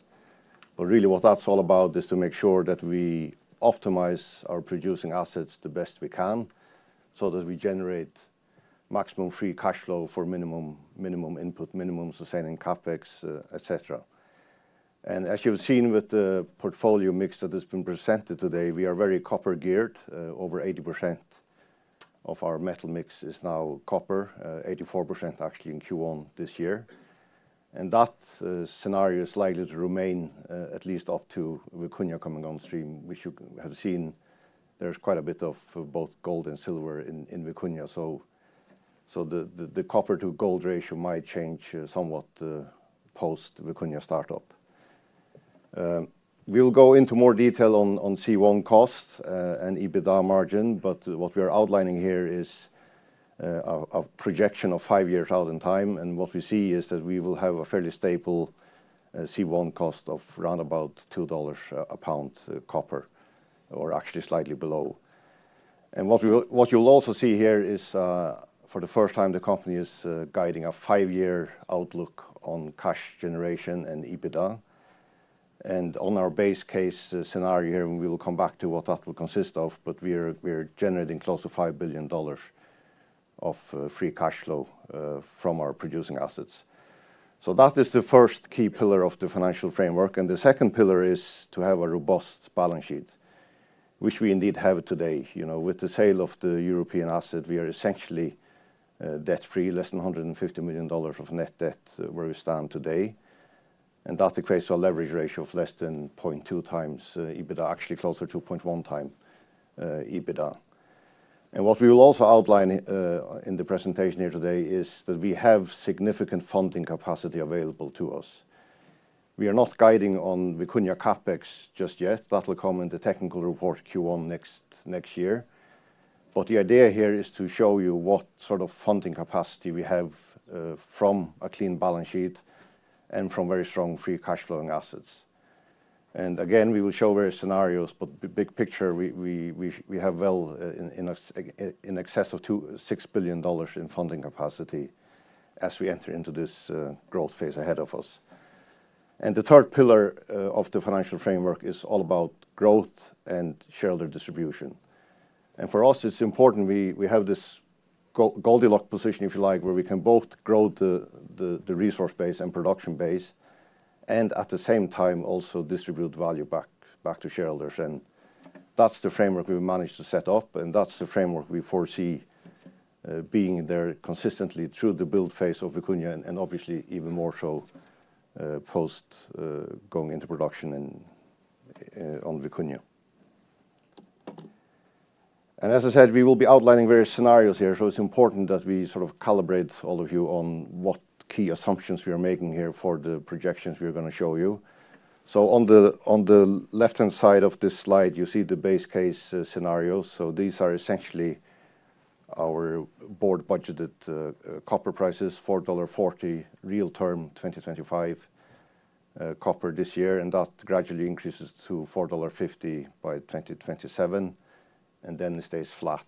What that is all about is to make sure that we optimize our producing assets the best we can so that we generate maximum free cash flow for minimum input, minimum sustaining CapEx, etc. As you have seen with the portfolio mix that has been presented today, we are very copper-geared. Over 80% of our metal mix is now copper, 84% actually in Q1 this year. That scenario is likely to remain at least up to Vicuña coming on stream. You should have seen there is quite a bit of both gold and silver in Vicuña. The copper to gold ratio might change somewhat post-Vicuña startup. We will go into more detail on C1 cost and EBITDA margin. What we are outlining here is a projection of five years out in time. What we see is that we will have a fairly stable C1 cost of around about $2 a pound copper, or actually slightly below. What you will also see here is, for the first time, the company is guiding a five-year outlook on cash generation and EBITDA. On our base case scenario here, we will come back to what that will consist of. We are generating close to $5 billion of free cash flow from our producing assets. That is the first key pillar of the financial framework. The second pillar is to have a robust balance sheet, which we indeed have today. With the sale of the European asset, we are essentially debt-free, less than $150 million of net debt where we stand today. That equates to a leverage ratio of less than 0.2 times EBITDA, actually closer to 0.1 time EBITDA. What we will also outline in the presentation here today is that we have significant funding capacity available to us. We are not guiding on Vicuña CapEx just yet. That will come in the technical report Q1 next year. The idea here is to show you what sort of funding capacity we have from a clean balance sheet and from very strong free cash flowing assets. Again, we will show various scenarios. Big picture, we have well in excess of $6 billion in funding capacity as we enter into this growth phase ahead of us. The third pillar of the financial framework is all about growth and shareholder distribution. For us, it is important we have this Goldilocks position, if you like, where we can both grow the resource base and production base, and at the same time also distribute value back to shareholders. That is the framework we managed to set up. That is the framework we foresee being there consistently through the build phase of Vicuña and obviously even more so post-going into production on Vicuña. As I said, we will be outlining various scenarios here. It is important that we sort of calibrate all of you on what key assumptions we are making here for the projections we are going to show you. On the left-hand side of this slide, you see the base case scenarios. These are essentially our board budgeted copper prices, $4.40 real term 2025 copper this year. That gradually increases to $4.50 by 2027, and then it stays flat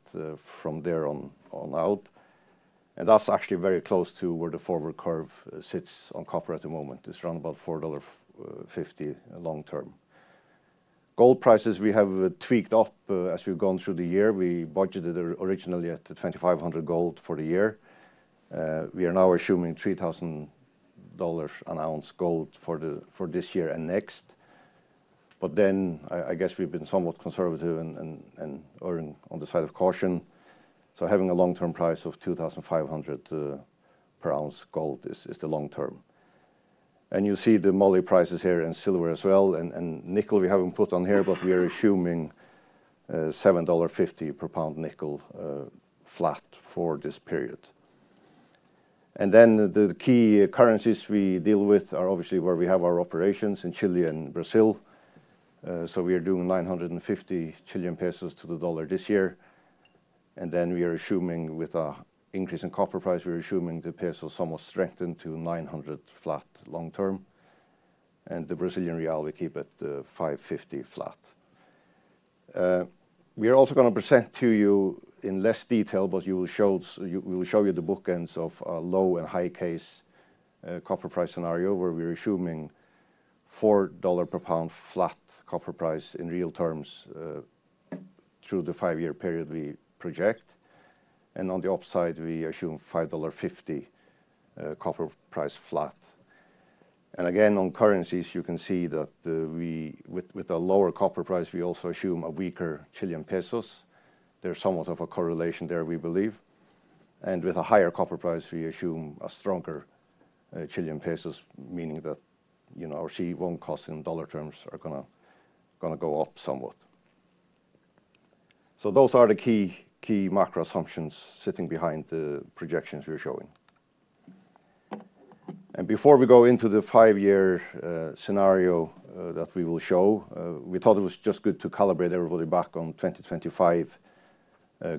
from there on out. That is actually very close to where the forward curve sits on copper at the moment. It is around about $4.50 long term. Gold prices we have tweaked up as we have gone through the year. We budgeted originally at $2,500 gold for the year. We are now assuming $3,000 an ounce gold for this year and next. I guess we've been somewhat conservative and on the side of caution. Having a long-term price of $2,500 per ounce gold is the long term. You'll see the moly prices here and silver as well. Nickel we haven't put on here, but we are assuming $7.50 per pound nickel flat for this period. The key currencies we deal with are obviously where we have our operations in Chile and Brazil. We are doing 950 Chilean pesos to the dollar this year. We are assuming with an increase in copper price, the peso somewhat strengthened to 900 flat long term. The Brazilian real we keep at 5.50 flat. We are also going to present to you in less detail, but we will show you the bookends of a low and high case copper price scenario where we're assuming $4 per pound flat copper price in real terms through the five-year period we project. On the upside, we assume $5.50 copper price flat. Again, on currencies, you can see that with a lower copper price, we also assume a weaker Chilean pesos. There's somewhat of a correlation there, we believe. With a higher copper price, we assume a stronger Chilean pesos, meaning that our C1 costs in dollar terms are going to go up somewhat. Those are the key macro assumptions sitting behind the projections we're showing. Before we go into the five-year scenario that we will show, we thought it was just good to calibrate everybody back on 2025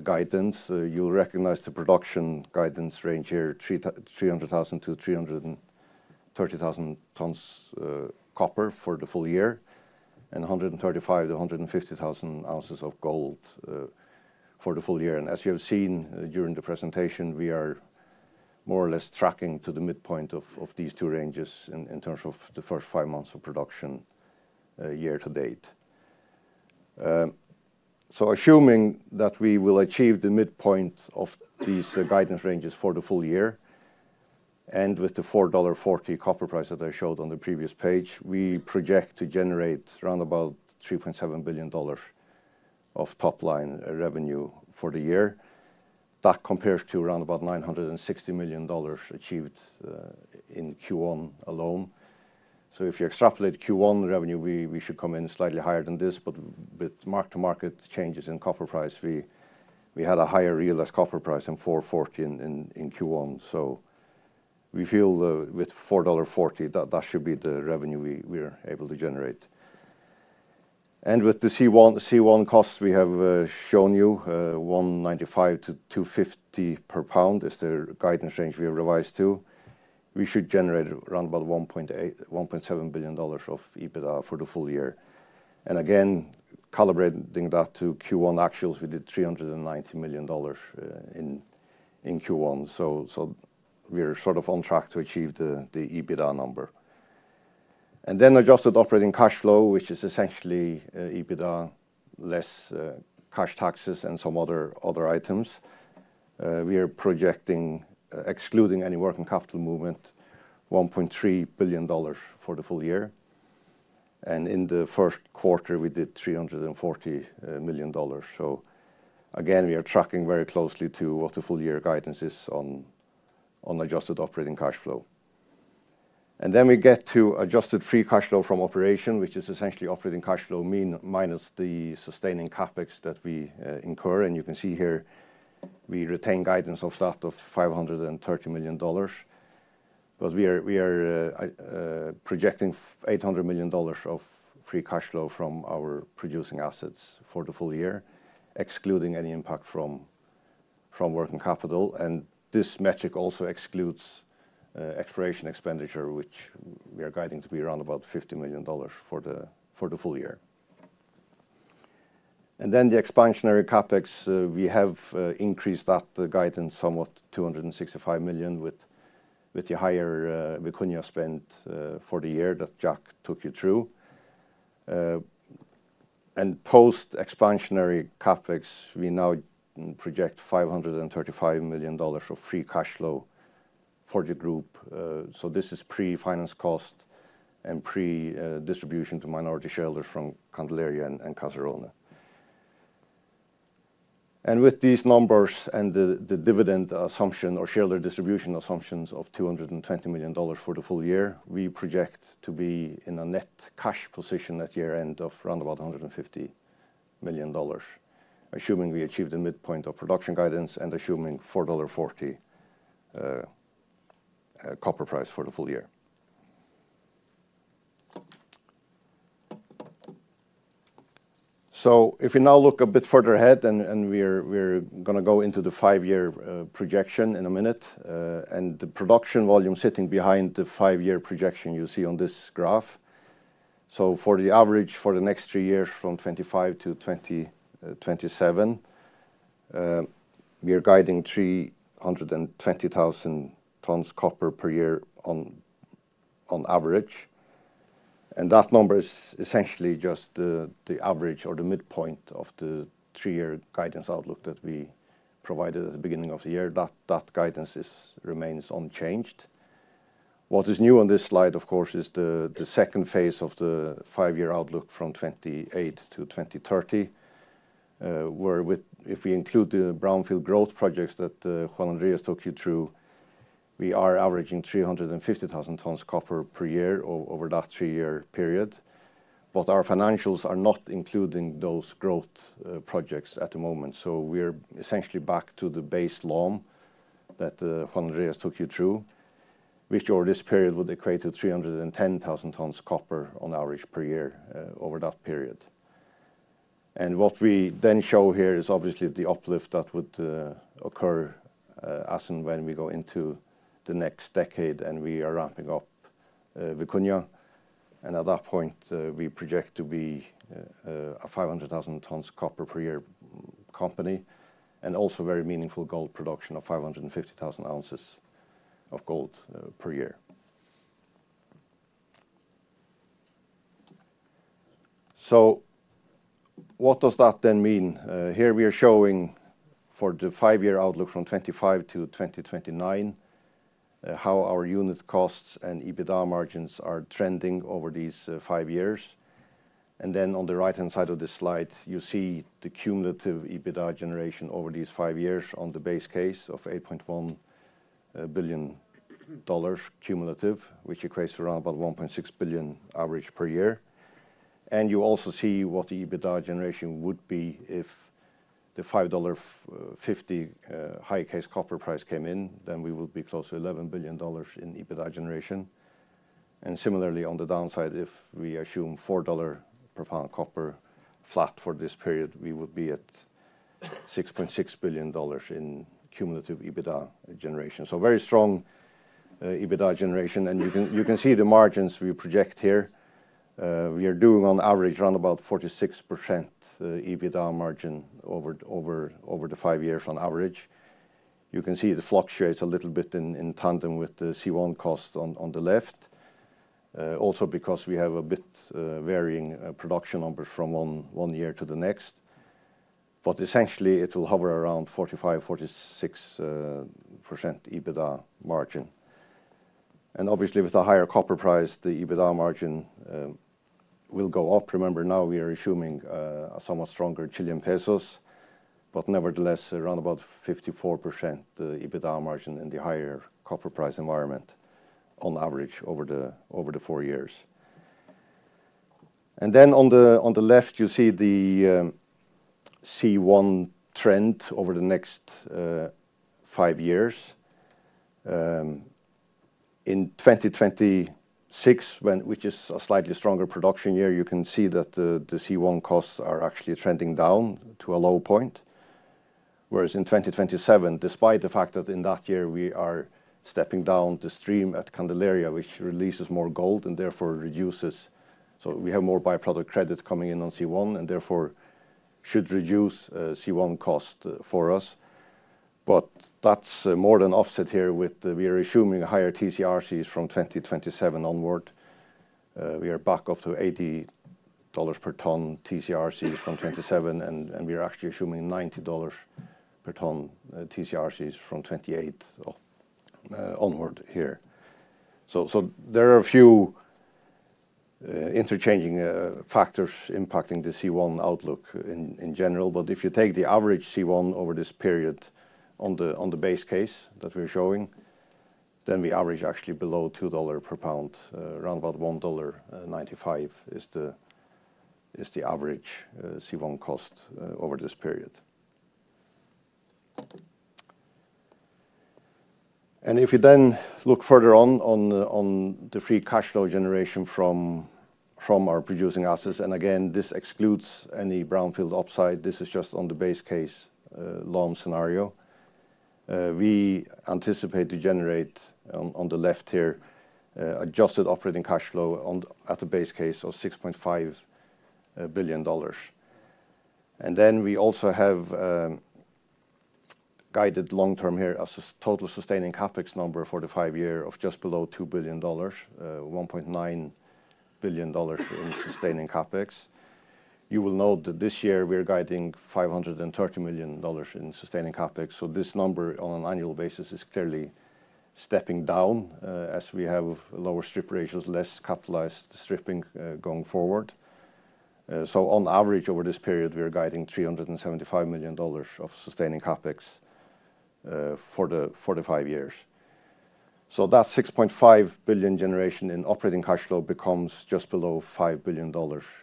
guidance. You'll recognize the production guidance range here, 300,000-330,000 tons copper for the full year and 135,000-150,000 ounces of gold for the full year. As you have seen during the presentation, we are more or less tracking to the midpoint of these two ranges in terms of the first five months of production year to date. Assuming that we will achieve the midpoint of these guidance ranges for the full year and with the $4.40 copper price that I showed on the previous page, we project to generate around about $3.7 billion of top-line revenue for the year. That compares to around about $960 million achieved in Q1 alone. If you extrapolate Q1 revenue, we should come in slightly higher than this. With mark-to-market changes in copper price, we had a higher realized copper price than $4.40 in Q1. We feel with $4.40, that should be the revenue we are able to generate. With the C1 costs we have shown you, $1.95-$2.50 per pound is the guidance range we have revised to. We should generate around about $1.7 billion of EBITDA for the full year. Again, calibrating that to Q1 actuals, we did $390 million in Q1. We are sort of on track to achieve the EBITDA number. Adjusted operating cash flow, which is essentially EBITDA less cash taxes and some other items, we are projecting, excluding any working capital movement, $1.3 billion for the full year. In the first quarter, we did $340 million. We are tracking very closely to what the full-year guidance is on adjusted operating cash flow. Then we get to adjusted free cash flow from operation, which is essentially operating cash flow minus the sustaining CapEx that we incur. You can see here, we retain guidance of that of $530 million. We are projecting $800 million of free cash flow from our producing assets for the full year, excluding any impact from working capital. This metric also excludes exploration expenditure, which we are guiding to be around about $50 million for the full year. The expansionary CapEx, we have increased that guidance somewhat to $265 million with the higher Vicuña spend for the year that Jack took you through. Post-expansionary CapEx, we now project $535 million of free cash flow for the group. This is pre-finance cost and pre-distribution to minority shareholders from Candelaria and Caserones. With these numbers and the dividend assumption or shareholder distribution assumptions of $220 million for the full year, we project to be in a net cash position at year-end of around about $150 million, assuming we achieve the midpoint of production guidance and assuming $4.40 copper price for the full year. If we now look a bit further ahead, and we're going to go into the five-year projection in a minute, the production volume is sitting behind the five-year projection you see on this graph. For the average for the next three years from 2025 to 2027, we are guiding 320,000 tons copper per year on average. That number is essentially just the average or the midpoint of the three-year guidance outlook that we provided at the beginning of the year. That guidance remains unchanged. What is new on this slide, of course, is the second phase of the five-year outlook from 2028 to 2030, where if we include the brownfield growth projects that Juan Andrés took you through, we are averaging 350,000 tons copper per year over that three-year period. Our financials are not including those growth projects at the moment. We are essentially back to the base loan that Juan Andrés took you through, which over this period would equate to 310,000 tons copper on average per year over that period. What we then show here is obviously the uplift that would occur as and when we go into the next decade and we are ramping up Vicuña. At that point, we project to be a 500,000 tons copper per year company and also very meaningful gold production of 550,000 ounces of gold per year. What does that then mean? Here we are showing for the five-year outlook from 2025 to 2029 how our unit costs and EBITDA margins are trending over these five years. On the right-hand side of this slide, you see the cumulative EBITDA generation over these five years on the base case of $8.1 billion cumulative, which equates to around about $1.6 billion average per year. You also see what the EBITDA generation would be if the $5.50 high-case copper price came in. We would be close to $11 billion in EBITDA generation. Similarly, on the downside, if we assume $4 per pound copper flat for this period, we would be at $6.6 billion in cumulative EBITDA generation. Very strong EBITDA generation. You can see the margins we project here. We are doing on average around about 46% EBITDA margin over the five years on average. You can see it fluctuates a little bit in tandem with the C1 cost on the left, also because we have a bit varying production numbers from one year to the next. Essentially, it will hover around 45%-46% EBITDA margin. Obviously, with a higher copper price, the EBITDA margin will go up. Remember, now we are assuming a somewhat stronger Chilean pesos, but nevertheless, around about 54% EBITDA margin in the higher copper price environment on average over the four years. On the left, you see the C1 trend over the next five years. In 2026, which is a slightly stronger production year, you can see that the C1 costs are actually trending down to a low point, whereas in 2027, despite the fact that in that year we are stepping down the stream at Candelaria, which releases more gold and therefore reduces. We have more byproduct credit coming in on C1 and therefore should reduce C1 cost for us. That is more than offset here with we are assuming a higher TCRCs from 2027 onward. We are back up to $80 per ton TCRC from 2027, and we are actually assuming $90 per ton TCRCs from 2028 onward here. There are a few interchanging factors impacting the C1 outlook in general. If you take the average C1 over this period on the base case that we are showing, then we average actually below $2 per pound, around about $1.95 is the average C1 cost over this period. If you then look further on the free cash flow generation from our producing assets, and again, this excludes any brownfield upside. This is just on the base case loan scenario. We anticipate to generate on the left here adjusted operating cash flow at the base case of $6.5 billion. We also have guided long-term here as a total sustaining CapEx number for the five year of just below $2 billion, $1.9 billion in sustaining CapEx. You will note that this year we are guiding $530 million in sustaining CapEx. This number on an annual basis is clearly stepping down as we have lower strip ratios, less capitalized stripping going forward. On average over this period, we are guiding $375 million of sustaining CapEx for the five years. That $6.5 billion generation in operating cash flow becomes just below $5 billion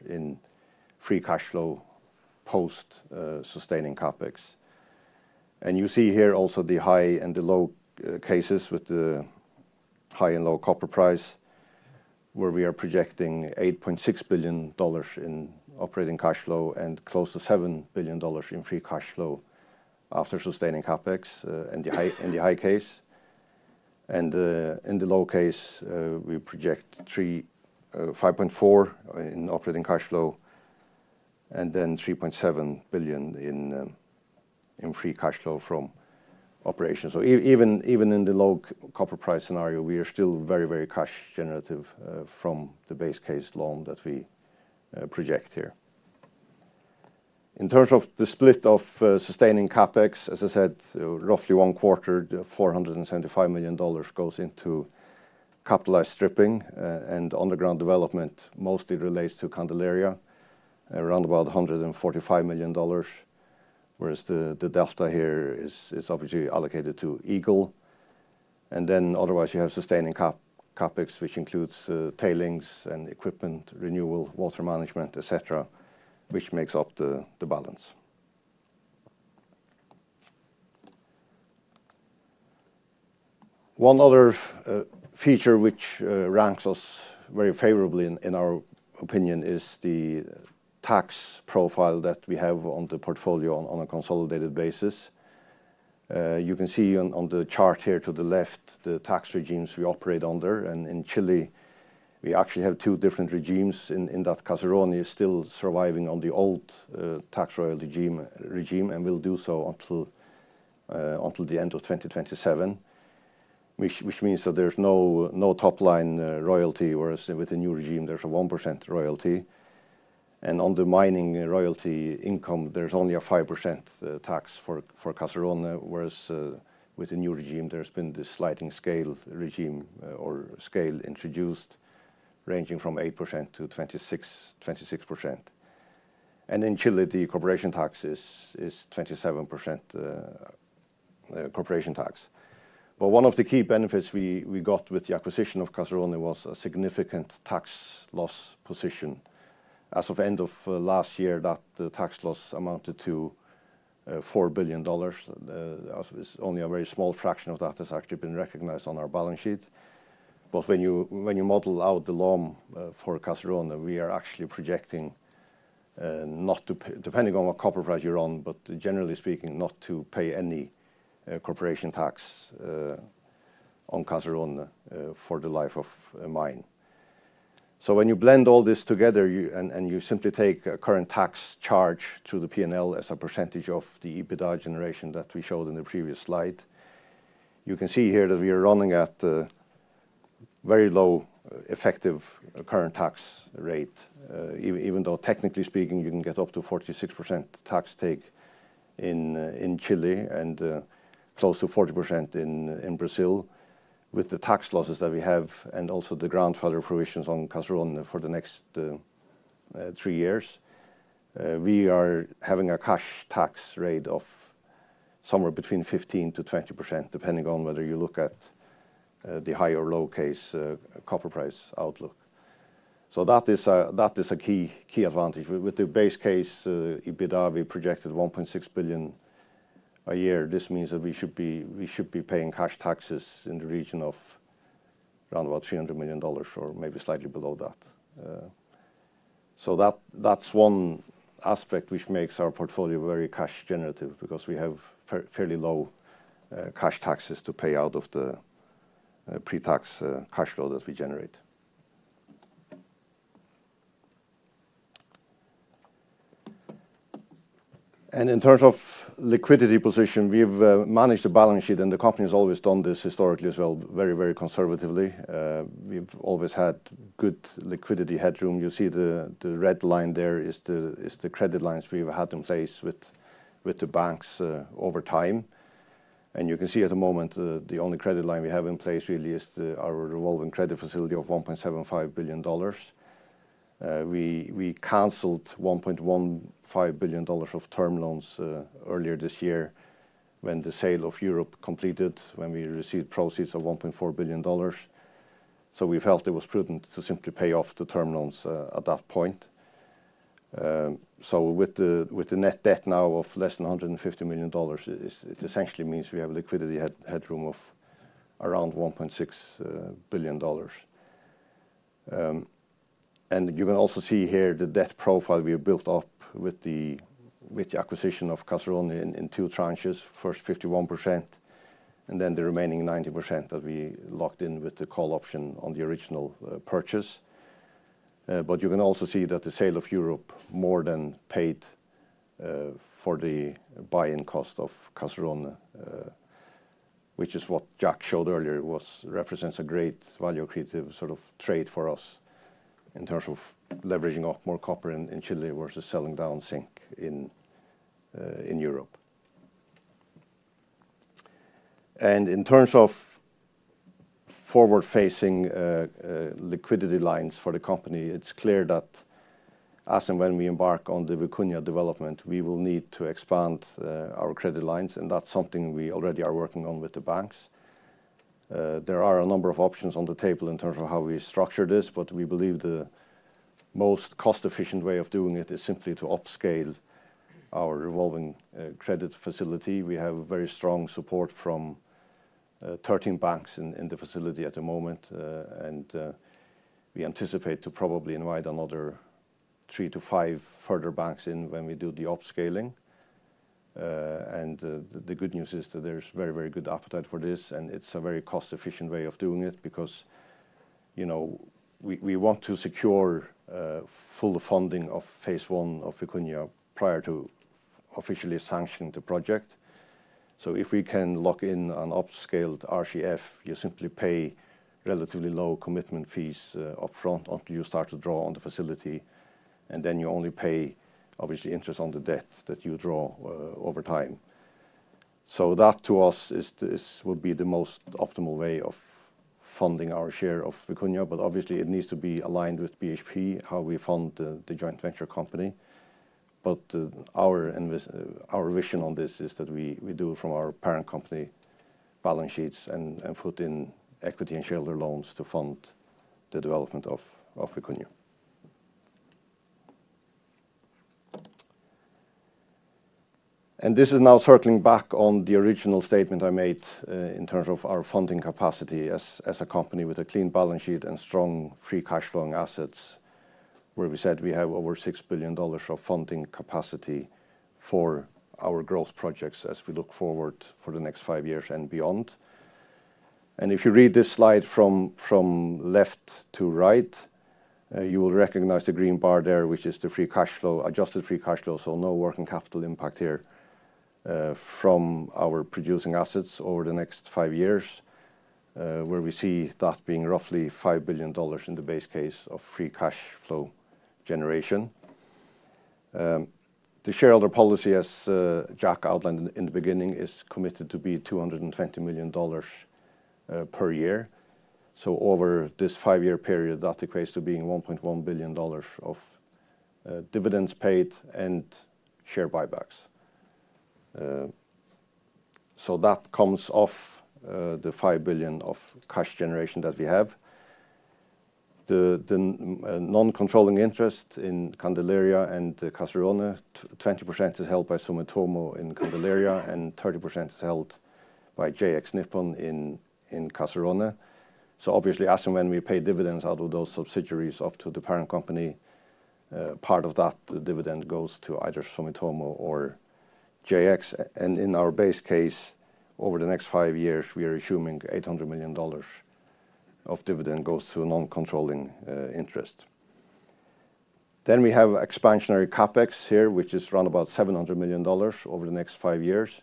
in free cash flow post-sustaining CapEx. You see here also the high and the low cases with the high and low copper price, where we are projecting $8.6 billion in operating cash flow and close to $7 billion in free cash flow after sustaining CapEx in the high case. In the low case, we project $5.4 billion in operating cash flow and then $3.7 billion in free cash flow from operations. Even in the low copper price scenario, we are still very, very cash generative from the base case loan that we project here. In terms of the split of sustaining CapEx, as I said, roughly one quarter, $475 million goes into capitalized stripping and underground development, mostly relates to Candelaria, around about $145 million, whereas the delta here is obviously allocated to Eagle. Otherwise, you have sustaining CapEx, which includes tailings and equipment renewal, water management, etc., which makes up the balance. One other feature which ranks us very favorably in our opinion is the tax profile that we have on the portfolio on a consolidated basis. You can see on the chart here to the left the tax regimes we operate under. In Chile, we actually have two different regimes in that Caserones is still surviving on the old tax royalty regime and will do so until the end of 2027, which means that there's no top-line royalty, whereas with the new regime, there's a 1% royalty. On the mining royalty income, there's only a 5% tax for Caserones, whereas with the new regime, there's been this sliding scale regime or scale introduced ranging from 8%-26%. In Chile, the corporation tax is 27% corporation tax. One of the key benefits we got with the acquisition of Caserones was a significant tax loss position. As of end of last year, that tax loss amounted to $4 billion. It's only a very small fraction of that has actually been recognized on our balance sheet. When you model out the loan for Caserones, we are actually projecting not to, depending on what copper price you're on, but generally speaking, not to pay any corporation tax on Caserones for the life of a mine. When you blend all this together and you simply take a current tax charge to the P&L as a percentage of the EBITDA generation that we showed in the previous slide, you can see here that we are running at a very low effective current tax rate, even though technically speaking, you can get up to 46% tax take in Chile and close to 40% in Brazil. With the tax losses that we have and also the grandfather provisions on Caserones for the next three years, we are having a cash tax rate of somewhere between 15%-20%, depending on whether you look at the high or low case copper price outlook. That is a key advantage. With the base case EBITDA, we projected $1.6 billion a year. This means that we should be paying cash taxes in the region of around about $300 million or maybe slightly below that. That is one aspect which makes our portfolio very cash generative because we have fairly low cash taxes to pay out of the pre-tax cash flow that we generate. In terms of liquidity position, we've managed the balance sheet, and the company has always done this historically as well, very, very conservatively. We've always had good liquidity headroom. You see the red line there is the credit lines we've had in place with the banks over time. You can see at the moment, the only credit line we have in place really is our revolving credit facility of $1.75 billion. We canceled $1.15 billion of term loans earlier this year when the sale of Europe completed, when we received proceeds of $1.4 billion. We felt it was prudent to simply pay off the term loans at that point. With the net debt now of less than $150 million, it essentially means we have a liquidity headroom of around $1.6 billion. You can also see here the debt profile we built up with the acquisition of Caserones in two tranches, first 51%, and then the remaining 49% that we locked in with the call option on the original purchase. You can also see that the sale of Europe more than paid for the buy-in cost of Caserones, which is what Jack showed earlier, represents a great value creative sort of trade for us in terms of leveraging off more copper in Chile versus selling down zinc in Europe. In terms of forward-facing liquidity lines for the company, it is clear that as and when we embark on the Vicuña development, we will need to expand our credit lines. That is something we already are working on with the banks. There are a number of options on the table in terms of how we structure this, but we believe the most cost-efficient way of doing it is simply to upscale our revolving credit facility. We have very strong support from 13 banks in the facility at the moment, and we anticipate to probably invite another three to five further banks in when we do the upscaling. The good news is that there is very, very good appetite for this, and it is a very cost-efficient way of doing it because we want to secure full funding of phase one of Vicuña prior to officially sanctioning the project. If we can lock in an upscaled RCF, you simply pay relatively low commitment fees upfront until you start to draw on the facility, and then you only pay, obviously, interest on the debt that you draw over time. That to us would be the most optimal way of funding our share of Vicuña, but obviously, it needs to be aligned with BHP, how we fund the joint venture company. Our vision on this is that we do it from our parent company balance sheets and put in equity and shareholder loans to fund the development of Vicuña. This is now circling back on the original statement I made in terms of our funding capacity as a company with a clean balance sheet and strong free cash flowing assets, where we said we have over $6 billion of funding capacity for our growth projects as we look forward for the next five years and beyond. If you read this slide from left to right, you will recognize the green bar there, which is the free cash flow, adjusted free cash flow, so no working capital impact here from our producing assets over the next five years, where we see that being roughly $5 billion in the base case of free cash flow generation. The shareholder policy, as Jack outlined in the beginning, is committed to be $220 million per year. Over this five-year period, that equates to being $1.1 billion of dividends paid and share buybacks. That comes off the $5 billion of cash generation that we have. The non-controlling interest in Candelaria and Caserones, 20% is held by Sumitomo in Candelaria and 30% is held by JX Nippon in Caserones. Obviously, as and when we pay dividends out of those subsidiaries up to the parent company, part of that dividend goes to either Sumitomo or JX. In our base case, over the next five years, we are assuming $800 million of dividend goes to non-controlling interest. We have expansionary CapEx here, which is around about $700 million over the next five years.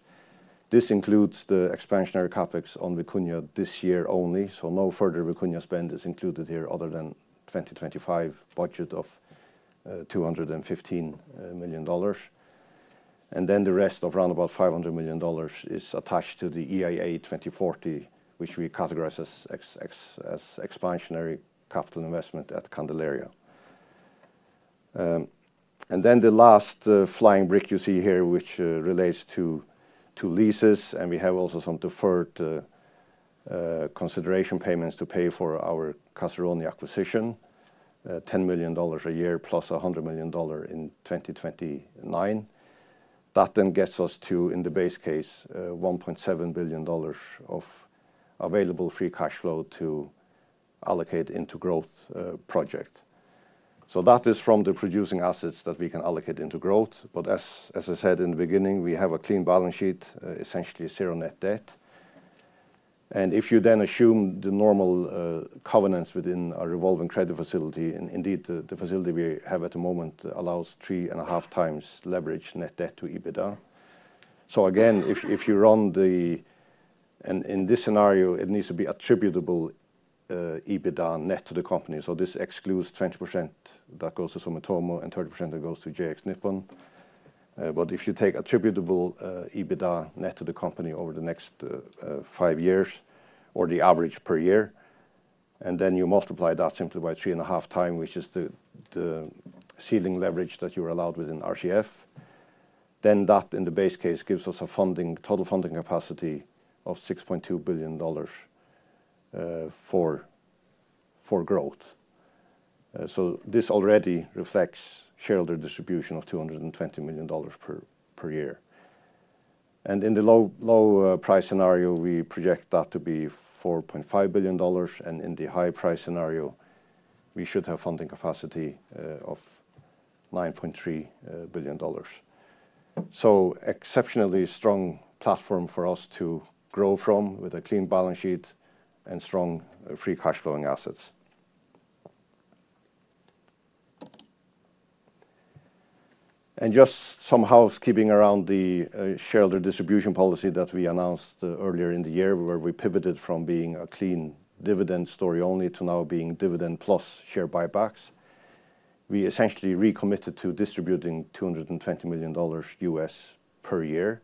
This includes the expansionary CapEx on Vicuña this year only, so no further Vicuña spend is included here other than 2025 budget of $215 million. The rest of around about $500 million is attached to the EIA 2040, which we categorize as expansionary capital investment at Candelaria. The last flying brick you see here, which relates to leases, and we have also some deferred consideration payments to pay for our Caserones acquisition, $10 million a year +$100 million in 2029. That then gets us to, in the base case, $1.7 billion of available free cash flow to allocate into growth project. That is from the producing assets that we can allocate into growth. As I said in the beginning, we have a clean balance sheet, essentially zero net debt. If you then assume the normal covenants within our revolving credit facility, indeed, the facility we have at the moment allows three and a half times leverage net debt to EBITDA. If you run the, and in this scenario, it needs to be attributable EBITDA net to the company. This excludes 20% that goes to Sumitomo and 30% that goes to JX Nippon. If you take attributable EBITDA net to the company over the next five years or the average per year, and then you multiply that simply by three and a half times, which is the ceiling leverage that you are allowed within RCF, that in the base case gives us a total funding capacity of $6.2 billion for growth. This already reflects shareholder distribution of $220 million per year. In the low price scenario, we project that to be $4.5 billion, and in the high price scenario, we should have funding capacity of $9.3 billion. Exceptionally strong platform for us to grow from with a clean balance sheet and strong free cash flowing assets. Just some housekeeping around the shareholder distribution policy that we announced earlier in the year, where we pivoted from being a clean dividend story only to now being dividend plus share buybacks. We essentially recommitted to distributing $220 million U.S. per year.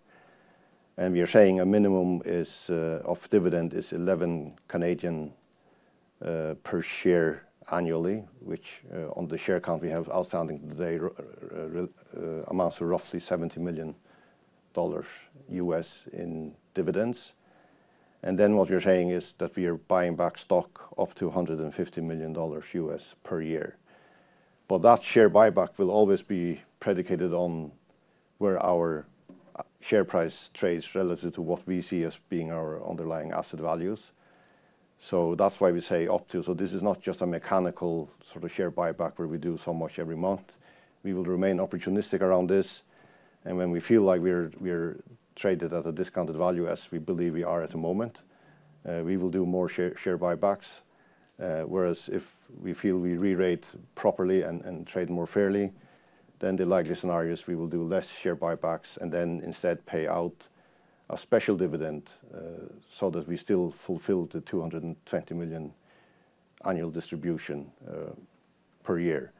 We are saying a minimum of dividend is 1.10 per share annually, which on the share count we have outstanding today amounts to roughly $70 million U.S. in dividends. What we are saying is that we are buying back stock up to $150 million U.S. per year. That share buyback will always be predicated on where our share price trades relative to what we see as being our underlying asset values. That is why we say up to, so this is not just a mechanical sort of share buyback where we do so much every month. We will remain opportunistic around this. When we feel like we are traded at a discounted value, as we believe we are at the moment, we will do more share buybacks. Whereas if we feel we re-rated properly and traded more fairly, then the likely scenario is we will do less share buybacks and then instead pay out a special dividend so that we still fulfill the $220 million annual distribution per year.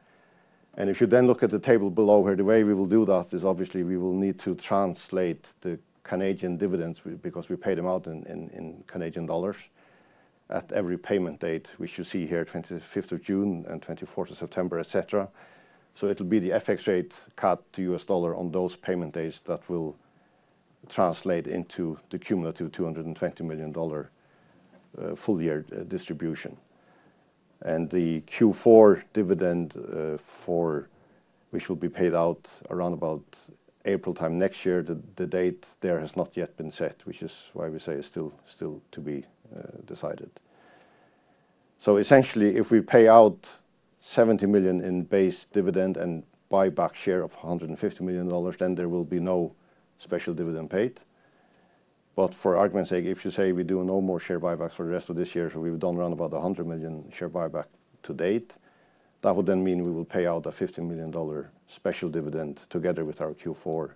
If you then look at the table below here, the way we will do that is obviously we will need to translate the Canadian dividends because we pay them out in Canadian dollars at every payment date, which you see here, 25th of June and 24th of September, etc. It will be the FX rate cut to U.S. dollar on those payment days that will translate into the cumulative $220 million full year distribution. The Q4 dividend, which will be paid out around about April time next year, the date there has not yet been set, which is why we say is still to be decided. Essentially, if we pay out $70 million in base dividend and buyback share of $150 million, then there will be no special dividend paid. For argument's sake, if you say we do no more share buybacks for the rest of this year, so we've done around about $100 million share buyback to date, that would then mean we will pay out a $15 million special dividend together with our Q4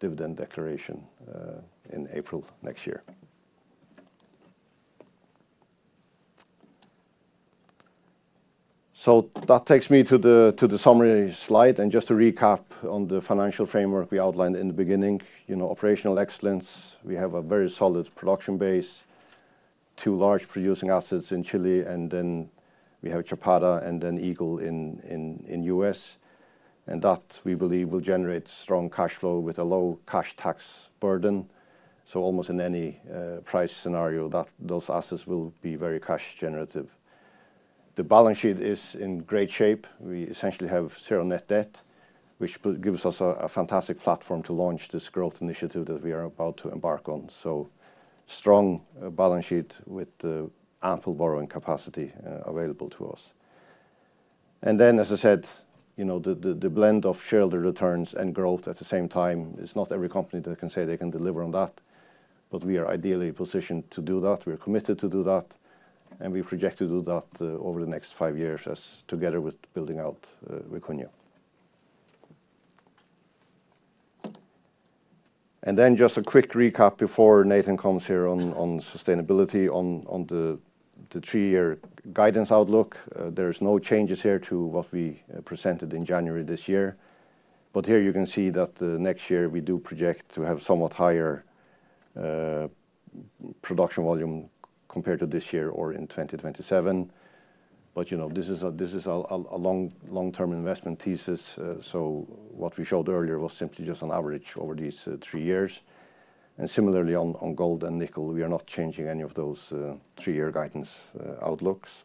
dividend declaration in April next year. That takes me to the summary slide and just to recap on the financial framework we outlined in the beginning. Operational excellence, we have a very solid production base, two large producing assets in Chile, and then we have Chapada and then Eagle in the U.S. We believe that will generate strong cash flow with a low cash tax burden. Almost in any price scenario, those assets will be very cash generative. The balance sheet is in great shape. We essentially have zero net debt, which gives us a fantastic platform to launch this growth initiative that we are about to embark on. Strong balance sheet with ample borrowing capacity available to us. As I said, the blend of shareholder returns and growth at the same time, it's not every company that can say they can deliver on that, but we are ideally positioned to do that. We're committed to do that, and we project to do that over the next five years together with building out Vicuña. Just a quick recap before Nathan comes here on sustainability, on the three-year guidance outlook. There are no changes here to what we presented in January this year. Here you can see that next year we do project to have somewhat higher production volume compared to this year or in 2027. This is a long-term investment thesis. What we showed earlier was simply just an average over these three years. Similarly, on gold and nickel, we are not changing any of those three-year guidance outlooks.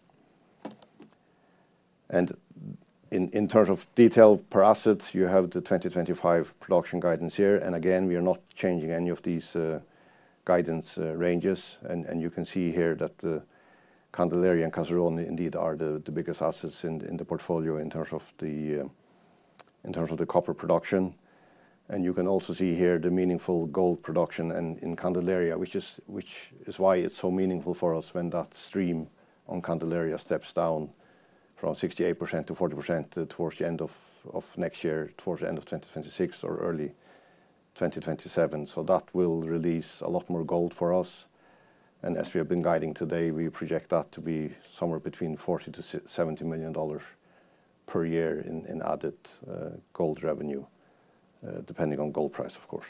In terms of detail per asset, you have the 2025 production guidance here. Again, we are not changing any of these guidance ranges. You can see here that Candelaria and Caserones indeed are the biggest assets in the portfolio in terms of the copper production. You can also see here the meaningful gold production in Candelaria, which is why it is so meaningful for us when that stream on Candelaria steps down from 68% to 40% towards the end of next year, towards the end of 2026 or early 2027. That will release a lot more gold for us. As we have been guiding today, we project that to be somewhere between $40 million-$70 million per year in added gold revenue, depending on gold price, of course.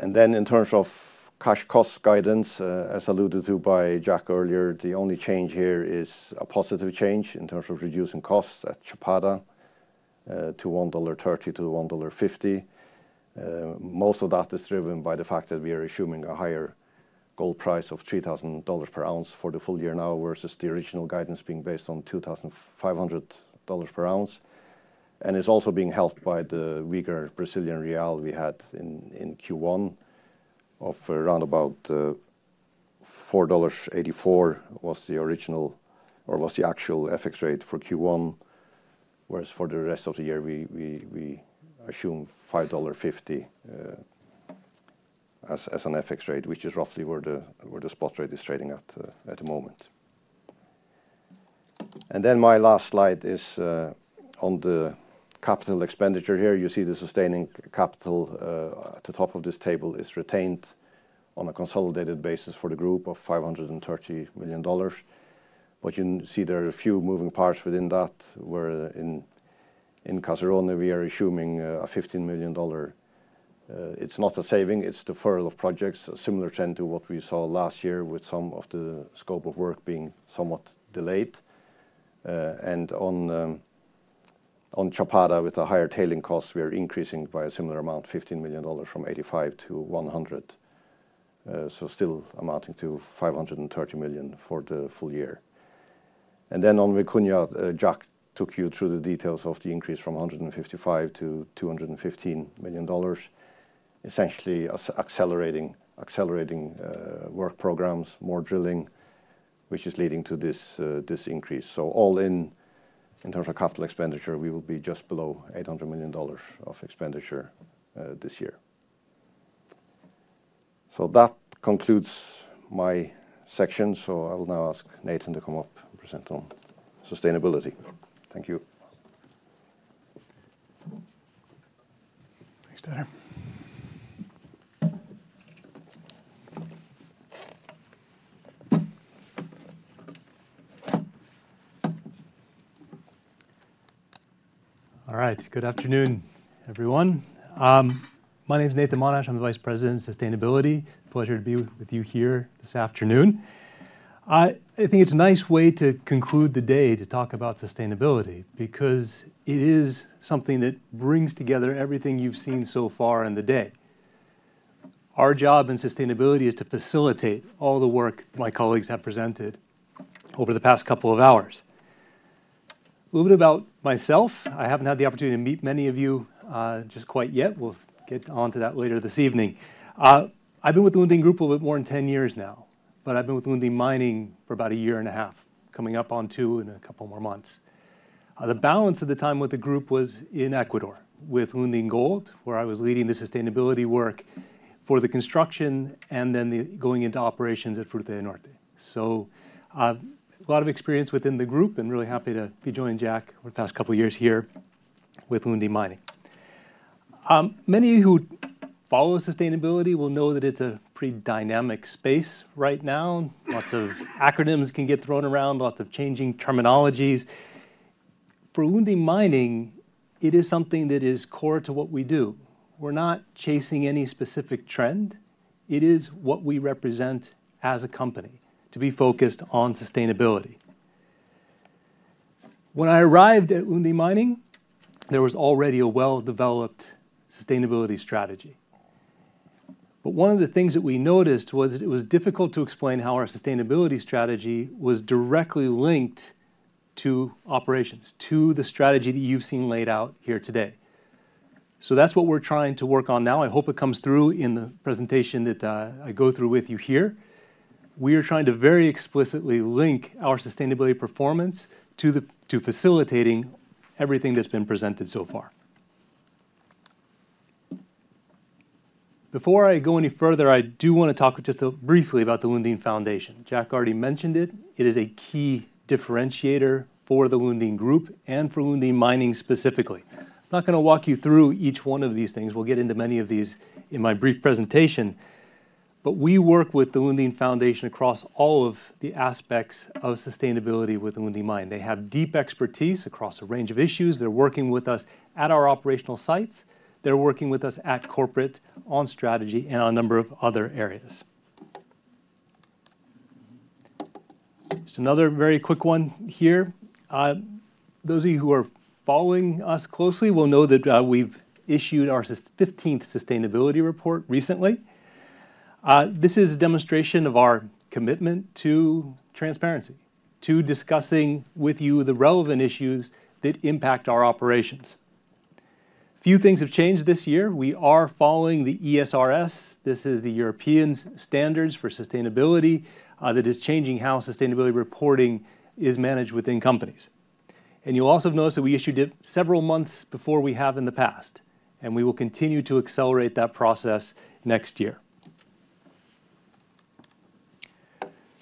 In terms of cash cost guidance, as alluded to by Jack earlier, the only change here is a positive change in terms of reducing costs at Chapada to $1.30-$1.50. Most of that is driven by the fact that we are assuming a higher gold price of $3,000 per ounce for the full year now versus the original guidance being based on $2,500 per ounce. It is also being helped by the weaker Brazilian real we had in Q1 of around $4.84, which was the actual FX rate for Q1. Whereas for the rest of the year, we assume BRL 5.50 as an FX rate, which is roughly where the spot rate is trading at the moment. My last slide is on the capital expenditure here. You see the sustaining capital at the top of this table is retained on a consolidated basis for the group of $530 million. You see there are a few moving parts within that where in Caserones, we are assuming a $15 million. It's not a saving, it's the furlough of projects, a similar trend to what we saw last year with some of the scope of work being somewhat delayed. On Chapada, with a higher tailing cost, we are increasing by a similar amount, $15 million from $85 million-$100 million. Still amounting to $530 million for the full year. On Vicuña, Jack took you through the details of the increase from $155 million to $215 million, essentially accelerating work programs, more drilling, which is leading to this increase. All in, in terms of capital expenditure, we will be just below $800 million of expenditure this year. That concludes my section. I will now ask Nathan to come up and present on sustainability. Thank you. Thanks, Dan. All right, good afternoon, everyone. My name is Nathan Monash. I'm the Vice President of Sustainability. Pleasure to be with you here this afternoon. I think it's a nice way to conclude the day to talk about sustainability because it is something that brings together everything you've seen so far in the day. Our job in sustainability is to facilitate all the work my colleagues have presented over the past couple of hours. A little bit about myself, I haven't had the opportunity to meet many of you just quite yet. We'll get on to that later this evening. I've been with the Lundin Group a little bit more than 10 years now, but I've been with Lundin Mining for about a year and a half, coming up on two in a couple more months. The balance of the time with the group was in Ecuador with Lundin Gold, where I was leading the sustainability work for the construction and then going into operations at Fruta del Norte. A lot of experience within the group and really happy to be joining Jack over the past couple of years here with Lundin Mining. Many of you who follow sustainability will know that it's a pretty dynamic space right now. Lots of acronyms can get thrown around, lots of changing terminologies. For Lundin Mining, it is something that is core to what we do. We're not chasing any specific trend. It is what we represent as a company to be focused on sustainability. When I arrived at Lundin Mining, there was already a well-developed sustainability strategy. One of the things that we noticed was that it was difficult to explain how our sustainability strategy was directly linked to operations, to the strategy that you've seen laid out here today. That is what we're trying to work on now. I hope it comes through in the presentation that I go through with you here. We are trying to very explicitly link our sustainability performance to facilitating everything that's been presented so far. Before I go any further, I do want to talk just briefly about the Lundin Foundation. Jack already mentioned it. It is a key differentiator for the Lundin Group and for Lundin Mining specifically. I'm not going to walk you through each one of these things. We'll get into many of these in my brief presentation. We work with the Lundin Foundation across all of the aspects of sustainability with Lundin Mining. They have deep expertise across a range of issues. They're working with us at our operational sites. They're working with us at corporate on strategy and a number of other areas. Just another very quick one here. Those of you who are following us closely will know that we've issued our 15th sustainability report recently. This is a demonstration of our commitment to transparency, to discussing with you the relevant issues that impact our operations. Few things have changed this year. We are following the ESRS. This is the European Standards for Sustainability that is changing how sustainability reporting is managed within companies. You'll also have noticed that we issued it several months before we have in the past. We will continue to accelerate that process next year.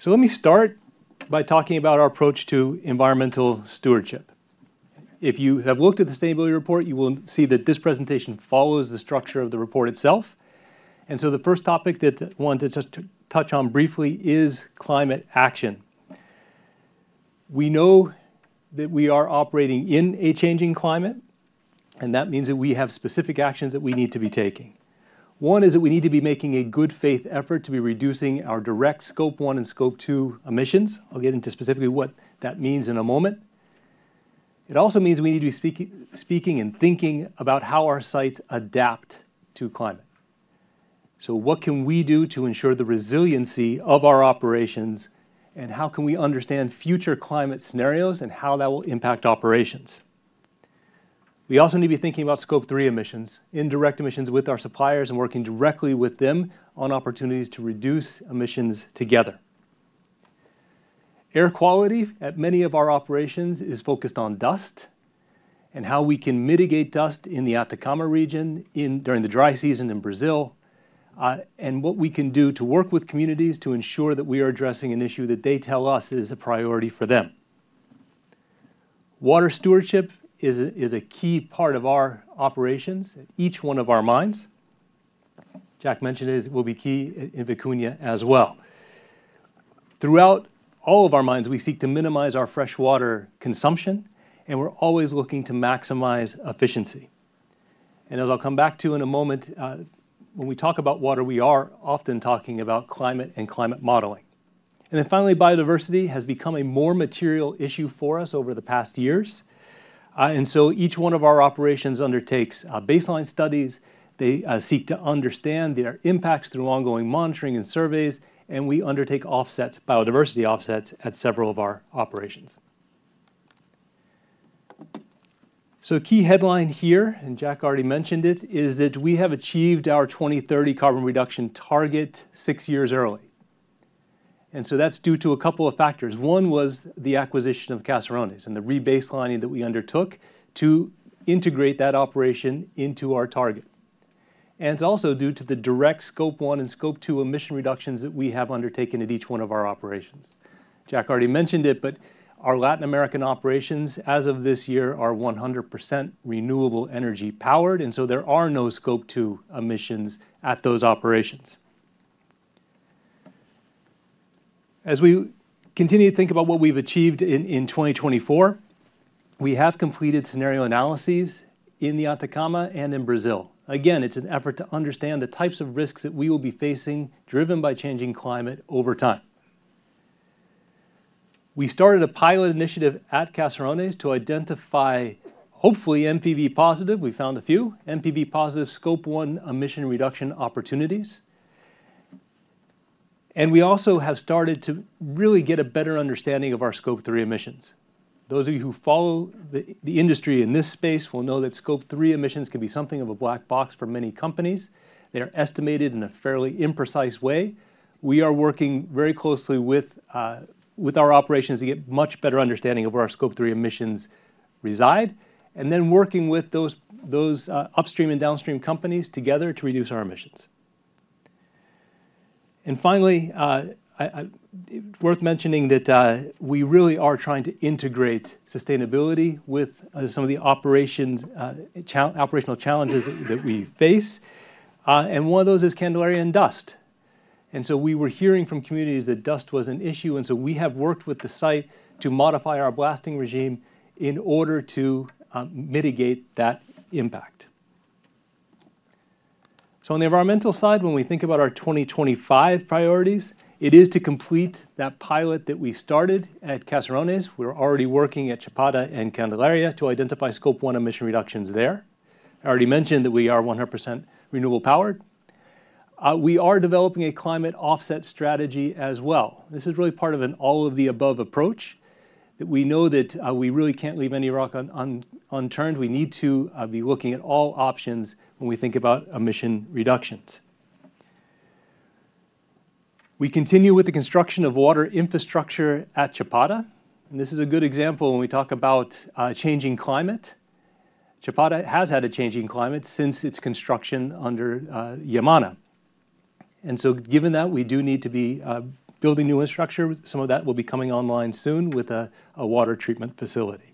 Let me start by talking about our approach to environmental stewardship. If you have looked at the sustainability report, you will see that this presentation follows the structure of the report itself. The first topic that I want to just touch on briefly is climate action. We know that we are operating in a changing climate, and that means that we have specific actions that we need to be taking. One is that we need to be making a good faith effort to be reducing our direct scope one and scope two emissions. I'll get into specifically what that means in a moment. It also means we need to be speaking and thinking about how our sites adapt to climate. What can we do to ensure the resiliency of our operations, and how can we understand future climate scenarios and how that will impact operations? We also need to be thinking about scope three emissions, indirect emissions with our suppliers and working directly with them on opportunities to reduce emissions together. Air quality at many of our operations is focused on dust and how we can mitigate dust in the Atacama region during the dry season in Brazil, and what we can do to work with communities to ensure that we are addressing an issue that they tell us is a priority for them. Water stewardship is a key part of our operations, each one of our mines. Jack mentioned it will be key in Vicuña as well. Throughout all of our mines, we seek to minimize our freshwater consumption, and we are always looking to maximize efficiency. As I will come back to in a moment, when we talk about water, we are often talking about climate and climate modeling. Finally, biodiversity has become a more material issue for us over the past years. Each one of our operations undertakes baseline studies. They seek to understand their impacts through ongoing monitoring and surveys, and we undertake biodiversity offsets at several of our operations. A key headline here, and Jack already mentioned it, is that we have achieved our 2030 carbon reduction target six years early. That is due to a couple of factors. One was the acquisition of Caserones and the rebaselining that we undertook to integrate that operation into our target. It is also due to the direct scope one and scope two emission reductions that we have undertaken at each one of our operations. Jack already mentioned it, but our Latin American operations as of this year are 100% renewable energy powered, and there are no scope two emissions at those operations. As we continue to think about what we've achieved in 2024, we have completed scenario analyses in the Atacama and in Brazil. Again, it's an effort to understand the types of risks that we will be facing driven by changing climate over time. We started a pilot initiative at Caserones to identify, hopefully, MPV positive. We found a few MPV positive scope one emission reduction opportunities. We also have started to really get a better understanding of our scope three emissions. Those of you who follow the industry in this space will know that scope three emissions can be something of a black box for many companies. They are estimated in a fairly imprecise way. We are working very closely with our operations to get much better understanding of where our scope three emissions reside, and then working with those upstream and downstream companies together to reduce our emissions. Finally, it is worth mentioning that we really are trying to integrate sustainability with some of the operational challenges that we face. One of those is Candelaria and dust. We were hearing from communities that dust was an issue, and we have worked with the site to modify our blasting regime in order to mitigate that impact. On the environmental side, when we think about our 2025 priorities, it is to complete that pilot that we started at Caserones. We are already working at Chapada and Candelaria to identify scope one emission reductions there. I already mentioned that we are 100% renewable powered. We are developing a climate offset strategy as well. This is really part of an all of the above approach that we know that we really can't leave any rock unturned. We need to be looking at all options when we think about emission reductions. We continue with the construction of water infrastructure at Chapada. This is a good example when we talk about changing climate. Chapada has had a changing climate since its construction under Yamana. Given that, we do need to be building new infrastructure. Some of that will be coming online soon with a water treatment facility.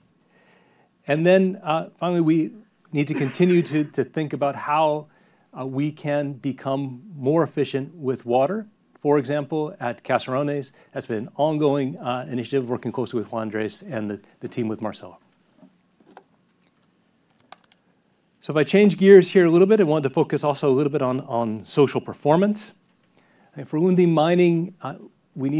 Finally, we need to continue to think about how we can become more efficient with water. For example, at Caserones, that has been an ongoing initiative working closely with Juan Andrés and the team with Marcelo. If I change gears here a little bit, I want to focus also a little bit on social performance. For Lundin Mining, we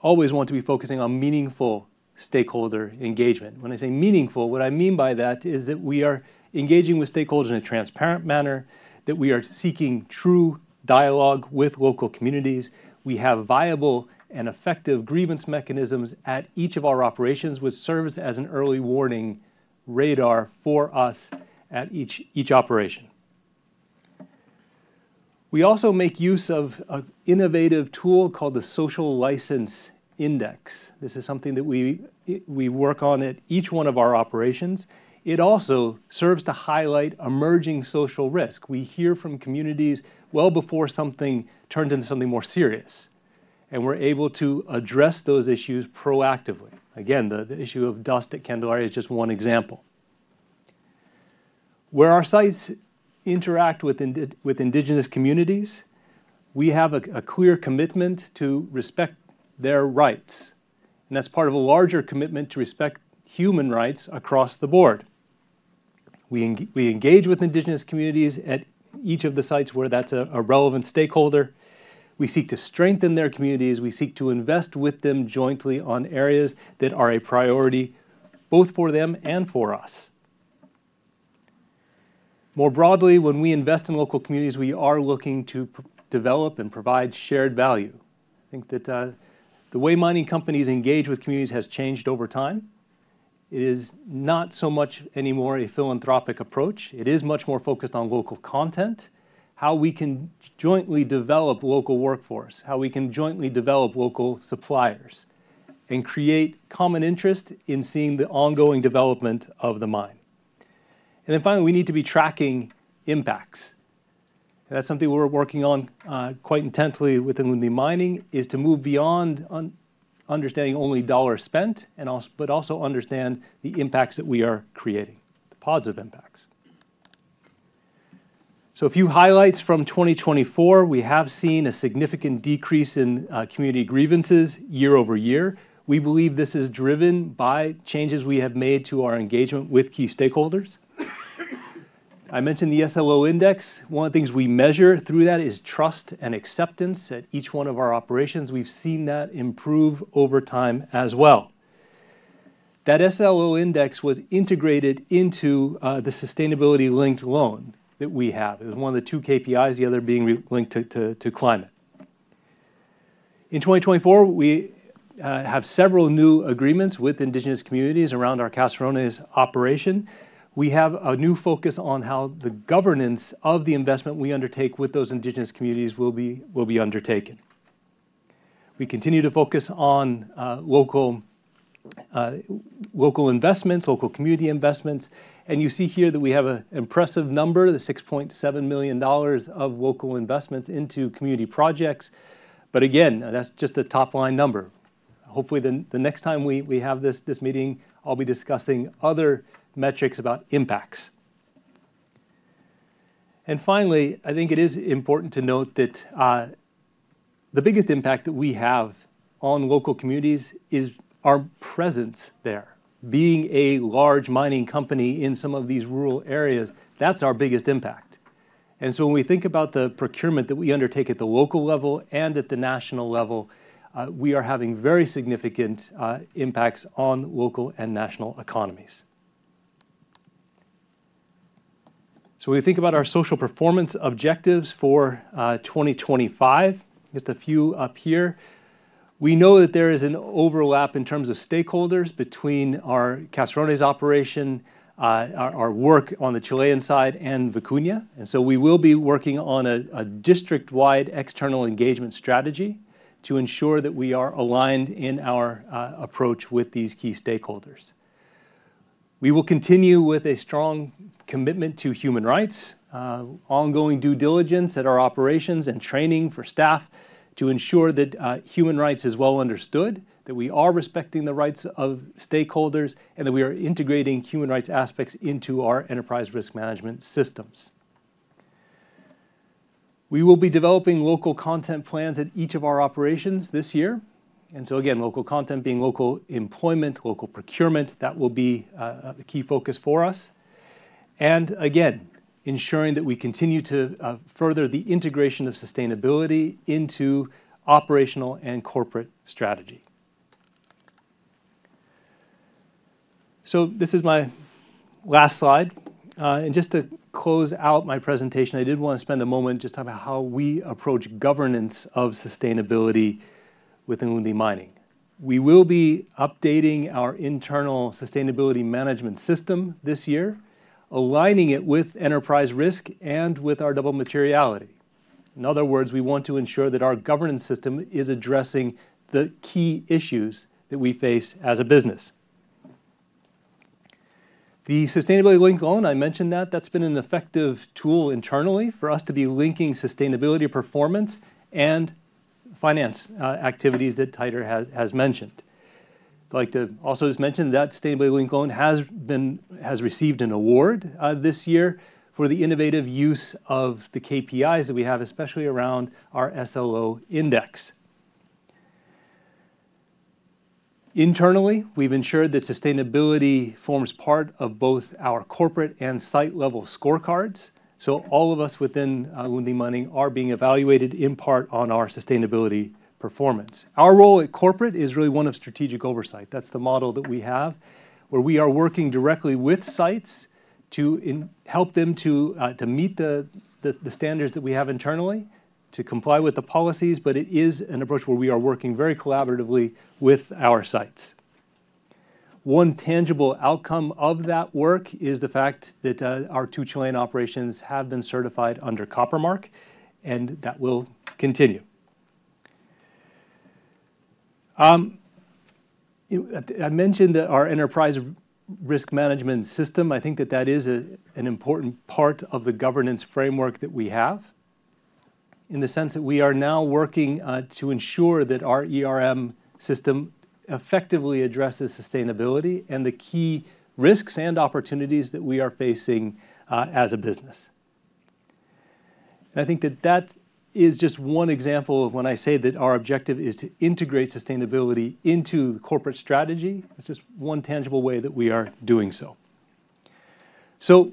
always want to be focusing on meaningful stakeholder engagement. When I say meaningful, what I mean by that is that we are engaging with stakeholders in a transparent manner, that we are seeking true dialogue with local communities. We have viable and effective grievance mechanisms at each of our operations, which serves as an early warning radar for us at each operation. We also make use of an innovative tool called the Social License Index. This is something that we work on at each one of our operations. It also serves to highlight emerging social risk. We hear from communities well before something turns into something more serious, and we're able to address those issues proactively. Again, the issue of dust at Candelaria is just one example. Where our sites interact with indigenous communities, we have a clear commitment to respect their rights. That is part of a larger commitment to respect human rights across the board. We engage with indigenous communities at each of the sites where that is a relevant stakeholder. We seek to strengthen their communities. We seek to invest with them jointly on areas that are a priority both for them and for us. More broadly, when we invest in local communities, we are looking to develop and provide shared value. I think that the way mining companies engage with communities has changed over time. It is not so much anymore a philanthropic approach. It is much more focused on local content, how we can jointly develop local workforce, how we can jointly develop local suppliers, and create common interest in seeing the ongoing development of the mine. Finally, we need to be tracking impacts. That's something we're working on quite intensely within Lundin Mining, is to move beyond understanding only dollars spent, but also understand the impacts that we are creating, the positive impacts. A few highlights from 2024. We have seen a significant decrease in community grievances year-over-year. We believe this is driven by changes we have made to our engagement with key stakeholders. I mentioned the SLO index. One of the things we measure through that is trust and acceptance at each one of our operations. We've seen that improve over time as well. That SLO index was integrated into the sustainability-linked loan that we have. It was one of the two KPIs, the other being linked to climate. In 2024, we have several new agreements with indigenous communities around our Caserones operation. We have a new focus on how the governance of the investment we undertake with those indigenous communities will be undertaken. We continue to focus on local investments, local community investments. You see here that we have an impressive number, the $6.7 million of local investments into community projects. Again, that's just a top-line number. Hopefully, the next time we have this meeting, I'll be discussing other metrics about impacts. Finally, I think it is important to note that the biggest impact that we have on local communities is our presence there. Being a large mining company in some of these rural areas, that's our biggest impact. When we think about the procurement that we undertake at the local level and at the national level, we are having very significant impacts on local and national economies. When we think about our social performance objectives for 2025, just a few up here, we know that there is an overlap in terms of stakeholders between our Caserones operation, our work on the Chilean side, and Vicuña. We will be working on a district-wide external engagement strategy to ensure that we are aligned in our approach with these key stakeholders. We will continue with a strong commitment to human rights, ongoing due diligence at our operations, and training for staff to ensure that human rights is well understood, that we are respecting the rights of stakeholders, and that we are integrating human rights aspects into our enterprise risk management systems. We will be developing local content plans at each of our operations this year. Local content being local employment, local procurement, that will be a key focus for us. Again, ensuring that we continue to further the integration of sustainability into operational and corporate strategy. This is my last slide. Just to close out my presentation, I did want to spend a moment just talking about how we approach governance of sustainability within Lundin Mining. We will be updating our internal sustainability management system this year, aligning it with enterprise risk and with our double materiality. In other words, we want to ensure that our governance system is addressing the key issues that we face as a business. The Sustainability Linked Loan, I mentioned that. That's been an effective tool internally for us to be linking sustainability performance and finance activities that Teitur has mentioned. I'd like to also just mention that Sustainability Linked Loan has received an award this year for the innovative use of the KPIs that we have, especially around our SLO index. Internally, we've ensured that sustainability forms part of both our corporate and site-level scorecards. All of us within Lundin Mining are being evaluated in part on our sustainability performance. Our role at corporate is really one of strategic oversight. That's the model that we have, where we are working directly with sites to help them to meet the standards that we have internally, to comply with the policies, but it is an approach where we are working very collaboratively with our sites. One tangible outcome of that work is the fact that our two Chilean operations have been certified under Copper Mark, and that will continue. I mentioned that our enterprise risk management system, I think that that is an important part of the governance framework that we have, in the sense that we are now working to ensure that our system effectively addresses sustainability and the key risks and opportunities that we are facing as a business. I think that that is just one example of when I say that our objective is to integrate sustainability into the corporate strategy. That is just one tangible way that we are doing so.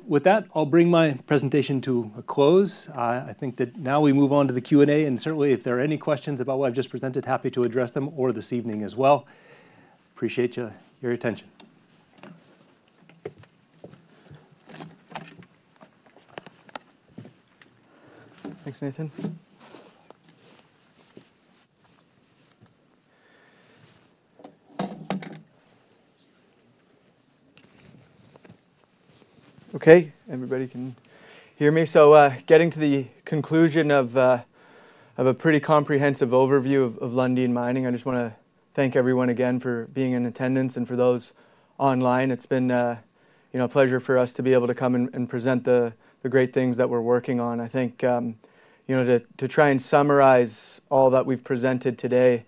With that, I'll bring my presentation to a close. I think that now we move on to the Q&A, and certainly if there are any questions about what I've just presented, happy to address them over this evening as well. Appreciate your attention. Thanks, Nathan. Okay, everybody can hear me? Getting to the conclusion of a pretty comprehensive overview of Lundin Mining, I just want to thank everyone again for being in attendance and for those online. It's been a pleasure for us to be able to come and present the great things that we're working on. I think to try and summarize all that we've presented today,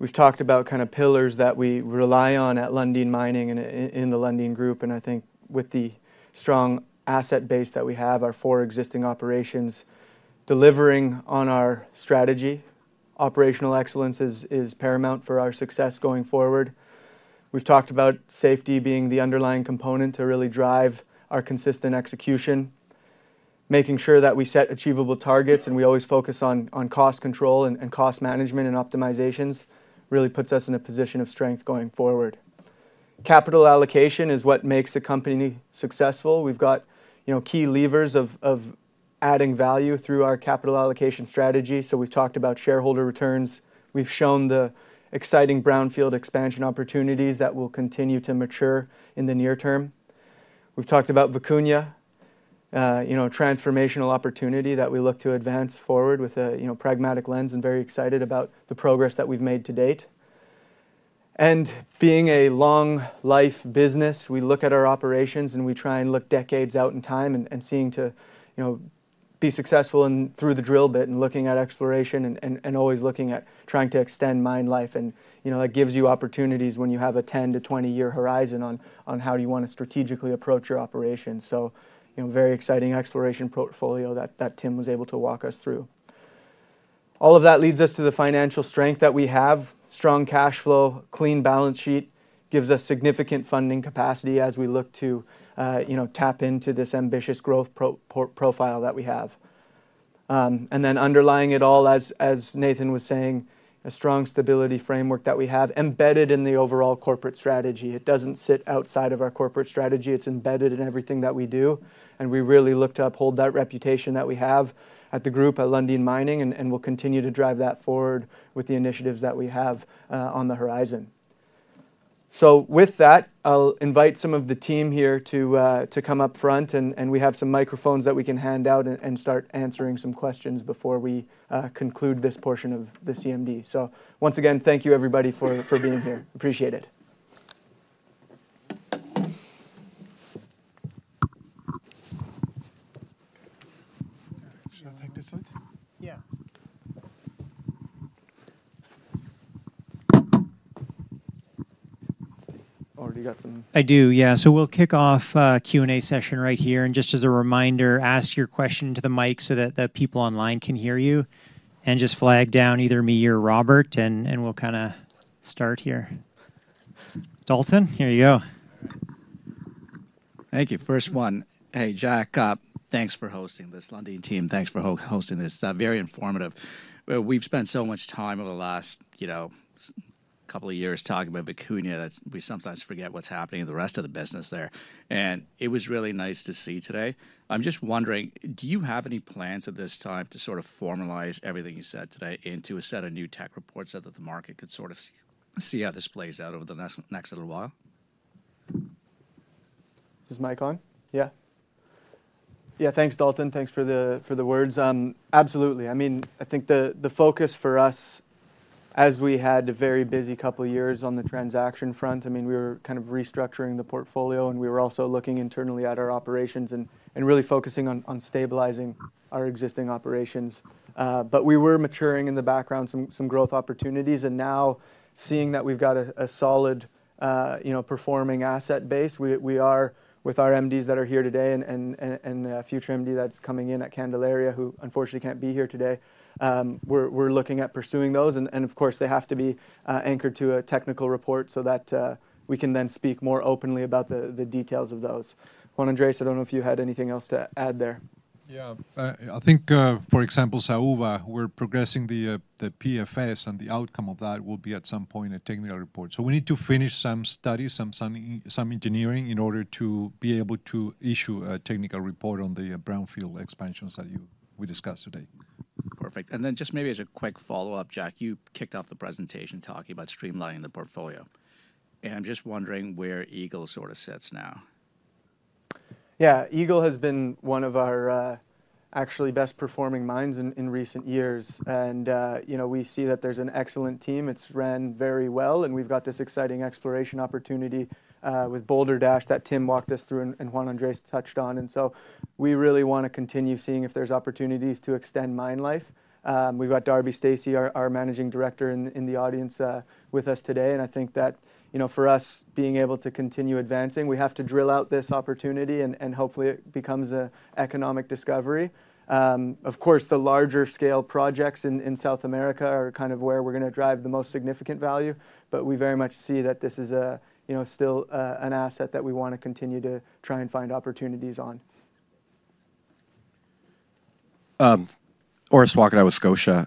we've talked about kind of pillars that we rely on at Lundin Mining and in the Lundin Group. I think with the strong asset base that we have, our four existing operations delivering on our strategy, operational excellence is paramount for our success going forward. We've talked about safety being the underlying component to really drive our consistent execution, making sure that we set achievable targets, and we always focus on cost control and cost management and optimizations really puts us in a position of strength going forward. Capital allocation is what makes a company successful. We've got key levers of adding value through our capital allocation strategy. We've talked about shareholder returns. We've shown the exciting brownfield expansion opportunities that will continue to mature in the near term. We've talked about Vicuña, a transformational opportunity that we look to advance forward with a pragmatic lens and very excited about the progress that we've made to date. Being a long-life business, we look at our operations and we try and look decades out in time and seeing to be successful through the drill bit and looking at exploration and always looking at trying to extend mine life. That gives you opportunities when you have a 10-20 year horizon on how you want to strategically approach your operations. Very exciting exploration portfolio that Tim was able to walk us through. All of that leads us to the financial strength that we have. Strong cash flow, clean balance sheet gives us significant funding capacity as we look to tap into this ambitious growth profile that we have. Underlying it all, as Nathan was saying, a strong stability framework that we have embedded in the overall corporate strategy. It does not sit outside of our corporate strategy. It is embedded in everything that we do. We really look to uphold that reputation that we have at the group at Lundin Mining and will continue to drive that forward with the initiatives that we have on the horizon. With that, I'll invite some of the team here to come up front, and we have some microphones that we can hand out and start answering some questions before we conclude this portion of the CMD. Once again, thank you, everybody, for being here. Appreciate it. Should I take this one? Yeah. Already got some. I do, yeah. We'll kick off Q&A session right here. Just as a reminder, ask your question to the mic so that the people online can hear you. Just flag down either me or Robert, and we'll kind of start here. Dalton, here you go. Thank you. First one. Hey, Jack, thanks for hosting this. Lundin team, thanks for hosting this. Very informative. We've spent so much time over the last couple of years talking about Vicuña. We sometimes forget what's happening in the rest of the business there. It was really nice to see today. I'm just wondering, do you have any plans at this time to sort of formalize everything you said today into a set of new tech reports so that the market could sort of see how this plays out over the next little while? Is this mic on? Yeah. Yeah, thanks, Dalton. Thanks for the words. Absolutely. I mean, I think the focus for us, as we had a very busy couple of years on the transaction front, I mean, we were kind of restructuring the portfolio, and we were also looking internally at our operations and really focusing on stabilizing our existing operations. We were maturing in the background some growth opportunities. Now, seeing that we have a solid performing asset base, we are with our MDs that are here today and a future MD that is coming in at Candelaria, who unfortunately cannot be here today. We are looking at pursuing those. Of course, they have to be anchored to a technical report so that we can then speak more openly about the details of those. Juan Andrés, I do not know if you had anything else to add there. Yeah, I think, for example, Saúva, we are progressing the PFS, and the outcome of that will be at some point a technical report. We need to finish some studies, some engineering in order to be able to issue a technical report on the brownfield expansions that we discussed today. Perfect. Just maybe as a quick follow-up, Jack, you kicked off the presentation talking about streamlining the portfolio. I am just wondering where Eagle sort of sits now. Yeah, Eagle has been one of our actually best performing mines in recent years. We see that there is an excellent team. It is ran very well. We have got this exciting exploration opportunity with Boulder-Dash that Tim walked us through and Juan Andrés touched on. We really want to continue seeing if there are opportunities to extend mine life. We have got Darby Stacey, our Managing Director, in the audience with us today. I think that for us, being able to continue advancing, we have to drill out this opportunity and hopefully it becomes an economic discovery. Of course, the larger scale projects in South America are kind of where we are going to drive the most significant value. We very much see that this is still an asset that we want to continue to try and find opportunities on. Orest Wowkodaw out of Scotia.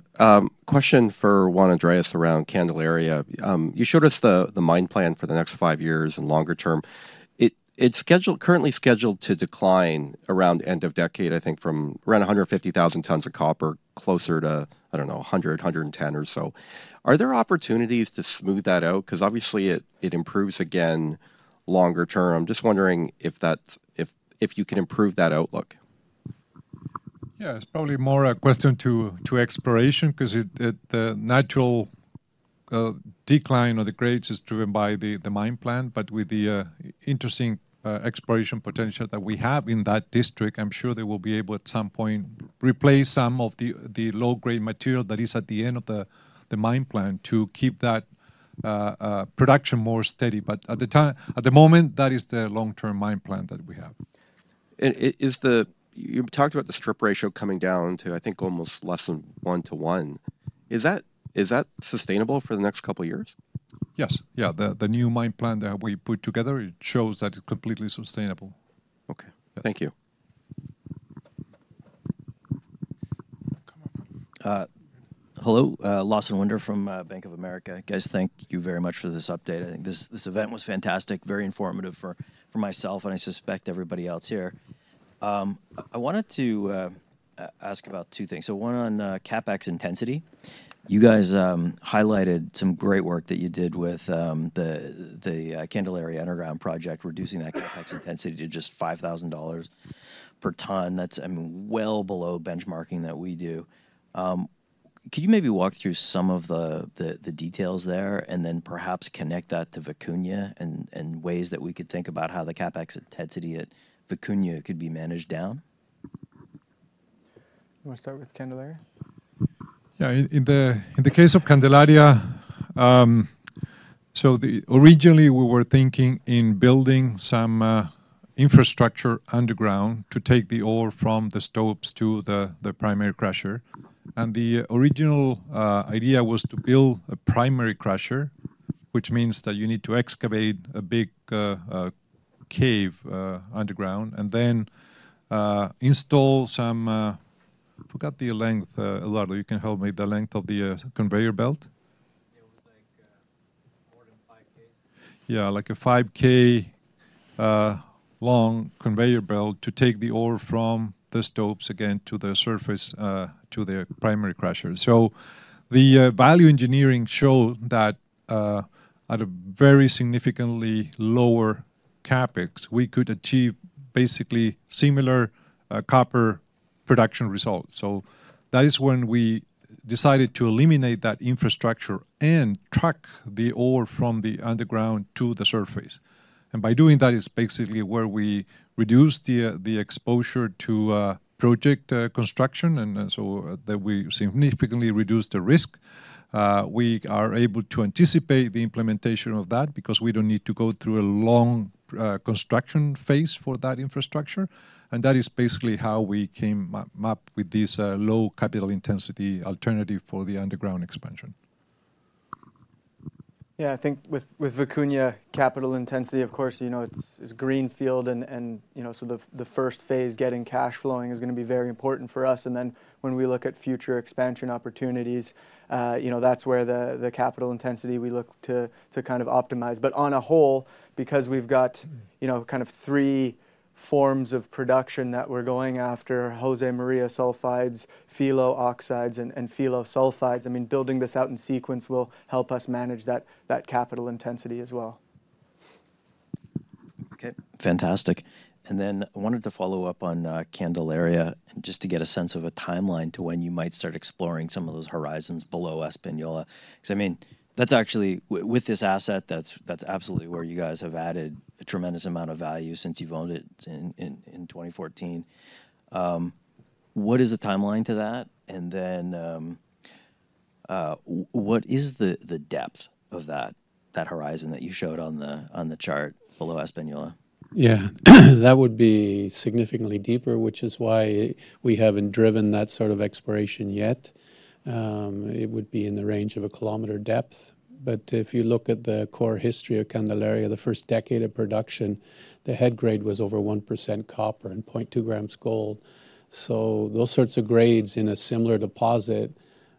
Question for Juan Andrés around Candelaria. You showed us the mine plan for the next five years and longer term. It is currently scheduled to decline around end of decade, I think, from around 150,000 tons of copper closer to, I do not know, 100, 110 or so. Are there opportunities to smooth that out? Because obviously it improves again longer term. I am just wondering if you can improve that outlook. Yeah, it is probably more a question to exploration because the natural decline of the grades is driven by the mine plan. With the interesting exploration potential that we have in that district, I'm sure they will be able at some point to replace some of the low-grade material that is at the end of the mine plan to keep that production more steady. At the moment, that is the long-term mine plan that we have. You talked about the strip ratio coming down to, I think, almost less than one to one. Is that sustainable for the next couple of years? Yes. Yeah, the new mine plan that we put together, it shows that it's completely sustainable. Okay. Thank you. Hello, Lawson Winder from Bank of America. Guys, thank you very much for this update. I think this event was fantastic, very informative for myself and I suspect everybody else here. I wanted to ask about two things. One on CapEx intensity. You guys highlighted some great work that you did with the Candelaria Underground project, reducing that CapEx intensity to just $5,000 per ton. That is well below benchmarking that we do. Could you maybe walk through some of the details there and then perhaps connect that to Vicuña and ways that we could think about how the CapEx intensity at Vicuña could be managed down? You want to start with Candelaria? Yeah, in the case of Candelaria, so originally we were thinking in building some infrastructure underground to take the ore from the stopes to the primary crusher. And the original idea was to build a primary crusher, which means that you need to excavate a big cave underground and then install some, forgot the length, Eduardo, you can help me the length of the conveyor belt? Yeah, like a 5 km long conveyor belt to take the ore from the stopes again to the surface to the primary crusher. The value engineering showed that at a very significantly lower CapEx, we could achieve basically similar copper production results. That is when we decided to eliminate that infrastructure and truck the ore from the underground to the surface. By doing that, it's basically where we reduce the exposure to project construction and we significantly reduce the risk. We are able to anticipate the implementation of that because we do not need to go through a long construction phase for that infrastructure. That is basically how we came up with this low capital intensity alternative for the underground expansion. Yeah, I think with Vicuña capital intensity, of course, it's greenfield. The first phase getting cash flowing is going to be very important for us. Then when we look at future expansion opportunities, that's where the capital intensity we look to kind of optimize. On a whole, because we've got kind of three forms of production that we're going after, José María sulfides, Filo oxides, and Filo sulfides, I mean, building this out in sequence will help us manage that capital intensity as well. Okay, fantastic. I wanted to follow up on Candelaria just to get a sense of a timeline to when you might start exploring some of those horizons below Española. I mean, that's actually with this asset, that's absolutely where you guys have added a tremendous amount of value since you've owned it in 2014. What is the timeline to that? What is the depth of that horizon that you showed on the chart below Española? That would be significantly deeper, which is why we have not driven that sort of exploration yet. It would be in the range of 1 km depth. If you look at the core history of Candelaria, the first decade of production, the head grade was over 1% copper and 0.2 grams gold. Those sorts of grades in a similar deposit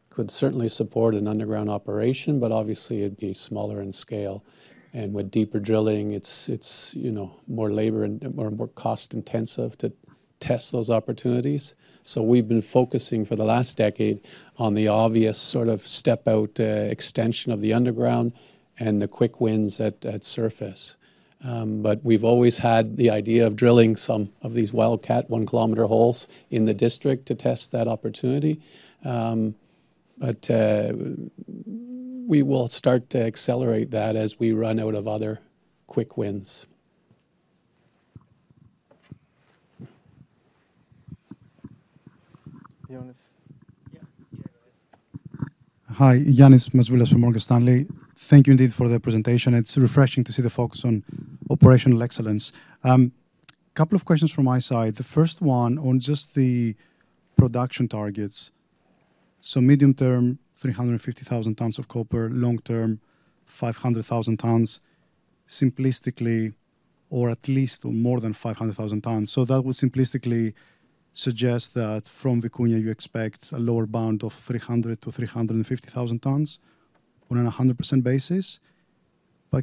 could certainly support an underground operation, but obviously it would be smaller in scale. With deeper drilling, it is more labor and more cost-intensive to test those opportunities. We have been focusing for the last decade on the obvious sort of step-out extension of the underground and the quick wins at surface. We have always had the idea of drilling some of these wildcat 1 km holes in the district to test that opportunity. We will start to accelerate that as we run out of other quick wins. Hi, Ioannis Masvoulas from Morgan Stanley. Thank you indeed for the presentation. It is refreshing to see the focus on operational excellence. A couple of questions from my side. The first one on just the production targets. Medium-term, 350,000 tons of copper, long-term, 500,000 tons, simplistically, or at least more than 500,000 tons. That would simplistically suggest that from Vicuña, you expect a lower bound of 300,000-350,000 tons on a 100% basis.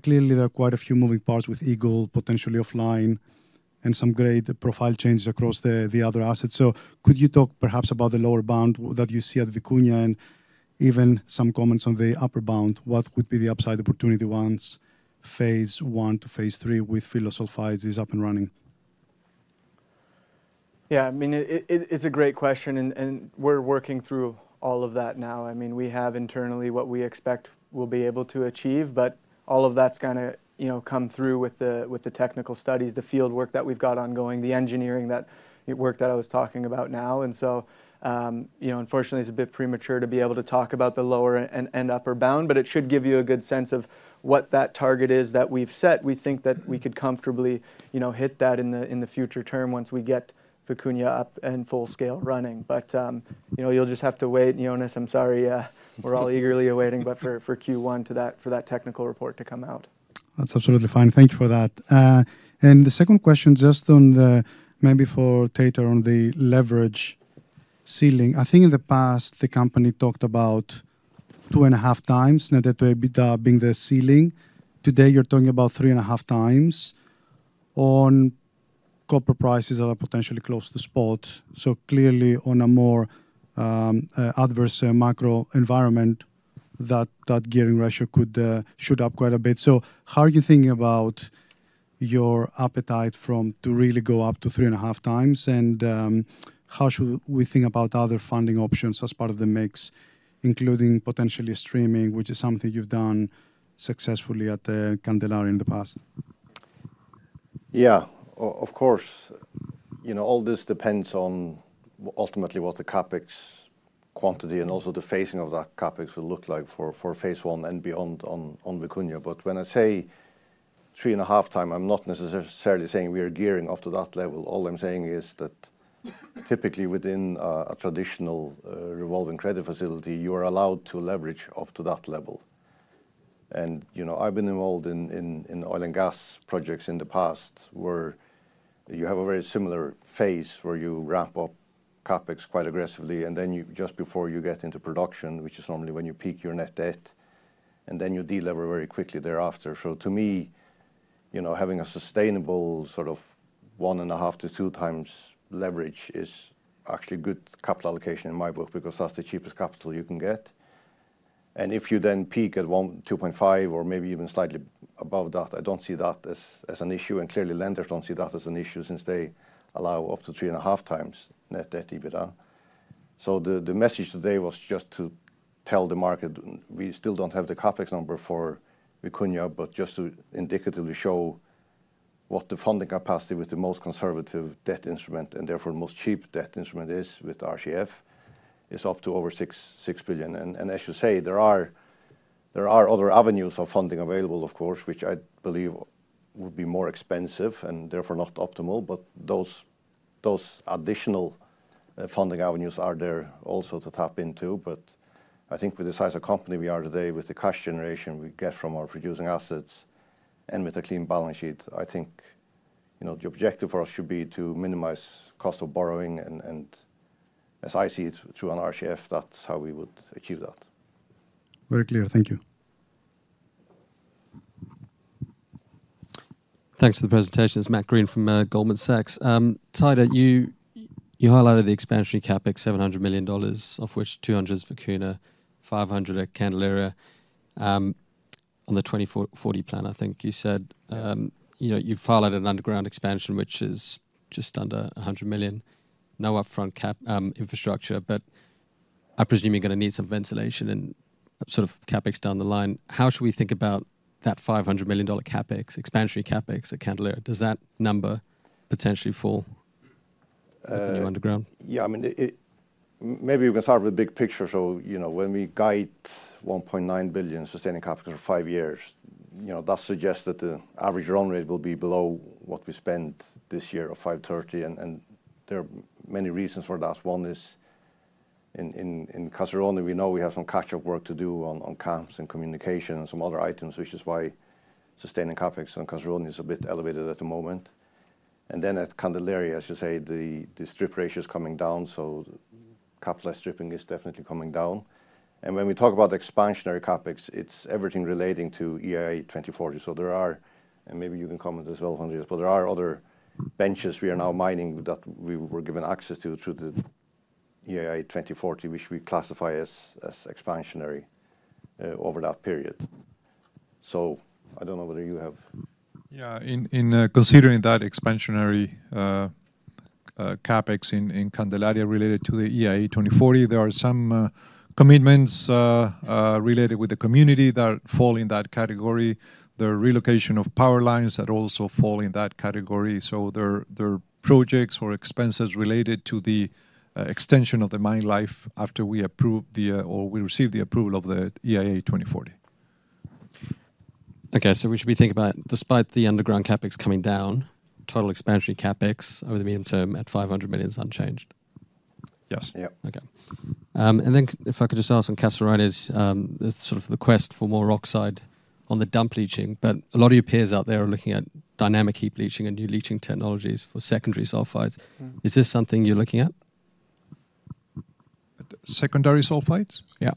Clearly, there are quite a few moving parts with Eagle potentially offline and some grade profile changes across the other assets. Could you talk perhaps about the lower bound that you see at Vicuña and even some comments on the upper bound? What would be the upside opportunity once phase one to phase three with Filo sulfides is up and running? Yeah, I mean, it's a great question. We're working through all of that now. I mean, we have internally what we expect we'll be able to achieve, but all of that's going to come through with the technical studies, the field work that we've got ongoing, the engineering, that work that I was talking about now. Unfortunately, it's a bit premature to be able to talk about the lower and upper bound. It should give you a good sense of what that target is that we've set. We think that we could comfortably hit that in the future term once we get Vicuña up and full scale running. You will just have to wait. Ioannis, I am sorry. We are all eagerly awaiting, but for Q1 for that technical report to come out. That is absolutely fine. Thank you for that. The second question just on the maybe for Teitur on the leverage ceiling. I think in the past, the company talked about two and a half times net debt to EBITDA being the ceiling. Today, you are talking about three and a half times on copper prices that are potentially close to spot. Clearly, on a more adverse macro environment, that gearing ratio should up quite a bit. How are you thinking about your appetite from to really go up to three and a half times? How should we think about other funding options as part of the mix, including potentially streaming, which is something you've done successfully at Candelaria in the past? Yeah, of course. All this depends on ultimately what the CapEx quantity and also the phasing of that CapEx will look like for phase one and beyond on Vicuña. When I say three and a half time, I'm not necessarily saying we are gearing up to that level. All I'm saying is that typically within a traditional revolving credit facility, you are allowed to leverage up to that level. I've been involved in oil and gas projects in the past where you have a very similar phase where you ramp up CapEx quite aggressively. Just before you get into production, which is normally when you peak your net debt, and then you delever very quickly thereafter. To me, having a sustainable sort of one and a half to two times leverage is actually good capital allocation in my book because that's the cheapest capital you can get. If you then peak at 2.5 or maybe even slightly above that, I don't see that as an issue. Clearly, lenders don't see that as an issue since they allow up to 3.5 times net debt EBITDA. The message today was just to tell the market we still don't have the CapEx number for Vicuña, but just to indicatively show what the funding capacity with the most conservative debt instrument and therefore the most cheap debt instrument is with RCF is up to over $6 billion. As you say, there are other avenues of funding available, of course, which I believe would be more expensive and therefore not optimal. Those additional funding avenues are there also to tap into. I think with the size of company we are today, with the cash generation we get from our producing assets and with a clean balance sheet, I think the objective for us should be to minimize cost of borrowing. As I see it, through an RCF, that's how we would achieve that. Very clear. Thank you. Thanks for the presentation. This is Matt Greene from Goldman Sachs. Teitur, you highlighted the expansionary CapEx, $700 million, of which $200 million is Vicuña, $500 million at Candelaria on the 2040 plan, I think you said. You have highlighted an underground expansion, which is just under $100 million, no upfront infrastructure. I presume you are going to need some ventilation and sort of CapEx down the line. How should we think about that $500 million CapEx, expansionary CapEx at Candelaria? Does that number potentially fall with the new underground? Yeah, I mean, maybe we can start with the big picture. When we guide $1.9 billion sustaining capital for five years, that suggests that the average run rate will be below what we spend this year of $530 million. There are many reasons for that. One is in Caserones, we know we have some catch-up work to do on camps and communication and some other items, which is why sustaining CapEx on Caserones is a bit elevated at the moment. At Candelaria, as you say, the strip ratio is coming down. Capitalized stripping is definitely coming down. When we talk about expansionary CapEx, it is everything relating to EIA 2040. There are, and maybe you can comment as well, Juan Andrés, but there are other benches we are now mining that we were given access to through the EIA 2040, which we classify as expansionary over that period. I do not know whether you have. Yeah, in considering that expansionary CapEx in Candelaria related to the EIA 2040, there are some commitments related with the community that fall in that category. The relocation of power lines also falls in that category. There are projects or expenses related to the extension of the mine life after we approve or we receive the approval of the EIA 2040. Okay, we should be thinking about, despite the underground CapEx coming down, total expansionary CapEx over the medium term at $500 million is unchanged. Yes. Yeah. Okay. If I could just ask on Caserones, sort of the quest for more rock side on the dump leaching. A lot of your peers out there are looking at dynamic heap leaching and new leaching technologies for secondary sulfides. Is this something you're looking at? Secondary sulfides? Yeah.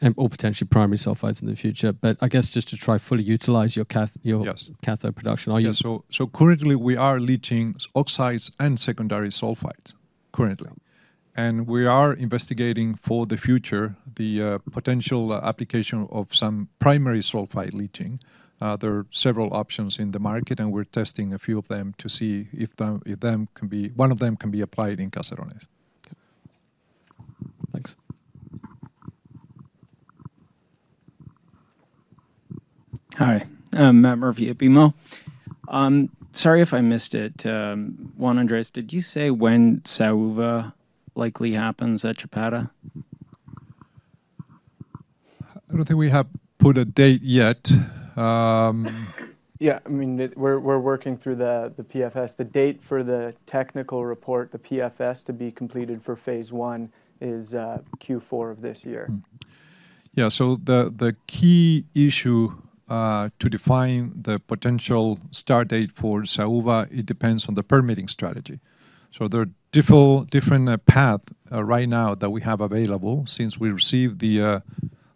And/or potentially primary sulfides in the future. I guess just to try to fully utilize your cathode production. Currently, we are leaching oxides and secondary sulfides. We are investigating for the future the potential application of some primary sulfide leaching. There are several options in the market, and we're testing a few of them to see if one of them can be applied in Caserones. Hi, I'm Matt Murphy at BMO. Sorry if I missed it. Juan Andrés, did you say when Saúva likely happens at Chapada? I don't think we have put a date yet. Yeah, I mean, we're working through the PFS. The date for the technical report, the PFS to be completed for phase one is Q4 of this year. Yeah, the key issue to define the potential start date for Saúva, it depends on the permitting strategy. There are different paths right now that we have available since we received the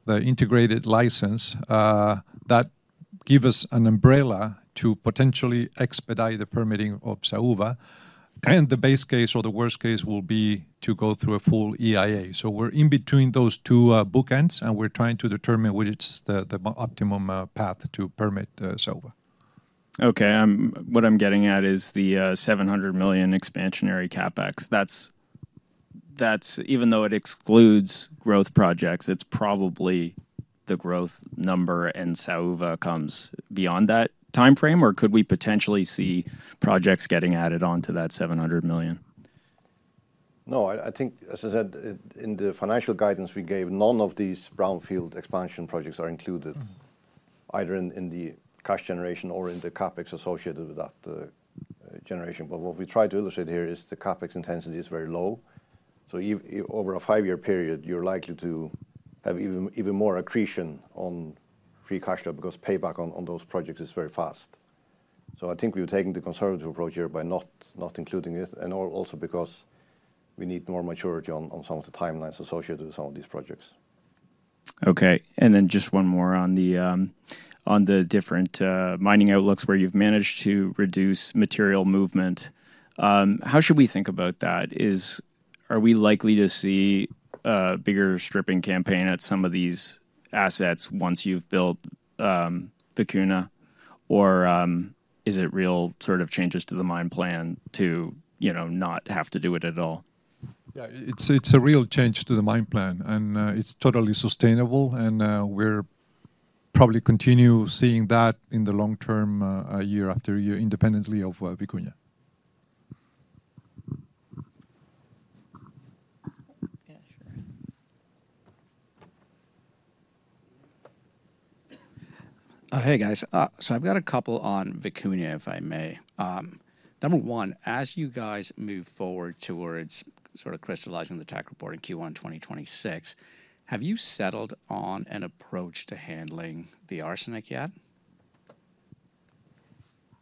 integrated license that give us an umbrella to potentially expedite the permitting of Saúva. The base case or the worst case will be to go through a full EIA. We're in between those two bookends, and we're trying to determine which is the optimum path to permit Saúva. Okay, what I'm getting at is the $700 million expansionary CapEx. Even though it excludes growth projects, it's probably the growth number and Saúva comes beyond that time frame. Could we potentially see projects getting added on to that $700 million? No, I think, as I said, in the financial guidance we gave, none of these brownfield expansion projects are included, either in the cash generation or in the CapEx associated with that generation. What we tried to illustrate here is the CapEx intensity is very low. Over a five-year period, you're likely to have even more accretion on free cash flow because payback on those projects is very fast. I think we're taking the conservative approach here by not including it, also because we need more maturity on some of the timelines associated with some of these projects. Okay, and then just one more on the different mining outlooks where you've managed to reduce material movement. How should we think about that? Are we likely to see a bigger stripping campaign at some of these assets once you have built Vicuña? Or is it real sort of changes to the mine plan to not have to do it at all? Yeah, it is a real change to the mine plan, and it is totally sustainable. We will probably continue seeing that in the long term, year after year, independently of Vicuña. Yeah, sure. Hey, guys. I have a couple on Vicuña, if I may. Number one, as you guys move forward towards sort of crystallizing the tech report in Q1 2026, have you settled on an approach to handling the arsenic yet?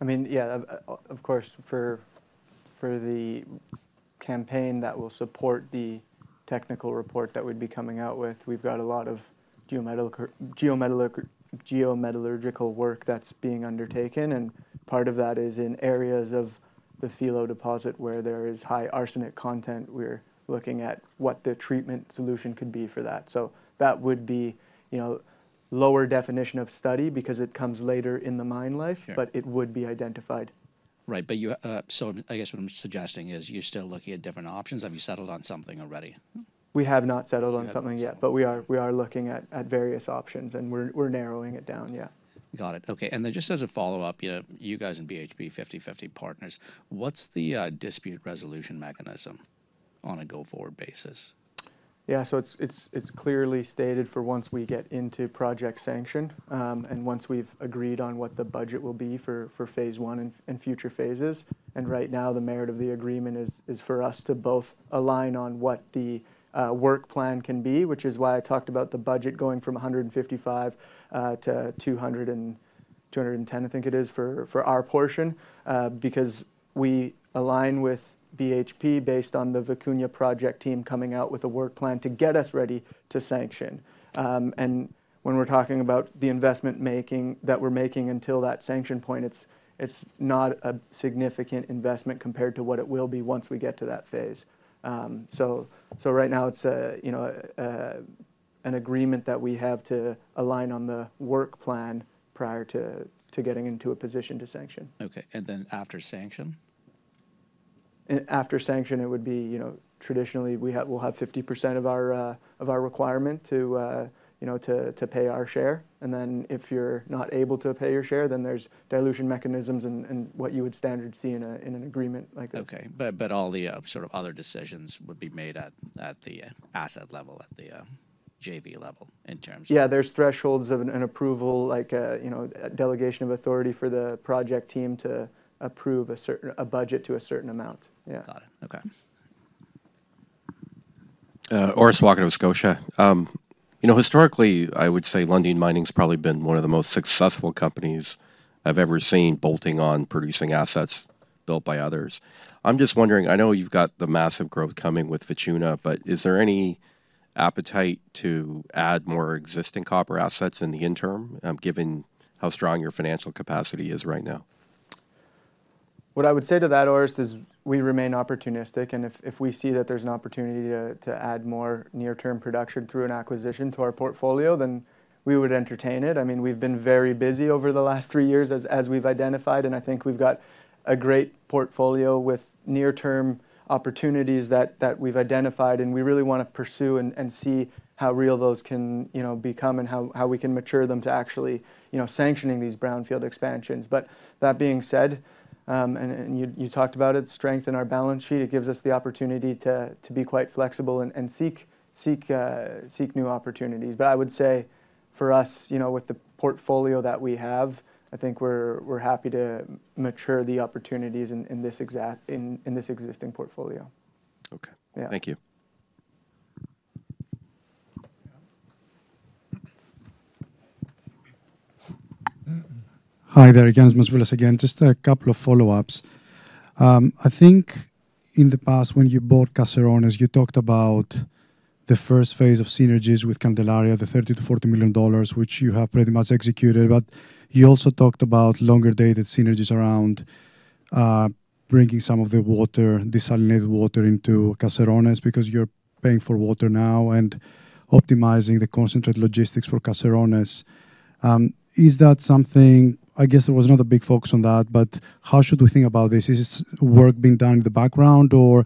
I mean, yeah, of course, for the campaign that will support the technical report that we would be coming out with, we have got a lot of geometallurgical work that is being undertaken. Part of that is in areas of the Filo deposit where there is high arsenic content. We're looking at what the treatment solution could be for that. That would be lower definition of study because it comes later in the mine life, but it would be identified. Right, but I guess what I'm suggesting is you're still looking at different options. Have you settled on something already? We have not settled on something yet, but we are looking at various options, and we're narrowing it down, yeah. Got it. Okay, and then just as a follow-up, you guys and BHP, 50/50 partners, what's the dispute resolution mechanism on a go-forward basis? Yeah, it's clearly stated for once we get into project sanction and once we've agreed on what the budget will be for phase one and future phases. Right now, the merit of the agreement is for us to both align on what the work plan can be, which is why I talked about the budget going from $155 million to $210 million, I think it is, for our portion, because we align with BHP based on the Vicuña project team coming out with a work plan to get us ready to sanction. When we're talking about the investment making that we're making until that sanction point, it's not a significant investment compared to what it will be once we get to that phase. Right now, it's an agreement that we have to align on the work plan prior to getting into a position to sanction. Okay, and then after sanction? After sanction, it would be traditionally, we'll have 50% of our requirement to pay our share. If you're not able to pay your share, then there's dilution mechanisms and what you would standard see in an agreement. Okay, all the sort of other decisions would be made at the asset level, at the JV level in terms of. Yeah, there's thresholds of an approval, like delegation of authority for the project team to approve a budget to a certain amount. Yeah. Got it. Okay. Orest Wowkodaw of Scotia. Historically, I would say Lundin Mining has probably been one of the most successful companies I've ever seen bolting on producing assets built by others. I'm just wondering, I know you've got the massive growth coming with Vicuña, but is there any appetite to add more existing copper assets in the interim given how strong your financial capacity is right now? What I would say to that, Orest, is we remain opportunistic. If we see that there's an opportunity to add more near-term production through an acquisition to our portfolio, we would entertain it. I mean, we've been very busy over the last three years, as we've identified. I think we've got a great portfolio with near-term opportunities that we've identified. We really want to pursue and see how real those can become and how we can mature them to actually sanctioning these brownfield expansions. That being said, you talked about it, strength in our balance sheet gives us the opportunity to be quite flexible and seek new opportunities. I would say for us, with the portfolio that we have, I think we're happy to mature the opportunities in this existing portfolio. Okay, thank you. Hi there, Ioannis Masvoulas again, just a couple of follow-ups. I think in the past, when you bought Caserones, you talked about the first phase of synergies with Candelaria, the $30 million-$40 million, which you have pretty much executed. You also talked about longer-dated synergies around bringing some of the water, desalinated water into Caserones because you're paying for water now and optimizing the concentrate logistics for Caserones. Is that something? I guess there was not a big focus on that, but how should we think about this? Is this work being done in the background, or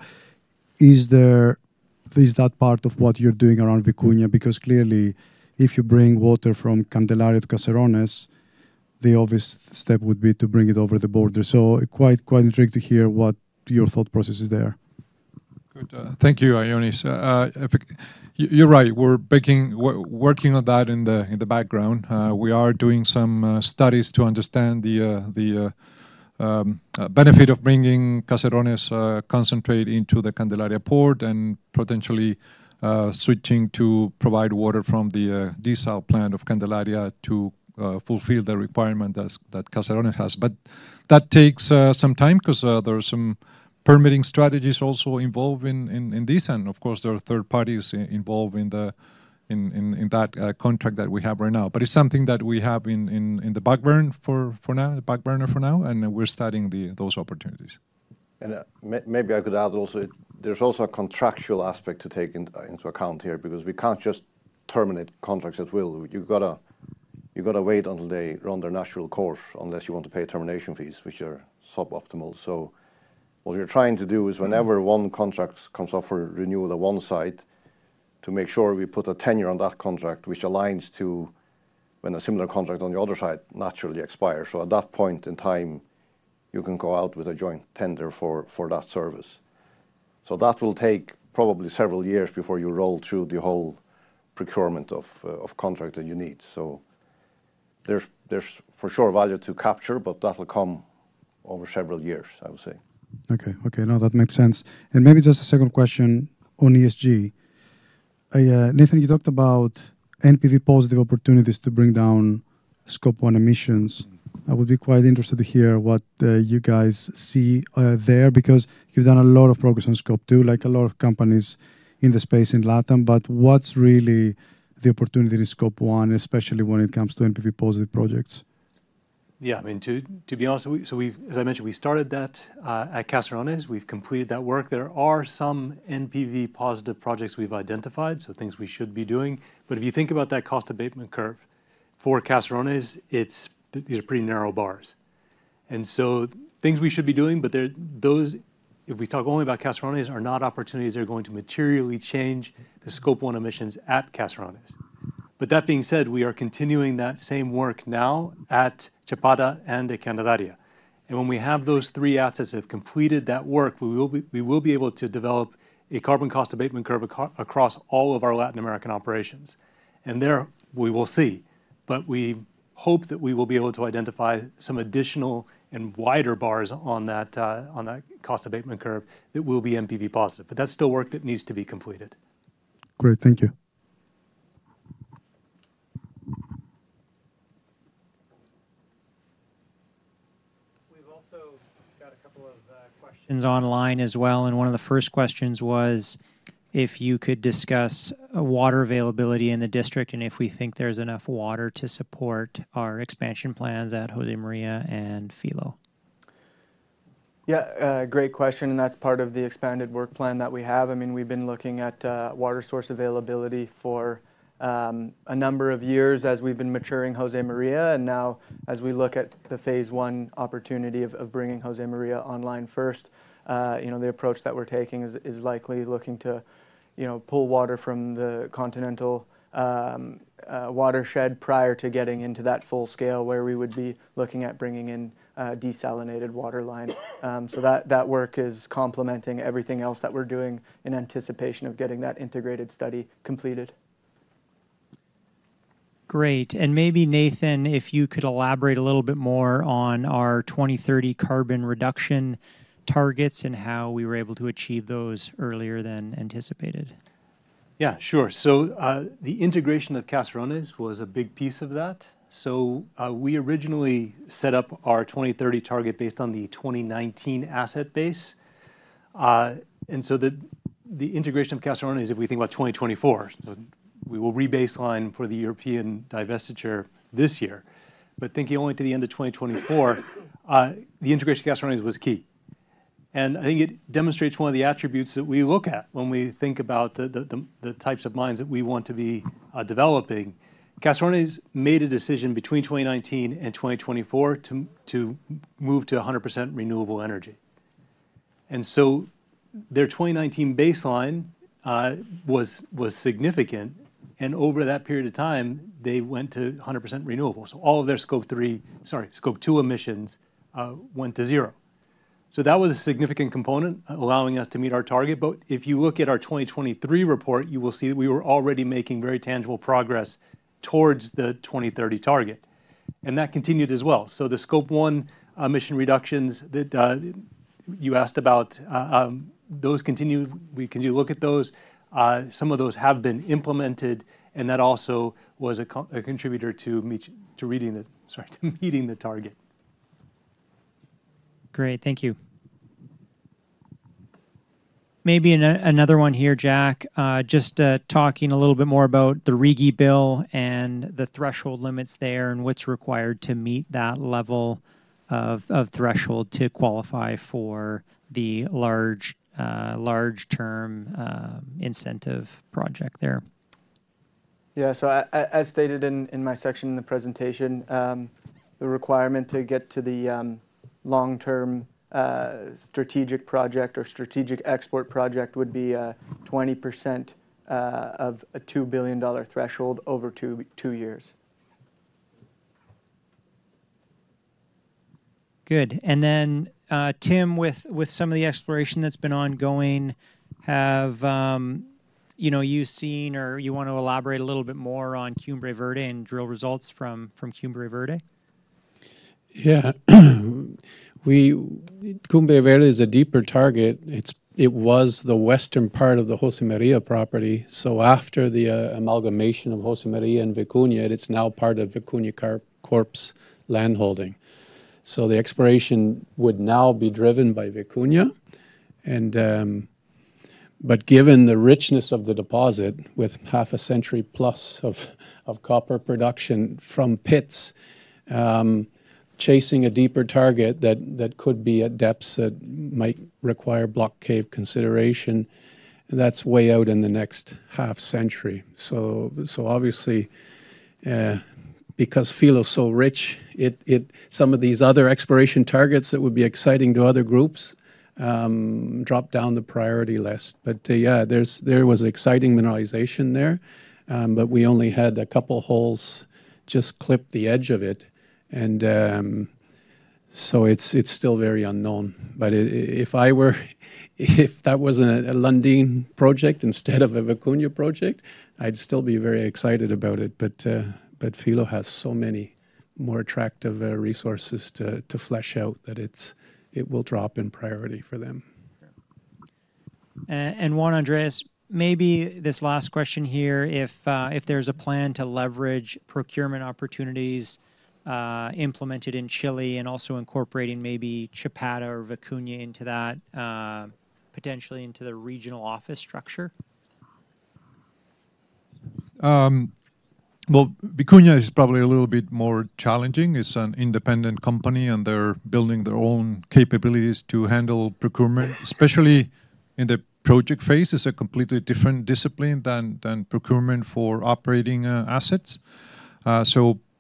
is that part of what you're doing around Vicuña? Because clearly, if you bring water from Candelaria to Caserones, the obvious step would be to bring it over the border. Quite intrigued to hear what your thought process is there. Thank you, Ioannis. You're right. We're working on that in the background. We are doing some studies to understand the benefit of bringing Caserones concentrate into the Candelaria port and potentially switching to provide water from the desal plant of Candelaria to fulfill the requirement that Caserones has. That takes some time because there are some permitting strategies also involved in this. Of course, there are third parties involved in that contract that we have right now. It is something that we have in the backburner for now, and we're studying those opportunities. Maybe I could add also, there's also a contractual aspect to take into account here because we can't just terminate contracts at will. You've got to wait until they run their natural course unless you want to pay termination fees, which are sub-optimal. What we're trying to do is whenever one contract comes up for renewal at one site, to make sure we put a tenure on that contract, which aligns to when a similar contract on the other side naturally expires. At that point in time, you can go out with a joint tender for that service. That will take probably several years before you roll through the whole procurement of contract that you need. There is for sure value to capture, but that will come over several years, I would say. Okay, okay, no, that makes sense. Maybe just a second question on ESG. Nathan, you talked about NPV-positive opportunities to bring down scope one emissions. I would be quite interested to hear what you guys see there because you've done a lot of progress on scope two, like a lot of companies in the space in Latam. What's really the opportunity in scope one, especially when it comes to NPV-positive projects? Yeah, I mean, to be honest, as I mentioned, we started that at Caserones. We've completed that work. There are some NPV-positive projects we've identified, so things we should be doing. If you think about that cost abatement curve for Caserones, these are pretty narrow bars. Things we should be doing, but those, if we talk only about Caserones, are not opportunities that are going to materially change the scope one emissions at Caserones. That being said, we are continuing that same work now at Chapada and at Candelaria. When we have those three assets have completed that work, we will be able to develop a carbon cost abatement curve across all of our Latin American operations. There we will see. We hope that we will be able to identify some additional and wider bars on that cost abatement curve that will be NPV-positive. That is still work that needs to be completed. Great, thank you. We have also got a couple of questions online as well. One of the first questions was if you could discuss water availability in the district and if we think there is enough water to support our expansion plans at José María and Filo. Yeah, great question. That is part of the expanded work plan that we have. I mean, we have been looking at water source availability for a number of years as we have been maturing José María. Now, as we look at the phase one opportunity of bringing José María online first, the approach that we're taking is likely looking to pull water from the continental watershed prior to getting into that full scale where we would be looking at bringing in a desalinated water line. That work is complementing everything else that we're doing in anticipation of getting that integrated study completed. Great. Maybe, Nathan, if you could elaborate a little bit more on our 2030 carbon reduction targets and how we were able to achieve those earlier than anticipated. Yeah, sure. The integration of Caserones was a big piece of that. We originally set up our 2030 target based on the 2019 asset base. The integration of Caserones is, if we think about 2024, we will rebaseline for the European divestiture this year. Thinking only to the end of 2024, the integration of Caserones was key. I think it demonstrates one of the attributes that we look at when we think about the types of mines that we want to be developing. Caserones made a decision between 2019 and 2024 to move to 100% renewable energy. Their 2019 baseline was significant. Over that period of time, they went to 100% renewable. All of their scope three, sorry, scope two emissions went to zero. That was a significant component allowing us to meet our target. If you look at our 2023 report, you will see that we were already making very tangible progress towards the 2030 target. That continued as well. The scope one emission reductions that you asked about, those continued. We can look at those. Some of those have been implemented, and that also was a contributor to reading the target. Great, thank you. Maybe another one here, Jack, just talking a little bit more about the REGI bill and the threshold limits there and what is required to meet that level of threshold to qualify for the large-term incentive project there. Yeah, so as stated in my section in the presentation, the requirement to get to the long-term strategic project or strategic export project would be 20% of a $2 billion threshold over two years. Good. And then, Tim, with some of the exploration that has been ongoing, have you seen or do you want to elaborate a little bit more on Cumbre Verde and drill results from Cumbre Verde? Yeah, Cumbre Verde is a deeper target. It was the western part of the José María property. After the amalgamation of José María and Vicuña, it is now part of Vicuña Corp's landholding. The exploration would now be driven by Vicuña. Given the richness of the deposit with half a century plus of copper production from pits, chasing a deeper target that could be at depths that might require block cave consideration, that is way out in the next half century. Obviously, because Filo is so rich, some of these other exploration targets that would be exciting to other groups dropped down the priority list. There was exciting mineralization there, but we only had a couple of holes just clipped the edge of it. It is still very unknown. If that was not a Lundin project instead of a Vicuña project, I would still be very excited about it. Filo has so many more attractive resources to flesh out that it will drop in priority for them. Juan Andrés, maybe this last question here, if there's a plan to leverage procurement opportunities implemented in Chile and also incorporating maybe Chapada or Vicuña into that, potentially into the regional office structure? Vicuña is probably a little bit more challenging. It's an independent company, and they're building their own capabilities to handle procurement, especially in the project phase. It's a completely different discipline than procurement for operating assets.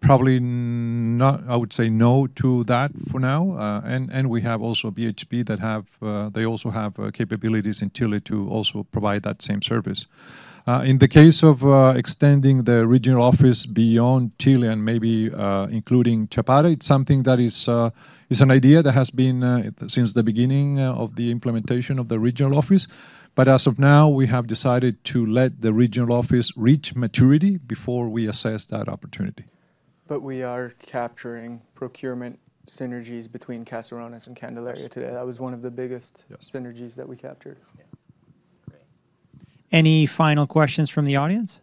Probably I would say no to that for now. We have also BHP that also have capabilities in Chile to also provide that same service. In the case of extending the regional office beyond Chile and maybe including Chapada, it's something that is an idea that has been since the beginning of the implementation of the regional office. As of now, we have decided to let the regional office reach maturity before we assess that opportunity. We are capturing procurement synergies between Caserones and Candelaria today. That was one of the biggest synergies that we captured. Any final questions from the audience?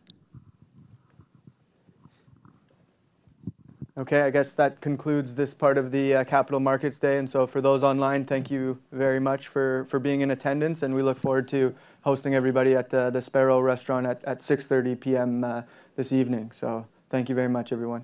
Okay, I guess that concludes this part of the Capital Markets Day. For those online, thank you very much for being in attendance. We look forward to hosting everybody at the Sparrow Restaurant at 6:30 P.M. this evening. Thank you very much, everyone.